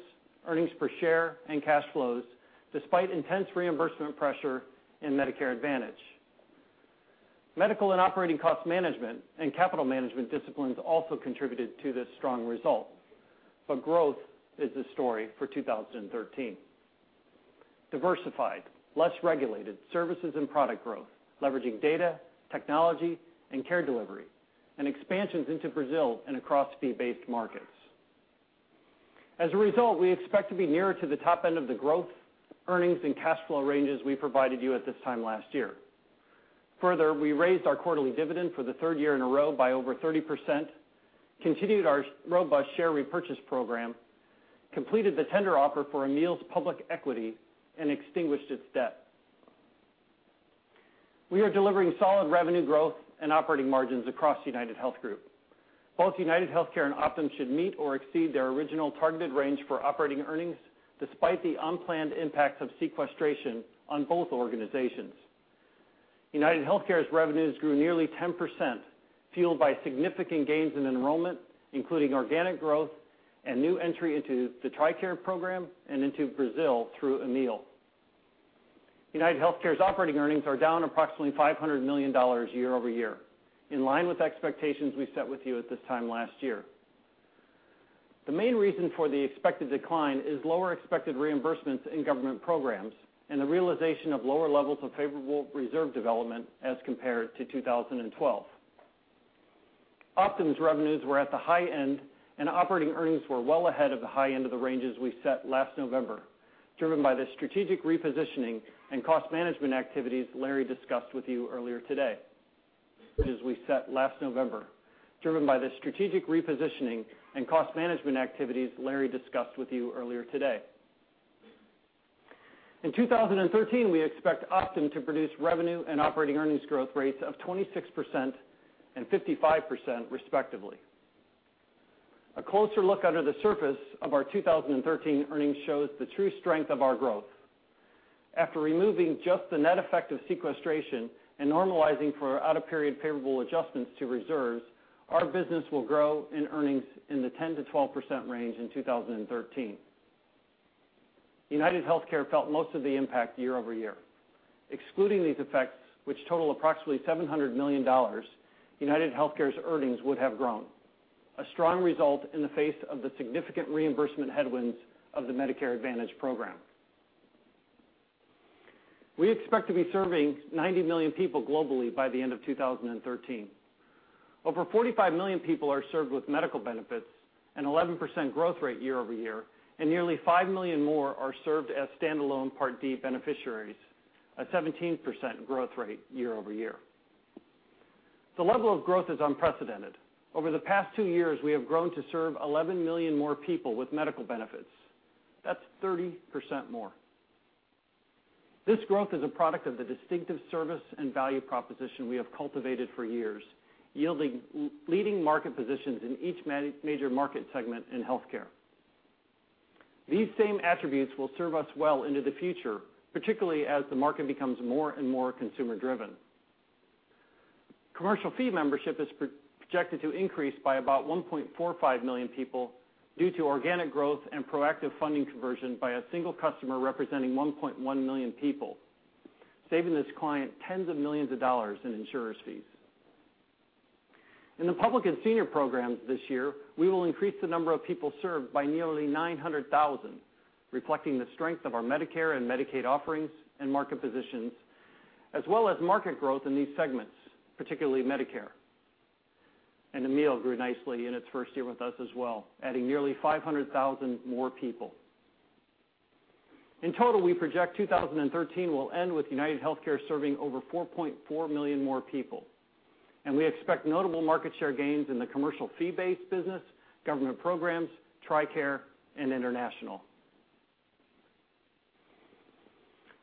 per share, and cash flows, despite intense reimbursement pressure in Medicare Advantage. Medical and operating cost management and capital management disciplines also contributed to this strong result. Growth is the story for 2013. Diversified, less regulated services and product growth, leveraging data, technology, and care delivery, and expansions into Brazil and across fee-based markets. We expect to be nearer to the top end of the growth, earnings, and cash flow ranges we provided you at this time last year. We raised our quarterly dividend for the third year in a row by over 30%, continued our robust share repurchase program, completed the tender offer for Amil's public equity, and extinguished its debt. We are delivering solid revenue growth and operating margins across UnitedHealth Group. Both UnitedHealthcare and Optum should meet or exceed their original targeted range for operating earnings, despite the unplanned impacts of sequestration on both organizations. UnitedHealthcare's revenues grew nearly 10%, fueled by significant gains in enrollment, including organic growth and new entry into the TRICARE program and into Brazil through Amil. UnitedHealthcare's operating earnings are down approximately $500 million year-over-year, in line with expectations we set with you at this time last year. The main reason for the expected decline is lower expected reimbursements in government programs and the realization of lower levels of favorable reserve development as compared to 2012. Optum's revenues were at the high end, and operating earnings were well ahead of the high end of the ranges we set last November, driven by the strategic repositioning and cost management activities Larry discussed with you earlier today. As we set last November, driven by the strategic repositioning and cost management activities Larry discussed with you earlier today. In 2013, we expect Optum to produce revenue and operating earnings growth rates of 26% and 55%, respectively. A closer look under the surface of our 2013 earnings shows the true strength of our growth. After removing just the net effect of sequestration and normalizing for out-of-period favorable adjustments to reserves, our business will grow in earnings in the 10%-12% range in 2013. UnitedHealthcare felt most of the impact year-over-year. Excluding these effects, which total approximately $700 million, UnitedHealthcare's earnings would have grown. A strong result in the face of the significant reimbursement headwinds of the Medicare Advantage program. We expect to be serving 90 million people globally by the end of 2013. Over 45 million people are served with medical benefits, an 11% growth rate year-over-year, and nearly five million more are served as standalone Part D beneficiaries, a 17% growth rate year-over-year. The level of growth is unprecedented. Over the past two years, we have grown to serve 11 million more people with medical benefits. That's 30% more. This growth is a product of the distinctive service and value proposition we have cultivated for years, yielding leading market positions in each major market segment in healthcare. These same attributes will serve us well into the future, particularly as the market becomes more and more consumer-driven. Commercial fee membership is projected to increase by about 1.45 million people due to organic growth and proactive funding conversion by a single customer representing 1.1 million people, saving this client tens of millions of dollars in insurers' fees. In the public and senior programs this year, we will increase the number of people served by nearly 900,000, reflecting the strength of our Medicare and Medicaid offerings and market positions, as well as market growth in these segments, particularly Medicare. Amil grew nicely in its first year with us as well, adding nearly 500,000 more people. In total, we project 2013 will end with UnitedHealthcare serving over 4.4 million more people, and we expect notable market share gains in the commercial fee-based business, government programs, TRICARE, and international.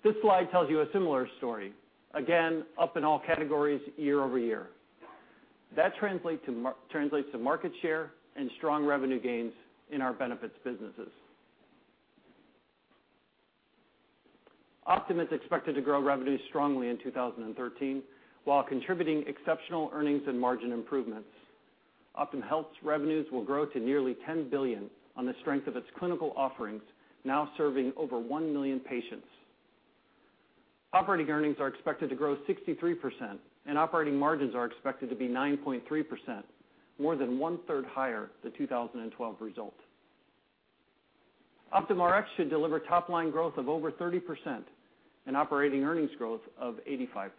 This slide tells you a similar story, again, up in all categories year-over-year. That translates to market share and strong revenue gains in our benefits businesses. Optum is expected to grow revenue strongly in 2013 while contributing exceptional earnings and margin improvements. Optum Health's revenues will grow to nearly 10 billion on the strength of its clinical offerings, now serving over one million patients. Operating earnings are expected to grow 63%, and operating margins are expected to be 9.3%, more than one-third higher than 2012 result. Optum Rx should deliver top-line growth of over 30% and operating earnings growth of 85%.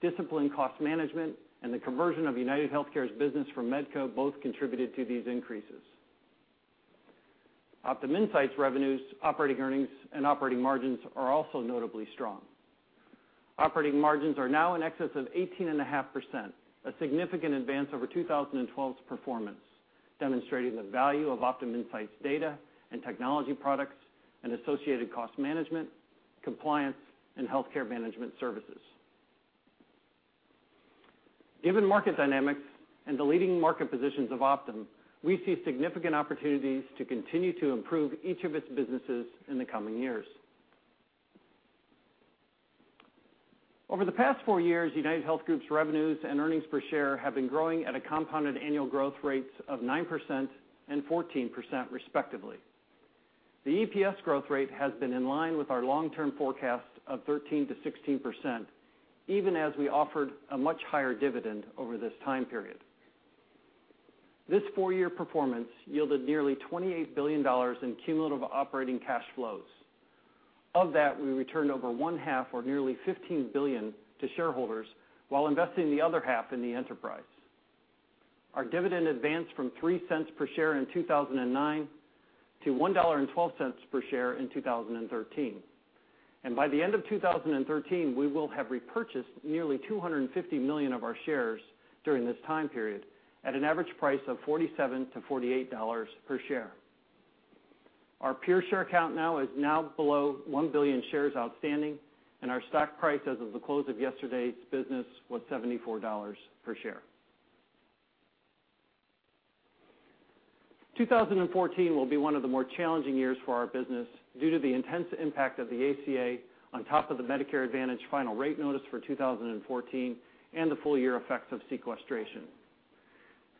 Disciplined cost management and the conversion of UnitedHealthcare's business from Medco both contributed to these increases. Optum Insight revenues, operating earnings, and operating margins are also notably strong. Operating margins are now in excess of 18.5%, a significant advance over 2012's performance, demonstrating the value of Optum Insight's data and technology products and associated cost management, compliance, and healthcare management services. Given market dynamics and the leading market positions of Optum, we see significant opportunities to continue to improve each of its businesses in the coming years. Over the past four years, UnitedHealth Group's revenues and earnings per share have been growing at a compounded annual growth rates of 9% and 14%, respectively. The EPS growth rate has been in line with our long-term forecast of 13%-16%, even as we offered a much higher dividend over this time period. This four-year performance yielded nearly $28 billion in cumulative operating cash flows. Of that, we returned over one-half, or nearly $15 billion to shareholders while investing the other half in the enterprise. Our dividend advanced from $0.03 per share in 2009 to $1.12 per share in 2013. By the end of 2013, we will have repurchased nearly 250 million of our shares during this time period at an average price of $47 to $48 per share. Our per share count now is below 1 billion shares outstanding, and our stock price as of the close of yesterday's business was $74 per share. 2014 will be one of the more challenging years for our business due to the intense impact of the ACA on top of the Medicare Advantage final rate notice for 2014 and the full year effects of sequestration.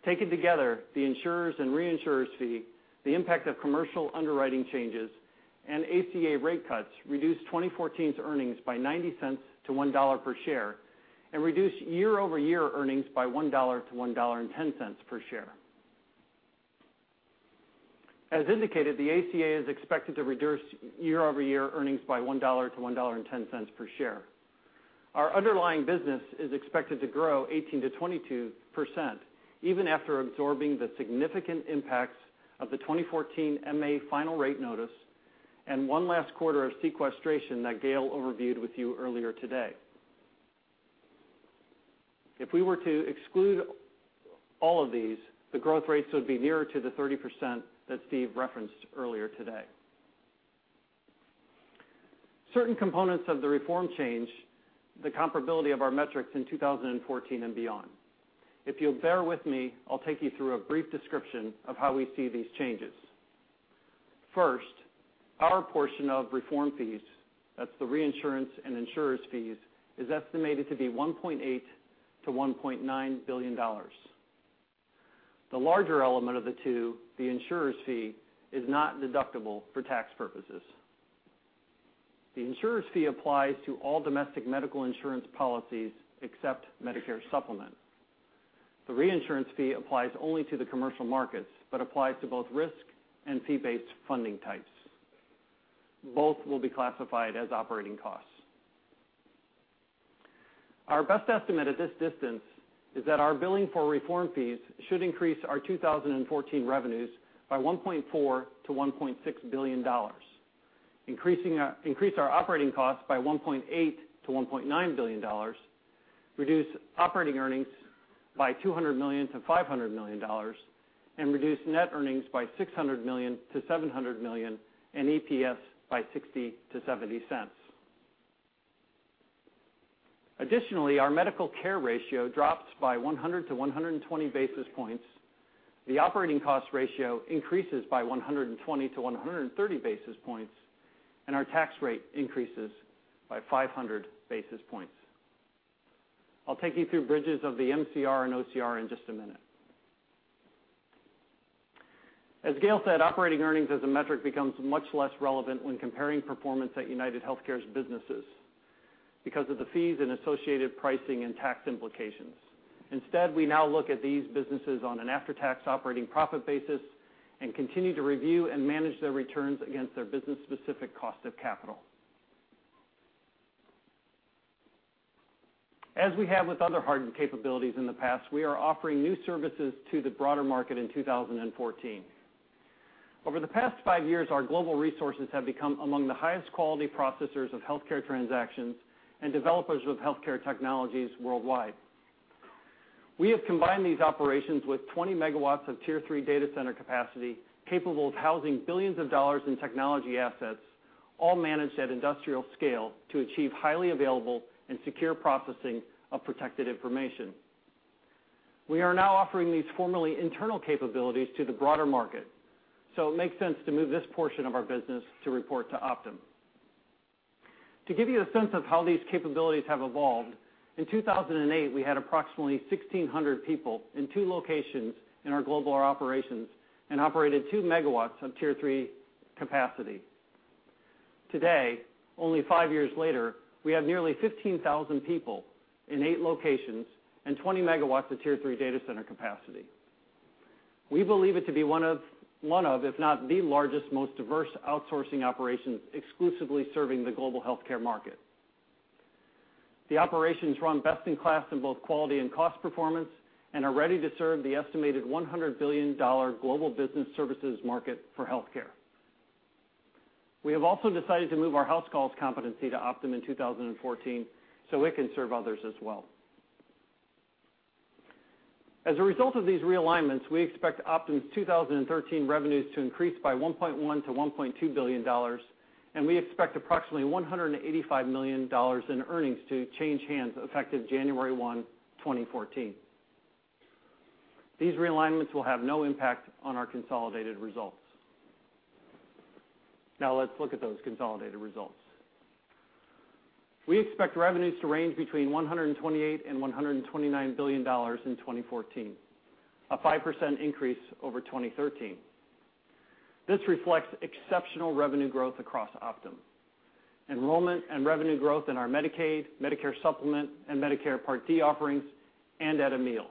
Taken together, the insurers and reinsurers fee, the impact of commercial underwriting changes, and ACA rate cuts reduced 2014's earnings by $0.90 to $1 per share and reduced year-over-year earnings by $1 to $1.10 per share. As indicated, the ACA is expected to reduce year-over-year earnings by $1 to $1.10 per share. Our underlying business is expected to grow 18%-22% even after absorbing the significant impacts of the 2014 MA final rate notice and one last quarter of sequestration that Gail overviewed with you earlier today. If we were to exclude all of these, the growth rates would be nearer to the 30% that Steve referenced earlier today. Certain components of the reform change the comparability of our metrics in 2014 and beyond. If you'll bear with me, I'll take you through a brief description of how we see these changes. First, our portion of reform fees, that's the reinsurance and insurers fees, is estimated to be $1.8 billion to $1.9 billion. The larger element of the two, the insurers fee, is not deductible for tax purposes. The insurers fee applies to all domestic medical insurance policies except Medicare Supplement. The reinsurance fee applies only to the commercial markets but applies to both risk and fee-based funding types. Both will be classified as operating costs. Our best estimate at this distance is that our billing for reform fees should increase our 2014 revenues by $1.4 billion to $1.6 billion, increase our operating costs by $1.8 billion to $1.9 billion, reduce operating earnings by $200 million to $500 million, and reduce net earnings by $600 million to $700 million, and EPS by $0.60 to $0.70. Additionally, our medical care ratio drops by 100 to 120 basis points. The operating cost ratio increases by 120 to 130 basis points, and our tax rate increases by 500 basis points. I'll take you through bridges of the MCR and OCR in just a minute. As Gail said, operating earnings as a metric becomes much less relevant when comparing performance at UnitedHealthcare's businesses because of the fees and associated pricing and tax implications. Instead, we now look at these businesses on an after-tax operating profit basis and continue to review and manage their returns against their business-specific cost of capital. As we have with other hardened capabilities in the past, we are offering new services to the broader market in 2014. Over the past five years, our global resources have become among the highest quality processors of healthcare transactions and developers of healthcare technologies worldwide. We have combined these operations with 20 megawatts of Tier III data center capacity, capable of housing billions of dollars in technology assets, all managed at industrial scale to achieve highly available and secure processing of protected information. We are now offering these formerly internal capabilities to the broader market, so it makes sense to move this portion of our business to report to Optum. To give you a sense of how these capabilities have evolved, in 2008, we had approximately 1,600 people in two locations in our global operations and operated 2 megawatts of Tier III capacity. Today, only five years later, we have nearly 15,000 people in eight locations and 20 megawatts of Tier III data center capacity. We believe it to be one of, if not the largest, most diverse outsourcing operations exclusively serving the global healthcare market. The operations run best in class in both quality and cost performance and are ready to serve the estimated $100 billion global business services market for healthcare. We have also decided to move our house calls competency to Optum in 2014 so it can serve others as well. As a result of these realignments, we expect Optum's 2013 revenues to increase by $1.1 billion-$1.2 billion, and we expect approximately $185 million in earnings to change hands effective January 1, 2014. These realignments will have no impact on our consolidated results. Now let's look at those consolidated results. We expect revenues to range between $128 billion-$129 billion in 2014, a 5% increase over 2013. This reflects exceptional revenue growth across Optum. Enrollment and revenue growth in our Medicaid, Medicare Supplement, and Medicare Part D offerings and at Amil.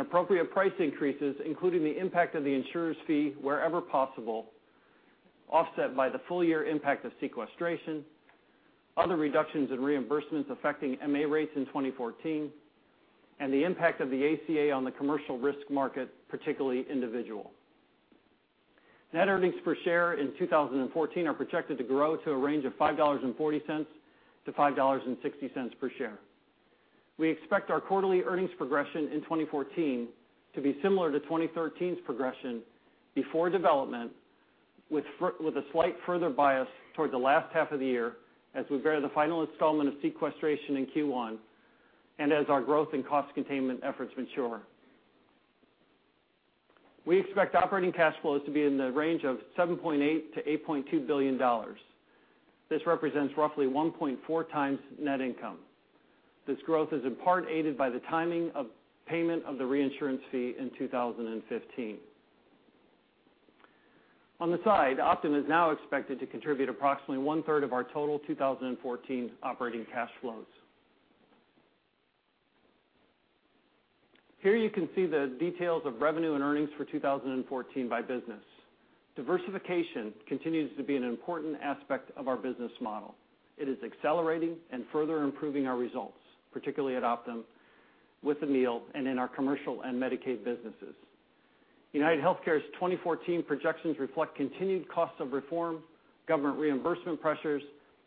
Appropriate price increases, including the impact of the insurer's fee wherever possible, offset by the full-year impact of sequestration, other reductions in reimbursements affecting MA rates in 2014, and the impact of the ACA on the commercial risk market, particularly individual. Net earnings per share in 2014 are projected to grow to a range of $5.40-$5.60 per share. We expect our quarterly earnings progression in 2014 to be similar to 2013's progression before development, with a slight further bias toward the last half of the year as we bear the final installment of sequestration in Q1 and as our growth and cost containment efforts mature. We expect operating cash flows to be in the range of $7.8 billion-$8.2 billion. This represents roughly 1.4 times net income. This growth is in part aided by the timing of payment of the reinsurance fee in 2015. On the side, Optum is now expected to contribute approximately one-third of our total 2014 operating cash flows. Here, you can see the details of revenue and earnings for 2014 by business. Diversification continues to be an important aspect of our business model. It is accelerating and further improving our results, particularly at Optum, with Amil, and in our commercial and Medicaid businesses. UnitedHealthcare's 2014 projections reflect continued cost of reform, government reimbursement pressures,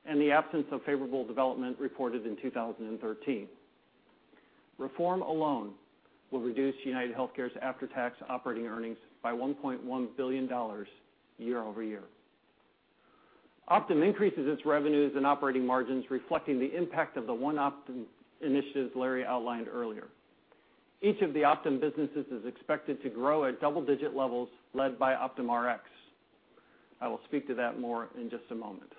and the absence of favorable development reported in 2013. Reform alone will reduce UnitedHealthcare's after-tax operating earnings by $1.1 billion year-over-year. Optum increases its revenues and operating margins, reflecting the impact of the One Optum initiatives Larry outlined earlier. Each of the Optum businesses is expected to grow at double-digit levels, led by Optum Rx. I will speak to that more in just a moment.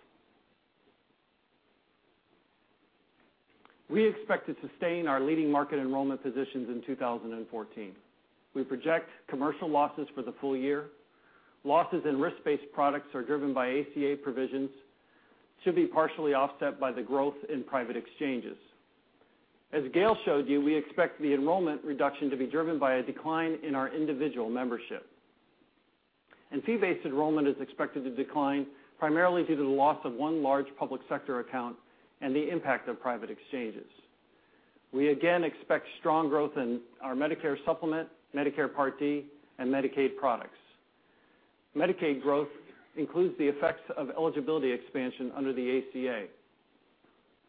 We expect to sustain our leading market enrollment positions in 2014. We project commercial losses for the full year. Losses in risk-based products are driven by ACA provisions, to be partially offset by the growth in private exchanges. As Gail showed you, we expect the enrollment reduction to be driven by a decline in our individual membership. Fee-based enrollment is expected to decline primarily due to the loss of one large public sector account and the impact of private exchanges. We again expect strong growth in our Medicare Supplement, Medicare Part D, and Medicaid products. Medicaid growth includes the effects of eligibility expansion under the ACA.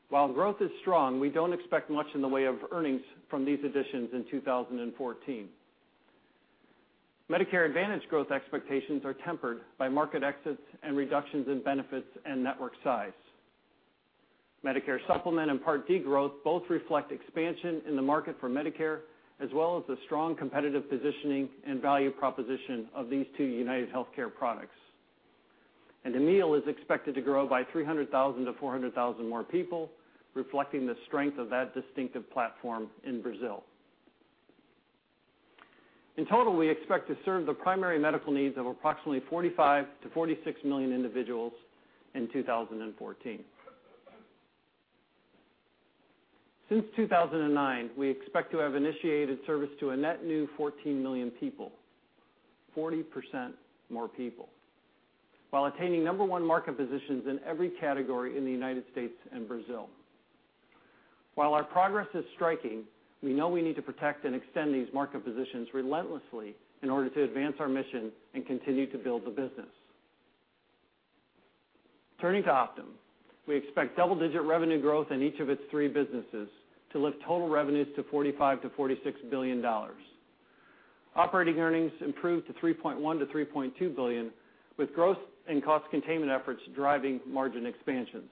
While growth is strong, we don't expect much in the way of earnings from these additions in 2014. Medicare Advantage growth expectations are tempered by market exits and reductions in benefits and network size. Medicare Supplement and Part D growth both reflect expansion in the market for Medicare, as well as the strong competitive positioning and value proposition of these two UnitedHealthcare products. Amil is expected to grow by 300,000 to 400,000 more people, reflecting the strength of that distinctive platform in Brazil. In total, we expect to serve the primary medical needs of approximately 45 million to 46 million individuals in 2014. Since 2009, we expect to have initiated service to a net new 14 million people, 40% more people, while attaining number one market positions in every category in the U.S. and Brazil. While our progress is striking, we know we need to protect and extend these market positions relentlessly in order to advance our mission and continue to build the business. Turning to Optum, we expect double-digit revenue growth in each of its three businesses to lift total revenues to $45 billion to $46 billion. Operating earnings improve to $3.1 billion to $3.2 billion, with growth and cost containment efforts driving margin expansions.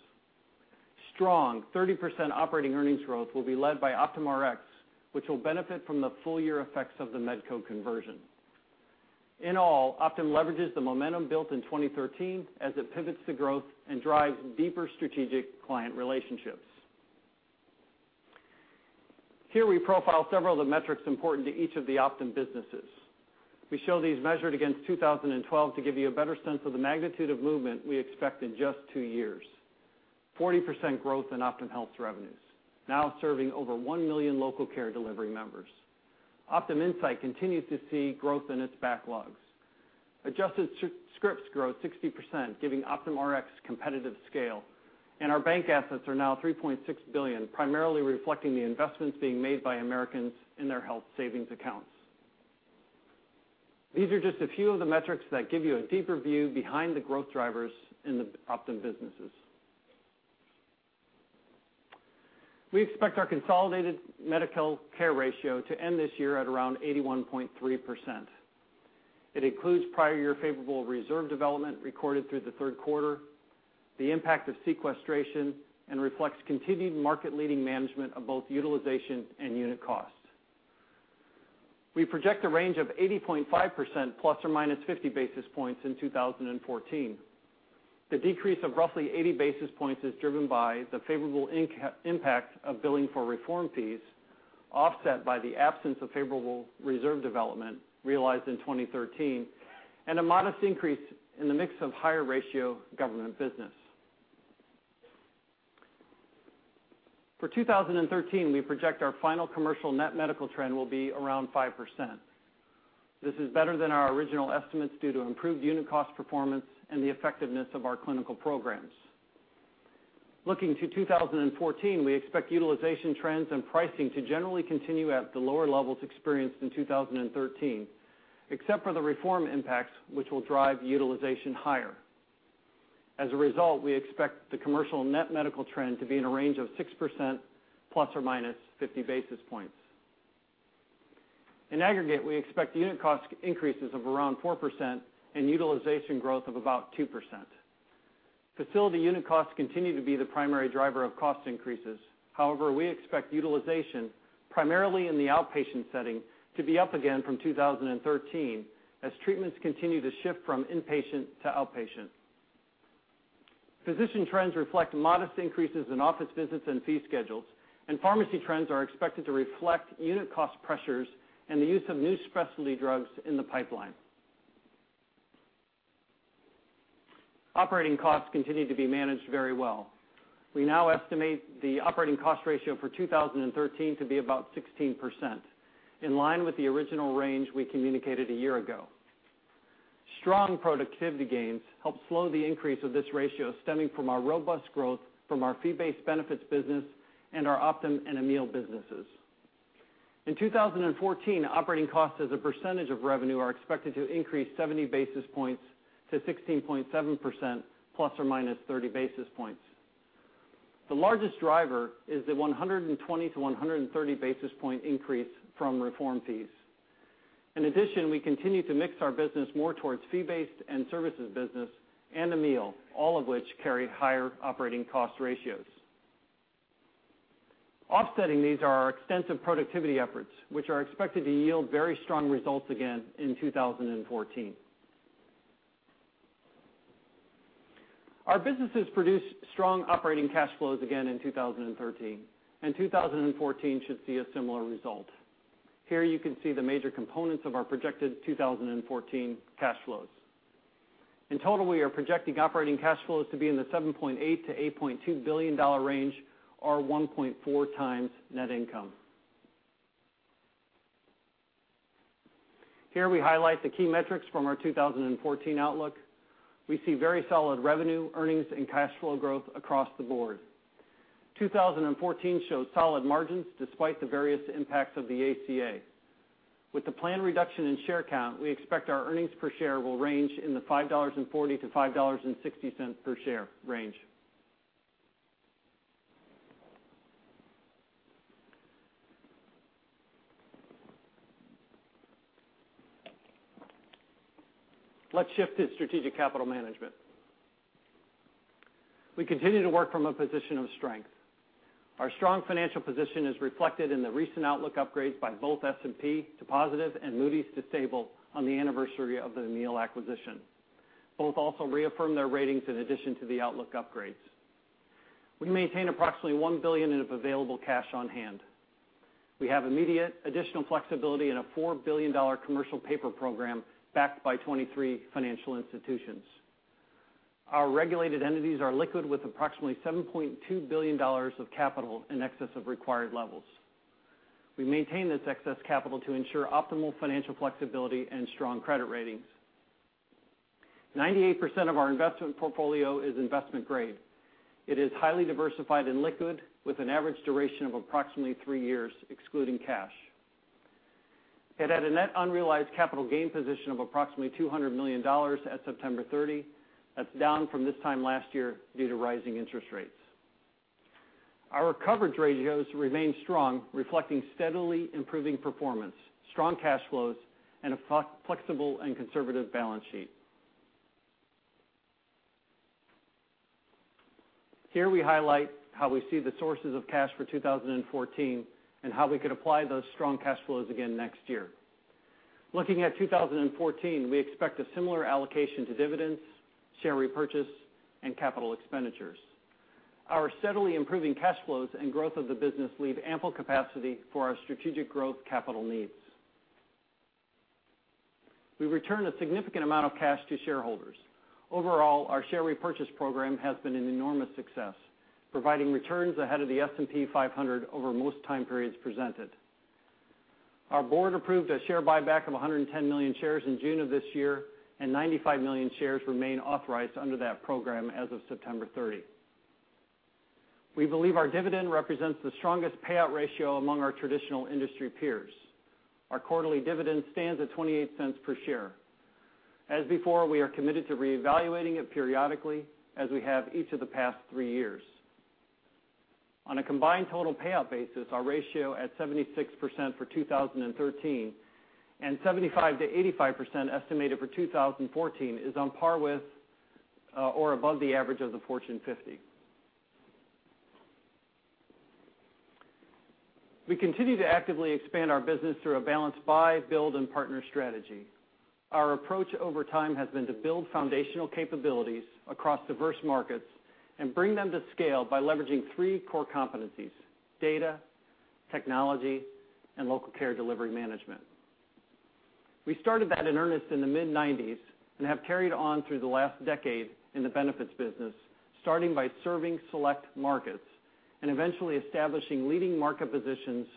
Strong 30% operating earnings growth will be led by Optum Rx, which will benefit from the full year effects of the Medco conversion. In all, Optum leverages the momentum built in 2013 as it pivots to growth and drives deeper strategic client relationships. Here we profile several of the metrics important to each of the Optum businesses. We show these measured against 2012 to give you a better sense of the magnitude of movement we expect in just two years. 40% growth in Optum Health's revenues, now serving over 1 million local care delivery members. Optum Insight continues to see growth in its backlogs. Adjusted scripts grow 60%, giving Optum Rx competitive scale. Our bank assets are now $3.6 billion, primarily reflecting the investments being made by Americans in their health savings accounts. These are just a few of the metrics that give you a deeper view behind the growth drivers in the Optum businesses. We expect our consolidated medical care ratio to end this year at around 81.3%. It includes prior year favorable reserve development recorded through the third quarter, the impact of sequestration, and reflects continued market-leading management of both utilization and unit costs. We project a range of 80.5% ±50 basis points in 2014. The decrease of roughly 80 basis points is driven by the favorable impact of billing for reform fees, offset by the absence of favorable reserve development realized in 2013, and a modest increase in the mix of higher ratio government business. For 2013, we project our final commercial net medical trend will be around 5%. This is better than our original estimates due to improved unit cost performance and the effectiveness of our clinical programs. Looking to 2014, we expect utilization trends and pricing to generally continue at the lower levels experienced in 2013, except for the reform impacts, which will drive utilization higher. As a result, we expect the commercial net medical trend to be in a range of 6% ±50 basis points. In aggregate, we expect unit cost increases of around 4% and utilization growth of about 2%. Facility unit costs continue to be the primary driver of cost increases. However, we expect utilization, primarily in the outpatient setting, to be up again from 2013 as treatments continue to shift from inpatient to outpatient. Physician trends reflect modest increases in office visits and fee schedules. Pharmacy trends are expected to reflect unit cost pressures and the use of new specialty drugs in the pipeline. Operating costs continue to be managed very well. We now estimate the operating cost ratio for 2013 to be about 16%, in line with the original range we communicated a year ago. Strong productivity gains helped slow the increase of this ratio stemming from our robust growth from our fee-based benefits business and our Optum and Amil businesses. In 2014, operating costs as a percentage of revenue are expected to increase 70 basis points to 16.7% ±30 basis points. The largest driver is the 120- to 130-basis point increase from reform fees. In addition, we continue to mix our business more towards fee-based and services business and Amil, all of which carry higher operating cost ratios. Offsetting these are our extensive productivity efforts, which are expected to yield very strong results again in 2014. Our businesses produced strong operating cash flows again in 2013. 2014 should see a similar result. Here you can see the major components of our projected 2014 cash flows. In total, we are projecting operating cash flows to be in the $7.8 billion-$8.2 billion range or 1.4 times net income. Here we highlight the key metrics from our 2014 outlook. We see very solid revenue, earnings, and cash flow growth across the board. 2014 shows solid margins despite the various impacts of the ACA. With the planned reduction in share count, we expect our earnings per share will range in the $5.40-$5.60 per share range. Let's shift to strategic capital management. We continue to work from a position of strength. Our strong financial position is reflected in the recent outlook upgrades by both S&P to positive and Moody's to stable on the anniversary of the Amil acquisition. Both also reaffirmed their ratings in addition to the outlook upgrades. We maintain approximately $1 billion of available cash on hand. We have immediate additional flexibility in a $4 billion commercial paper program backed by 23 financial institutions. Our regulated entities are liquid with approximately $7.2 billion of capital in excess of required levels. We maintain this excess capital to ensure optimal financial flexibility and strong credit ratings. 98% of our investment portfolio is investment grade. It is highly diversified and liquid, with an average duration of approximately three years, excluding cash. It had a net unrealized capital gain position of approximately $200 million at September 30. That's down from this time last year due to rising interest rates. Our coverage ratios remain strong, reflecting steadily improving performance, strong cash flows, and a flexible and conservative balance sheet. Here we highlight how we see the sources of cash for 2014 and how we could apply those strong cash flows again next year. Looking at 2014, we expect a similar allocation to dividends, share repurchase, and capital expenditures. Our steadily improving cash flows and growth of the business leave ample capacity for our strategic growth capital needs. We return a significant amount of cash to shareholders. Overall, our share repurchase program has been an enormous success, providing returns ahead of the S&P 500 over most time periods presented. Our board approved a share buyback of 110 million shares in June of this year, and 95 million shares remain authorized under that program as of September 30. We believe our dividend represents the strongest payout ratio among our traditional industry peers. Our quarterly dividend stands at $0.28 per share. As before, we are committed to reevaluating it periodically as we have each of the past three years. On a combined total payout basis, our ratio at 76% for 2013 and 75%-85% estimated for 2014 is on par with or above the average of the Fortune 50. We continue to actively expand our business through a balanced buy, build, and partner strategy. Our approach over time has been to build foundational capabilities across diverse markets and bring them to scale by leveraging three core competencies: data, technology, and local care delivery management. We started that in earnest in the mid-'90s and have carried on through the last decade in the benefits business, starting by serving select markets and eventually establishing leading market positions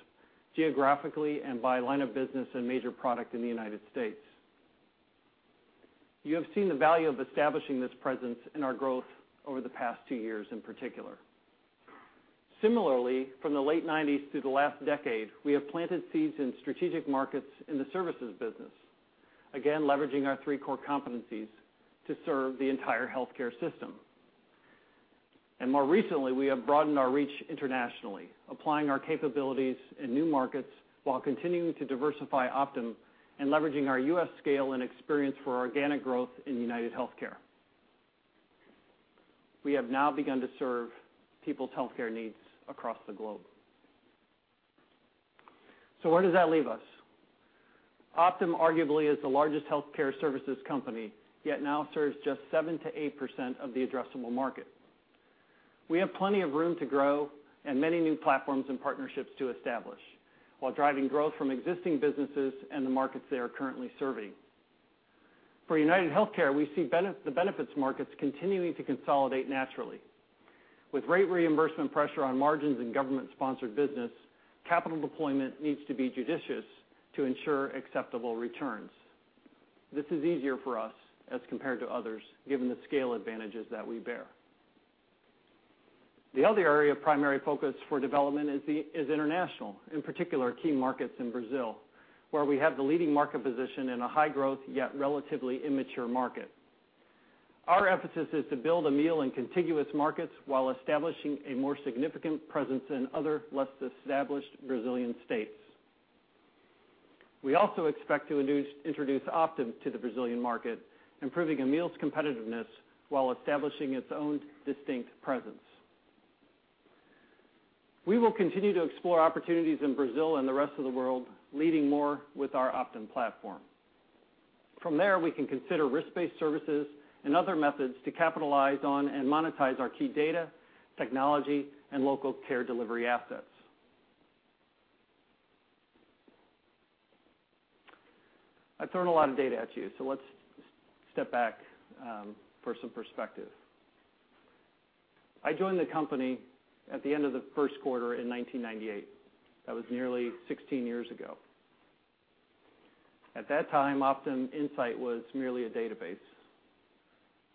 geographically and by line of business and major product in the U.S. You have seen the value of establishing this presence in our growth over the past two years in particular. Similarly, from the late '90s to the last decade, we have planted seeds in strategic markets in the services business, again, leveraging our three core competencies to serve the entire healthcare system. More recently, we have broadened our reach internationally, applying our capabilities in new markets while continuing to diversify Optum and leveraging our U.S. scale and experience for organic growth in UnitedHealthcare. We have now begun to serve people's healthcare needs across the globe. Where does that leave us? Optum arguably is the largest healthcare services company, yet now serves just 7%-8% of the addressable market. We have plenty of room to grow and many new platforms and partnerships to establish while driving growth from existing businesses and the markets they are currently serving. For UnitedHealthcare, we see the benefits markets continuing to consolidate naturally. With rate reimbursement pressure on margins and government-sponsored business, capital deployment needs to be judicious to ensure acceptable returns. This is easier for us as compared to others, given the scale advantages that we bear. The other area of primary focus for development is international, in particular, key markets in Brazil, where we have the leading market position in a high-growth, yet relatively immature market. Our emphasis is to build Amil in contiguous markets while establishing a more significant presence in other, less established Brazilian states. We also expect to introduce Optum to the Brazilian market, improving Amil's competitiveness while establishing its own distinct presence. We will continue to explore opportunities in Brazil and the rest of the world, leading more with our Optum platform. From there, we can consider risk-based services and other methods to capitalize on and monetize our key data, technology, and local care delivery assets. I've thrown a lot of data at you, so let's step back for some perspective. I joined the company at the end of the first quarter in 1998. That was nearly 16 years ago. At that time, Optum Insight was merely a database.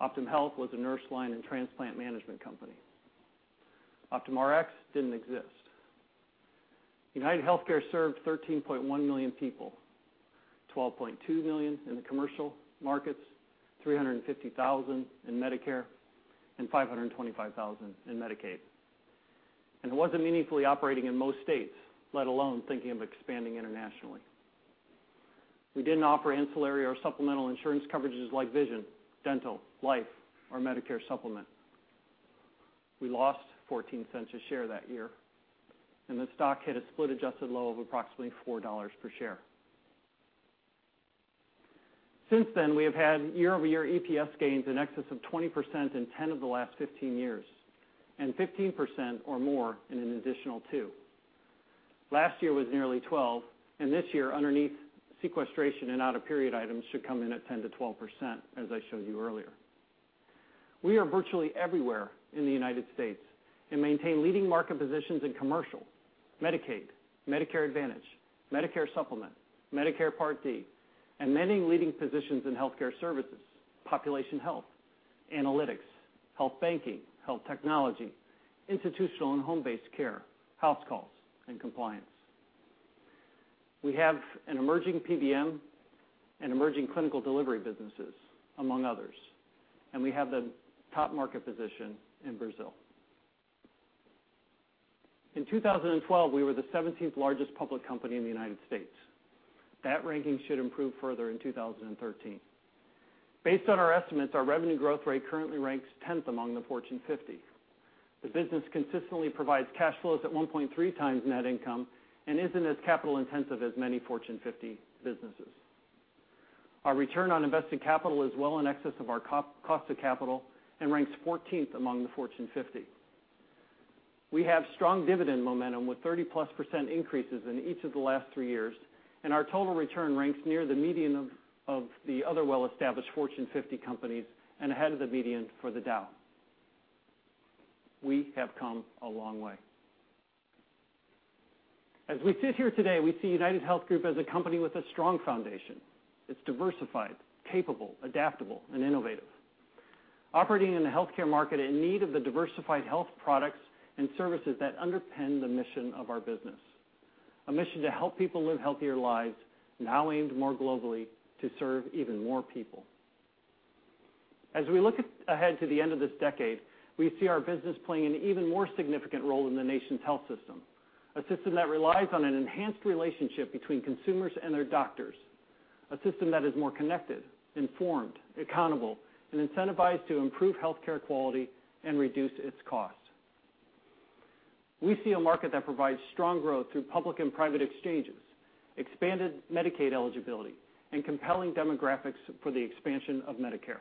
Optum Health was a nurse line and transplant management company. Optum Rx didn't exist. UnitedHealthcare served 13.1 million people, 12.2 million in the commercial markets, 350,000 in Medicare, and 525,000 in Medicaid. It wasn't meaningfully operating in most states, let alone thinking of expanding internationally. We didn't offer ancillary or supplemental insurance coverages like vision, dental, life, or Medicare Supplement. We lost $0.14 a share that year, and the stock hit a split-adjusted low of approximately $4 per share. Since then, we have had year-over-year EPS gains in excess of 20% in 10 of the last 15 years, and 15% or more in an additional two. Last year was nearly 12%, and this year, underneath sequestration and out-of-period items should come in at 10%-12%, as I showed you earlier. We are virtually everywhere in the United States and maintain leading market positions in commercial, Medicaid, Medicare Advantage, Medicare Supplement, Medicare Part D, and many leading positions in healthcare services, population health, analytics, health banking, health technology, institutional and home-based care, house calls, and compliance. We have an emerging PBM and emerging clinical delivery businesses, among others, and we have the top market position in Brazil. In 2012, we were the 17th largest public company in the United States. That ranking should improve further in 2013. Based on our estimates, our revenue growth rate currently ranks 10th among the Fortune 50. The business consistently provides cash flows at 1.3 times net income and isn't as capital-intensive as many Fortune 50 businesses. Our return on invested capital is well in excess of our cost of capital and ranks 14th among the Fortune 50. We have strong dividend momentum with 30+% increases in each of the last three years, and our total return ranks near the median of the other well-established Fortune 50 companies and ahead of the median for the Dow. We have come a long way. As we sit here today, we see UnitedHealth Group as a company with a strong foundation. It's diversified, capable, adaptable, and innovative. Operating in a healthcare market in need of the diversified health products and services that underpin the mission of our business, a mission to help people live healthier lives, now aimed more globally to serve even more people. As we look ahead to the end of this decade, we see our business playing an even more significant role in the nation's health system, a system that relies on an enhanced relationship between consumers and their doctors, a system that is more connected, informed, accountable, and incentivized to improve healthcare quality and reduce its cost. We see a market that provides strong growth through public and private exchanges, expanded Medicaid eligibility, and compelling demographics for the expansion of Medicare.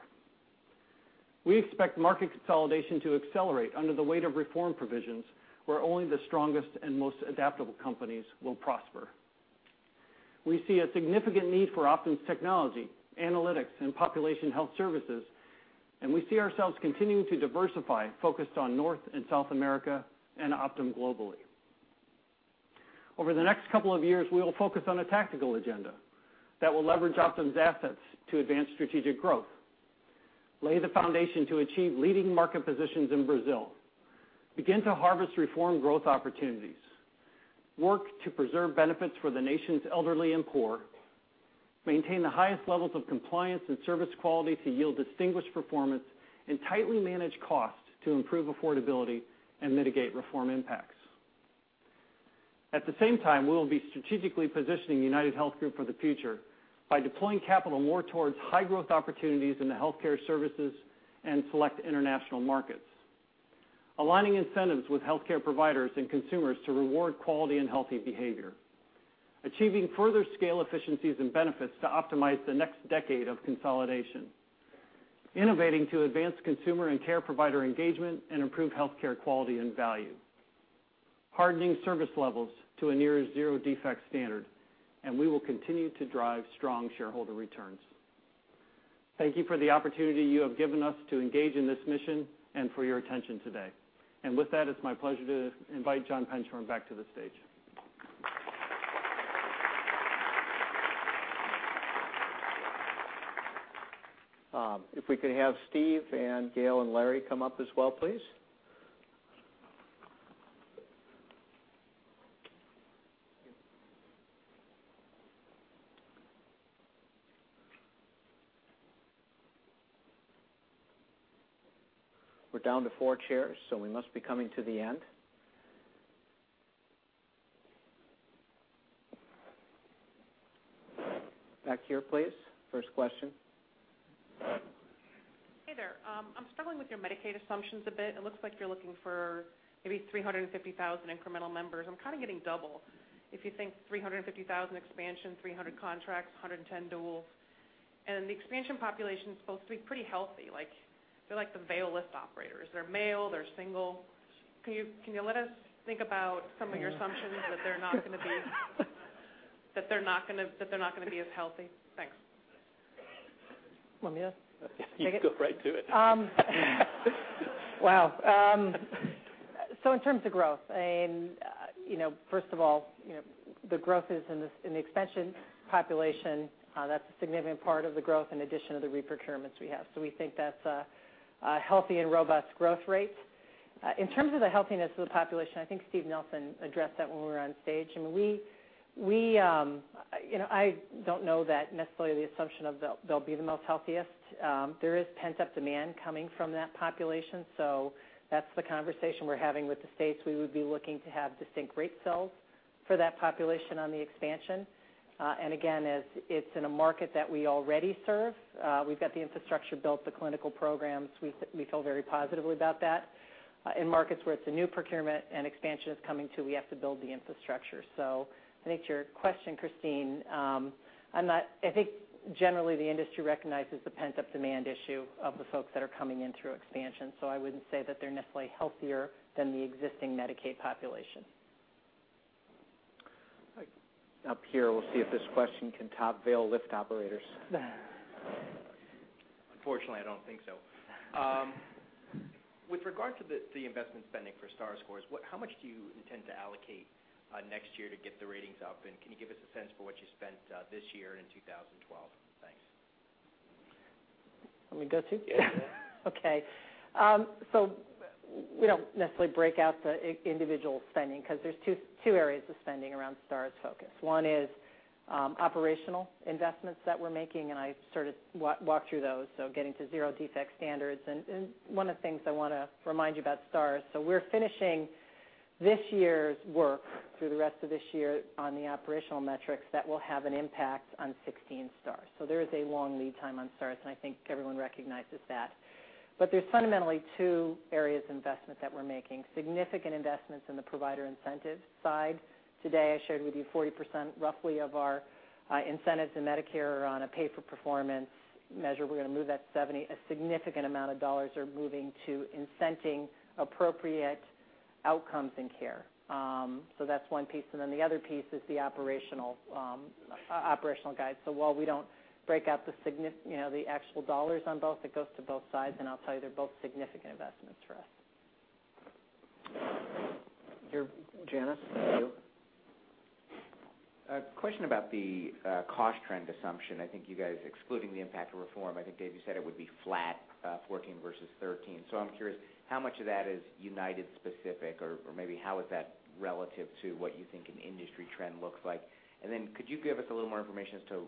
We expect market consolidation to accelerate under the weight of reform provisions where only the strongest and most adaptable companies will prosper. We see a significant need for Optum's technology, analytics, and population health services, and we see ourselves continuing to diversify, focused on North and South America and Optum globally. Over the next couple of years, we will focus on a tactical agenda that will leverage Optum's assets to advance strategic growth, lay the foundation to achieve leading market positions in Brazil, begin to harvest reform growth opportunities, work to preserve benefits for the nation's elderly and poor, maintain the highest levels of compliance and service quality to yield distinguished performance, and tightly manage costs to improve affordability and mitigate reform impacts. At the same time, we will be strategically positioning UnitedHealth Group for the future by deploying capital more towards high-growth opportunities in the healthcare services and select international markets, aligning incentives with healthcare providers and consumers to reward quality and healthy behavior. Achieving further scale efficiencies and benefits to optimize the next decade of consolidation. Innovating to advance consumer and care provider engagement and improve healthcare quality and value. Hardening service levels to a near zero-defect standard, we will continue to drive strong shareholder returns. Thank you for the opportunity you have given us to engage in this mission and for your attention today. With that, it's my pleasure to invite John Penshorn back to the stage. If we could have Steve and Gail and Larry come up as well, please. We're down to four chairs, so we must be coming to the end. Back here, please. First question. Hey there. I'm struggling with your Medicaid assumptions a bit. It looks like you're looking for maybe 350,000 incremental members. I'm getting double. If you think 350,000 expansion, 300 contracts, 110 dual. The expansion population is supposed to be pretty healthy. They're like the veil lift operators. They're male, they're single. Can you let us think about some of your assumptions that they're not going to be as healthy? Thanks. Want me to take it? You go right to it. Wow. In terms of growth, first of all, the growth is in the expansion population. That's a significant part of the growth in addition to the re-procurements we have. We think that's a healthy and robust growth rate. In terms of the healthiness of the population, I think Steve Nelson addressed that when we were on stage. I don't know that necessarily the assumption of they'll be the most healthiest. There is pent-up demand coming from that population. That's the conversation we're having with the states. We would be looking to have distinct rate cells for that population on the expansion. Again, as it's in a market that we already serve, we've got the infrastructure built, the clinical programs. We feel very positively about that. In markets where it's a new procurement and expansion is coming to, we have to build the infrastructure. I think to your question, Christine, I think generally the industry recognizes the pent-up demand issue of the folks that are coming in through expansion. I wouldn't say that they're necessarily healthier than the existing Medicaid population. Up here, we'll see if this question can top veil lift operators. Unfortunately, I don't think so. With regard to the investment spending for Stars scores, how much do you intend to allocate next year to get the ratings up? Can you give us a sense for what you spent this year in 2012? Thanks. Want me to go too? Okay. We don't necessarily break out the individual spending because there's two areas of spending around Stars focus. One is operational investments that we're making. I sort of walked through those, getting to zero-defect standards. One of the things I want to remind you about Stars, we're finishing this year's work through the rest of this year on the operational metrics that will have an impact on 2016 Stars. There is a long lead time on Stars, and I think everyone recognizes that. There's fundamentally two areas of investment that we're making. Significant investments in the provider incentive side. Today, I shared with you 40% roughly of our incentives in Medicare are on a pay-for-performance measure. We're going to move that to 70. A significant amount of dollars are moving to incenting appropriate outcomes in care. That's one piece, and then the other piece is the operational guide. While we don't break out the actual dollars on both, it goes to both sides, and I'll tell you, they're both significant investments for us. Here, Janice, with you. A question about the cost trend assumption. I think you guys, excluding the impact of Reform, I think Dave, you said it would be flat 2014 versus 2013. I'm curious how much of that is United specific, or maybe how is that relative to what you think an industry trend looks like? Could you give us a little more information as to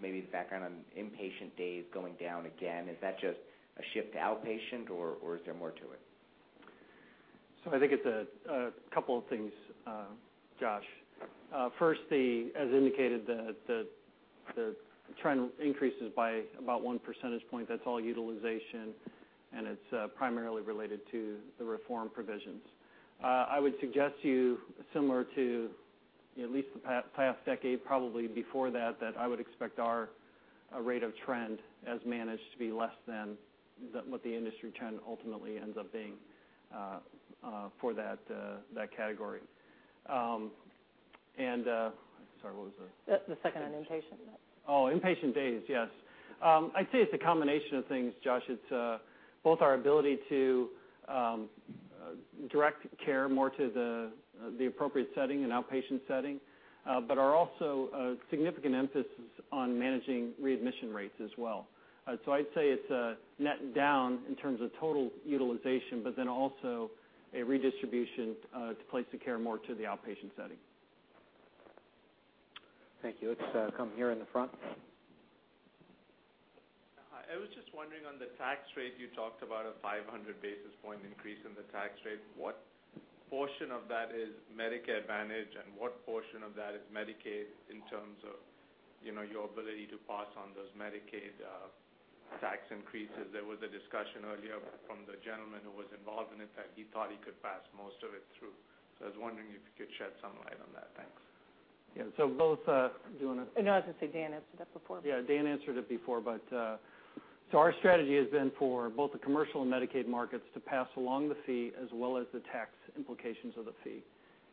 maybe the background on inpatient days going down again? Is that just a shift to outpatient, or is there more to it? I think it's a couple of things, Josh. First, as indicated, the trend increases by about one percentage point. That's all utilization, and it's primarily related to the Reform provisions. I would suggest to you, similar to at least the past decade, probably before that I would expect our rate of trend has managed to be less than what the industry trend ultimately ends up being for that category. Sorry, what was the- The second on inpatient. Inpatient days, yes. I'd say it's a combination of things, Josh. It's both our ability to direct care more to the appropriate setting, an outpatient setting, but our also significant emphasis on managing readmission rates as well. I'd say it's a net down in terms of total utilization, but then also a redistribution to place of care more to the outpatient setting. Thank you. Let's come here in the front. Hi. I was just wondering on the tax rate, you talked about a 500 basis points increase in the tax rate. What portion of that is Medicare Advantage, and what portion of that is Medicaid in terms of your ability to pass on those Medicaid tax increases. There was a discussion earlier from the gentleman who was involved in it that he thought he could pass most of it through. I was wondering if you could shed some light on that. Thanks. Yeah. Both-- Do you want to- No, I was going to say Dan answered that before. Yeah, Dan answered it before. Our strategy has been for both the commercial and Medicaid markets to pass along the fee as well as the tax implications of the fee.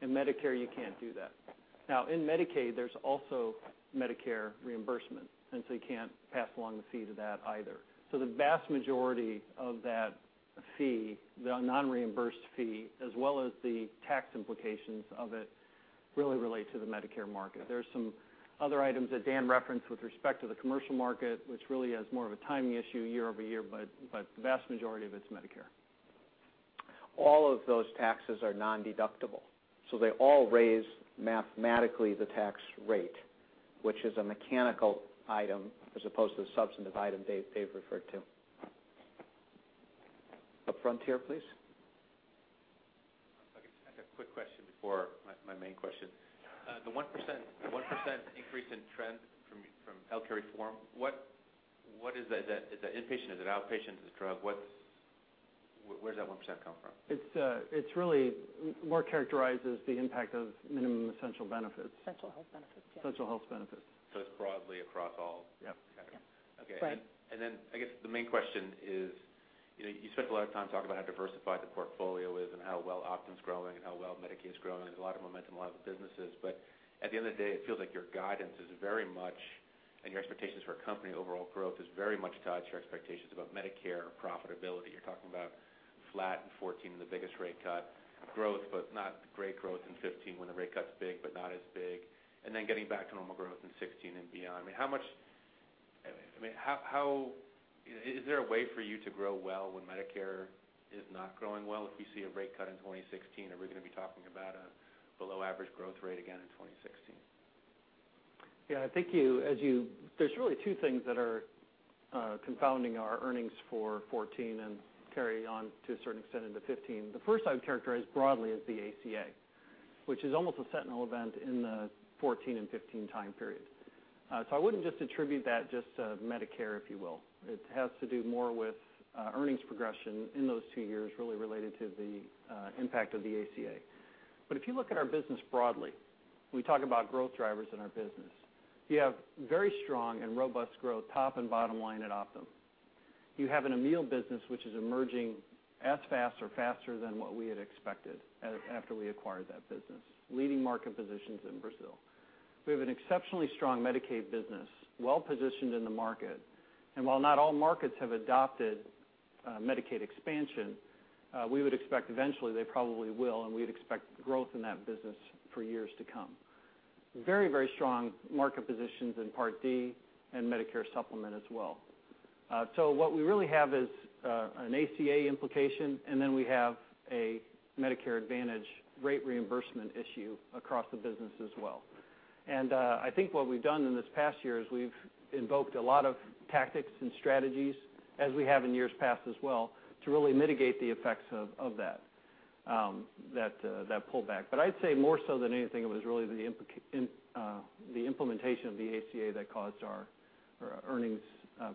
In Medicare, you can't do that. In Medicaid, there's also Medicare reimbursement, you can't pass along the fee to that either. The vast majority of that fee, the non-reimbursed fee, as well as the tax implications of it, really relate to the Medicare market. There's some other items that Dan referenced with respect to the commercial market, which really is more of a timing issue year-over-year, but the vast majority of it's Medicare. All of those taxes are non-deductible, they all raise, mathematically, the tax rate, which is a mechanical item as opposed to the substantive item Dave referred to. Up front here, please. I just have a quick question before my main question. The 1% increase in trend from healthcare reform, what is that? Is that inpatient? Is it outpatient? Is it drug? Where does that 1% come from? It really more characterizes the impact of Essential health benefits. Essential health benefits, yeah. Essential health benefits. it's broadly across all categories. Yep. Yes. Right. I guess the main question is, you spent a lot of time talking about how diversified the portfolio is and how well Optum's growing and how well Medicaid's growing, and a lot of momentum, a lot of the businesses. At the end of the day, it feels like your guidance is very much, and your expectations for a company overall growth is very much tied to your expectations about Medicare profitability. You're talking about flat in 2014 and the biggest rate cut of growth, but not great growth in 2015 when the rate cut's big, but not as big. Getting back to normal growth in 2016 and beyond. Is there a way for you to grow well when Medicare is not growing well? If we see a rate cut in 2016, are we going to be talking about a below average growth rate again in 2016? Yeah, I think there's really two things that are confounding our earnings for 2014 and carry on to a certain extent into 2015. The first I would characterize broadly as the ACA, which is almost a sentinel event in the 2014 and 2015 time period. I wouldn't just attribute that just to Medicare, if you will. It has to do more with earnings progression in those two years, really related to the impact of the ACA. If you look at our business broadly, we talk about growth drivers in our business. You have very strong and robust growth, top and bottom line at Optum. You have an Amil business which is emerging as fast or faster than what we had expected after we acquired that business. Leading market positions in Brazil. We have an exceptionally strong Medicaid business, well-positioned in the market, and while not all markets have adopted Medicaid expansion, we would expect eventually they probably will, and we'd expect growth in that business for years to come. Very strong market positions in Part D and Medicare Supplement as well. What we really have is an ACA implication, and then we have a Medicare Advantage rate reimbursement issue across the business as well. I think what we've done in this past year is we've invoked a lot of tactics and strategies, as we have in years past as well, to really mitigate the effects of that pullback. I'd say more so than anything, it was really the implementation of the ACA that caused our earnings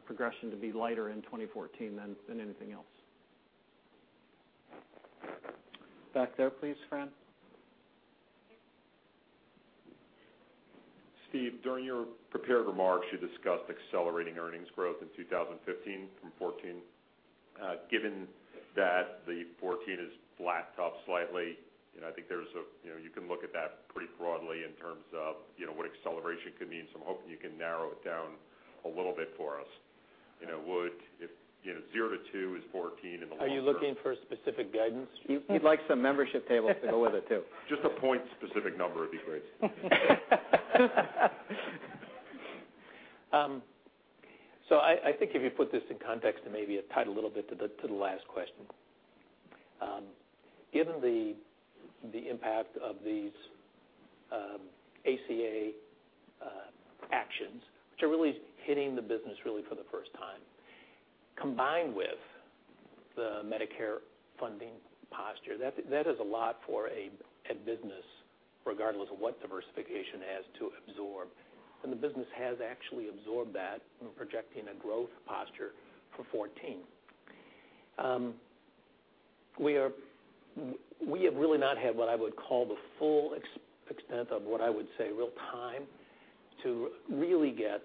progression to be lighter in 2014 than anything else. Back there, please, Fran. Steve, during your prepared remarks, you discussed accelerating earnings growth in 2015 from 2014. Given that the 2014 is flat top slightly, I think you can look at that pretty broadly in terms of what acceleration could mean. I'm hoping you can narrow it down a little bit for us. If zero to two is 2014 in the long term- Are you looking for specific guidance? He'd like some membership tables to go with it, too. Just a point specific number would be great. I think if you put this in context, maybe it tied a little bit to the last question. Given the impact of these ACA actions, which are really hitting the business really for the first time, combined with the Medicare funding posture, that is a lot for a business, regardless of what diversification has, to absorb, and the business has actually absorbed that in projecting a growth posture for 2014. We have really not had what I would call the full extent of what I would say real time to really get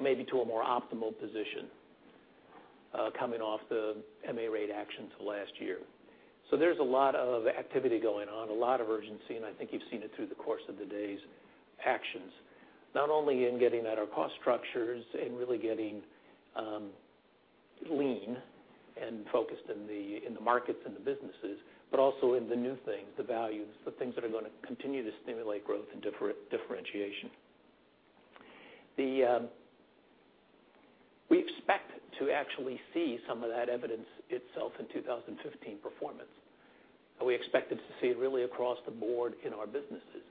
maybe to a more optimal position, coming off the MA rate action to last year. There's a lot of activity going on, a lot of urgency, and I think you've seen it through the course of the day's actions, not only in getting at our cost structures and really getting lean and focused in the markets and the businesses, but also in the new things, the values, the things that are going to continue to stimulate growth and differentiation. We expect to actually see some of that evidence itself in 2015 performance. We expect it to see it really across the board in our businesses.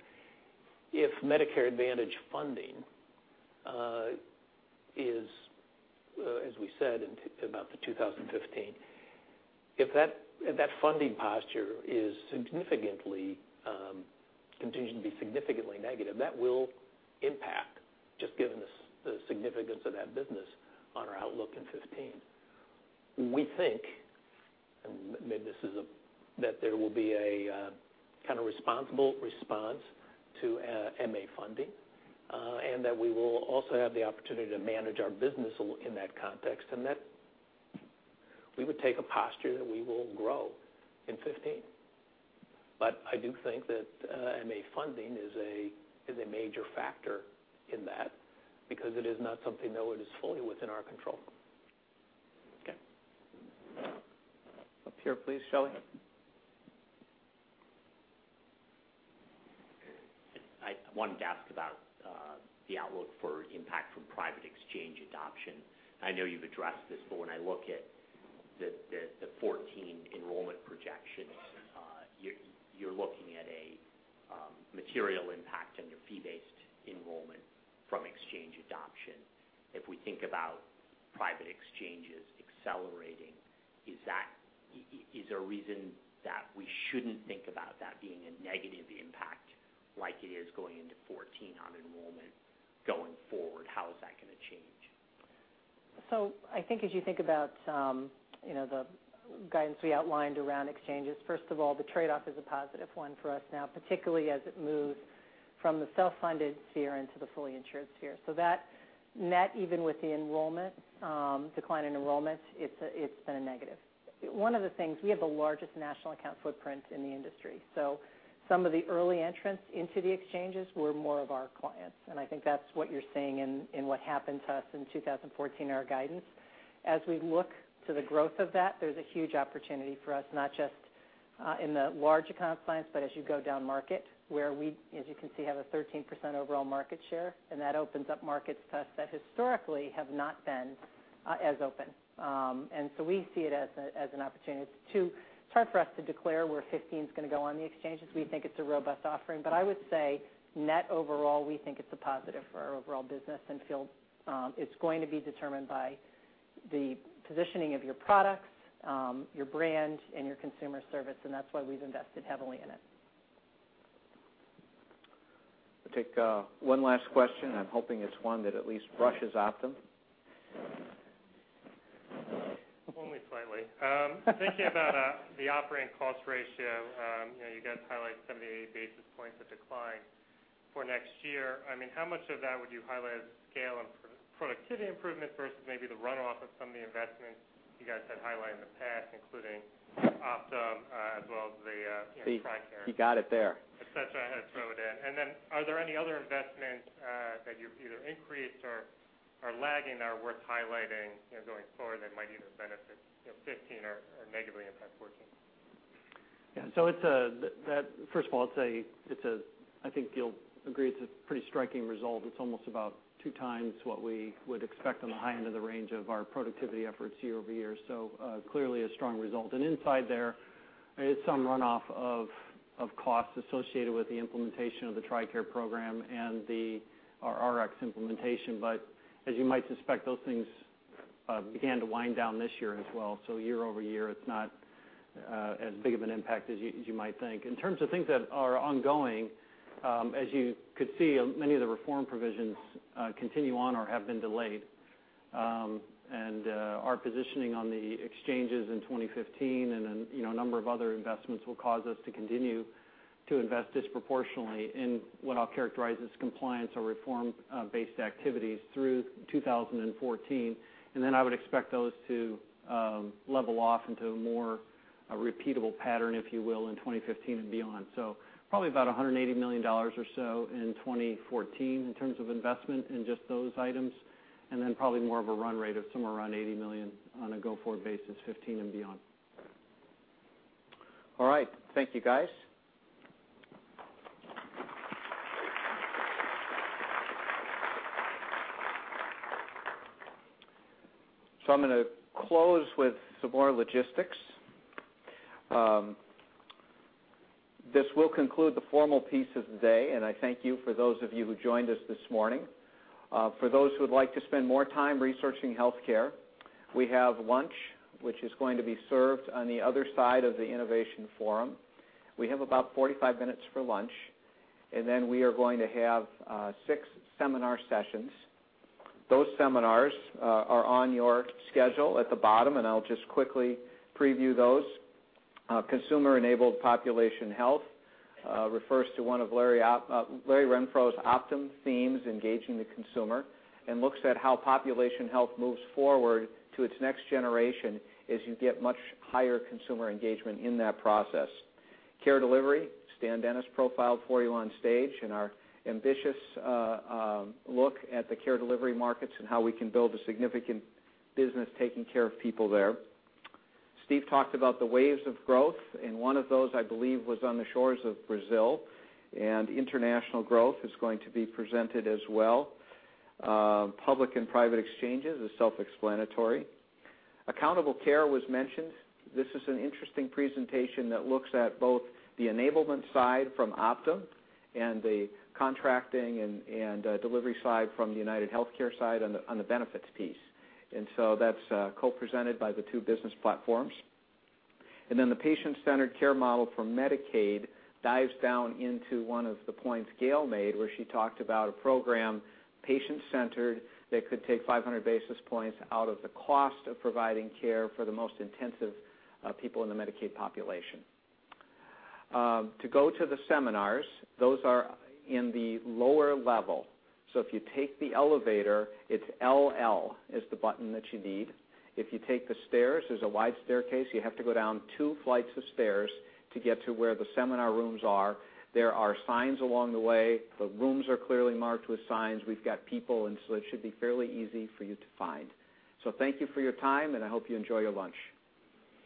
If Medicare Advantage funding is, as we said about the 2015 If that funding posture continues to be significantly negative, that will impact, just given the significance of that business, on our outlook in 2015. We think that there will be a responsible response to MA funding, and that we will also have the opportunity to manage our business in that context, and that we would take a posture that we will grow in 2015. I do think that MA funding is a major factor in that because it is not something that is fully within our control. Up here please, Shelley. I wanted to ask about the outlook for impact from private exchange adoption. I know you've addressed this, but when I look at the 2014 enrollment projections, you're looking at a material impact on your fee-based enrollment from exchange adoption. If we think about private exchanges accelerating, is there a reason that we shouldn't think about that being a negative impact like it is going into 2014 on enrollment going forward? How is that going to change? I think as you think about the guidance we outlined around exchanges, first of all, the trade-off is a positive one for us now, particularly as it moves from the self-funded tier into the fully insured tier. That net, even with the decline in enrollment, it's been a negative. One of the things, we have the largest national account footprint in the industry. Some of the early entrants into the exchanges were more of our clients, and I think that's what you're seeing in what happened to us in 2014, our guidance. We look to the growth of that, there's a huge opportunity for us, not just in the large account clients, but as you go down market where we, as you can see, have a 13% overall market share, and that opens up markets to us that historically have not been as open. We see it as an opportunity. It's too hard for us to declare where 2015 is going to go on the exchanges. We think it's a robust offering. I would say net overall, we think it's a positive for our overall business and feel it's going to be determined by the positioning of your products, your brand, and your consumer service, and that's why we've invested heavily in it. We'll take one last question. I'm hoping it's one that at least brushes Optum. Only slightly. Thinking about the operating cost ratio, you guys highlight 70 to 80 basis points of decline for next year. How much of that would you highlight as scale and productivity improvement versus maybe the runoff of some of the investments you guys had highlighted in the past, including Optum, as well as the TRICARE- He got it there Are there any other investments that you've either increased or are lagging that are worth highlighting going forward that might either benefit 2015 or negatively impact 2014? First of all, I think you'll agree it's a pretty striking result. It's almost about two times what we would expect on the high end of the range of our productivity efforts year-over-year. Clearly a strong result. Inside there is some runoff of costs associated with the implementation of the TRICARE program and our RX implementation. As you might suspect, those things began to wind down this year as well. Year-over-year, it's not as big of an impact as you might think. In terms of things that are ongoing, as you could see, many of the reform provisions continue on or have been delayed. Our positioning on the exchanges in 2015 and a number of other investments will cause us to continue to invest disproportionately in what I'll characterize as compliance or reform-based activities through 2014. I would expect those to level off into a more repeatable pattern, if you will, in 2015 and beyond. Probably about $180 million or so in 2014 in terms of investment in just those items, then probably more of a run rate of somewhere around $80 million on a go-forward basis 2015 and beyond. All right. Thank you, guys. I'm going to close with some more logistics. This will conclude the formal piece of the day, and I thank you for those of you who joined us this morning. For those who would like to spend more time researching healthcare, we have lunch, which is going to be served on the other side of the innovation forum. We have about 45 minutes for lunch, then we are going to have six seminar sessions. Those seminars are on your schedule at the bottom, and I'll just quickly preview those. Consumer-enabled population health refers to one of Larry Renfro's Optum themes, engaging the consumer, and looks at how population health moves forward to its next generation as you get much higher consumer engagement in that process. Care delivery, Dennis Stankiewicz profiled for you on stage in our ambitious look at the care delivery markets and how we can build a significant business taking care of people there. Steve talked about the waves of growth, and one of those, I believe, was on the shores of Brazil, and international growth is going to be presented as well. Public and private exchanges is self-explanatory. Accountable care was mentioned. This is an interesting presentation that looks at both the enablement side from Optum and the contracting and delivery side from the UnitedHealthcare side on the benefits piece. That's co-presented by the two business platforms. The patient-centered care model for Medicaid dives down into one of the points Gail made, where she talked about a program, patient-centered, that could take 500 basis points out of the cost of providing care for the most intensive people in the Medicaid population. To go to the seminars, those are in the lower level. If you take the elevator, LL is the button that you need. If you take the stairs, there's a wide staircase. You have to go down two flights of stairs to get to where the seminar rooms are. There are signs along the way. The rooms are clearly marked with signs. We've got people, so it should be fairly easy for you to find. Thank you for your time, and I hope you enjoy your lunch.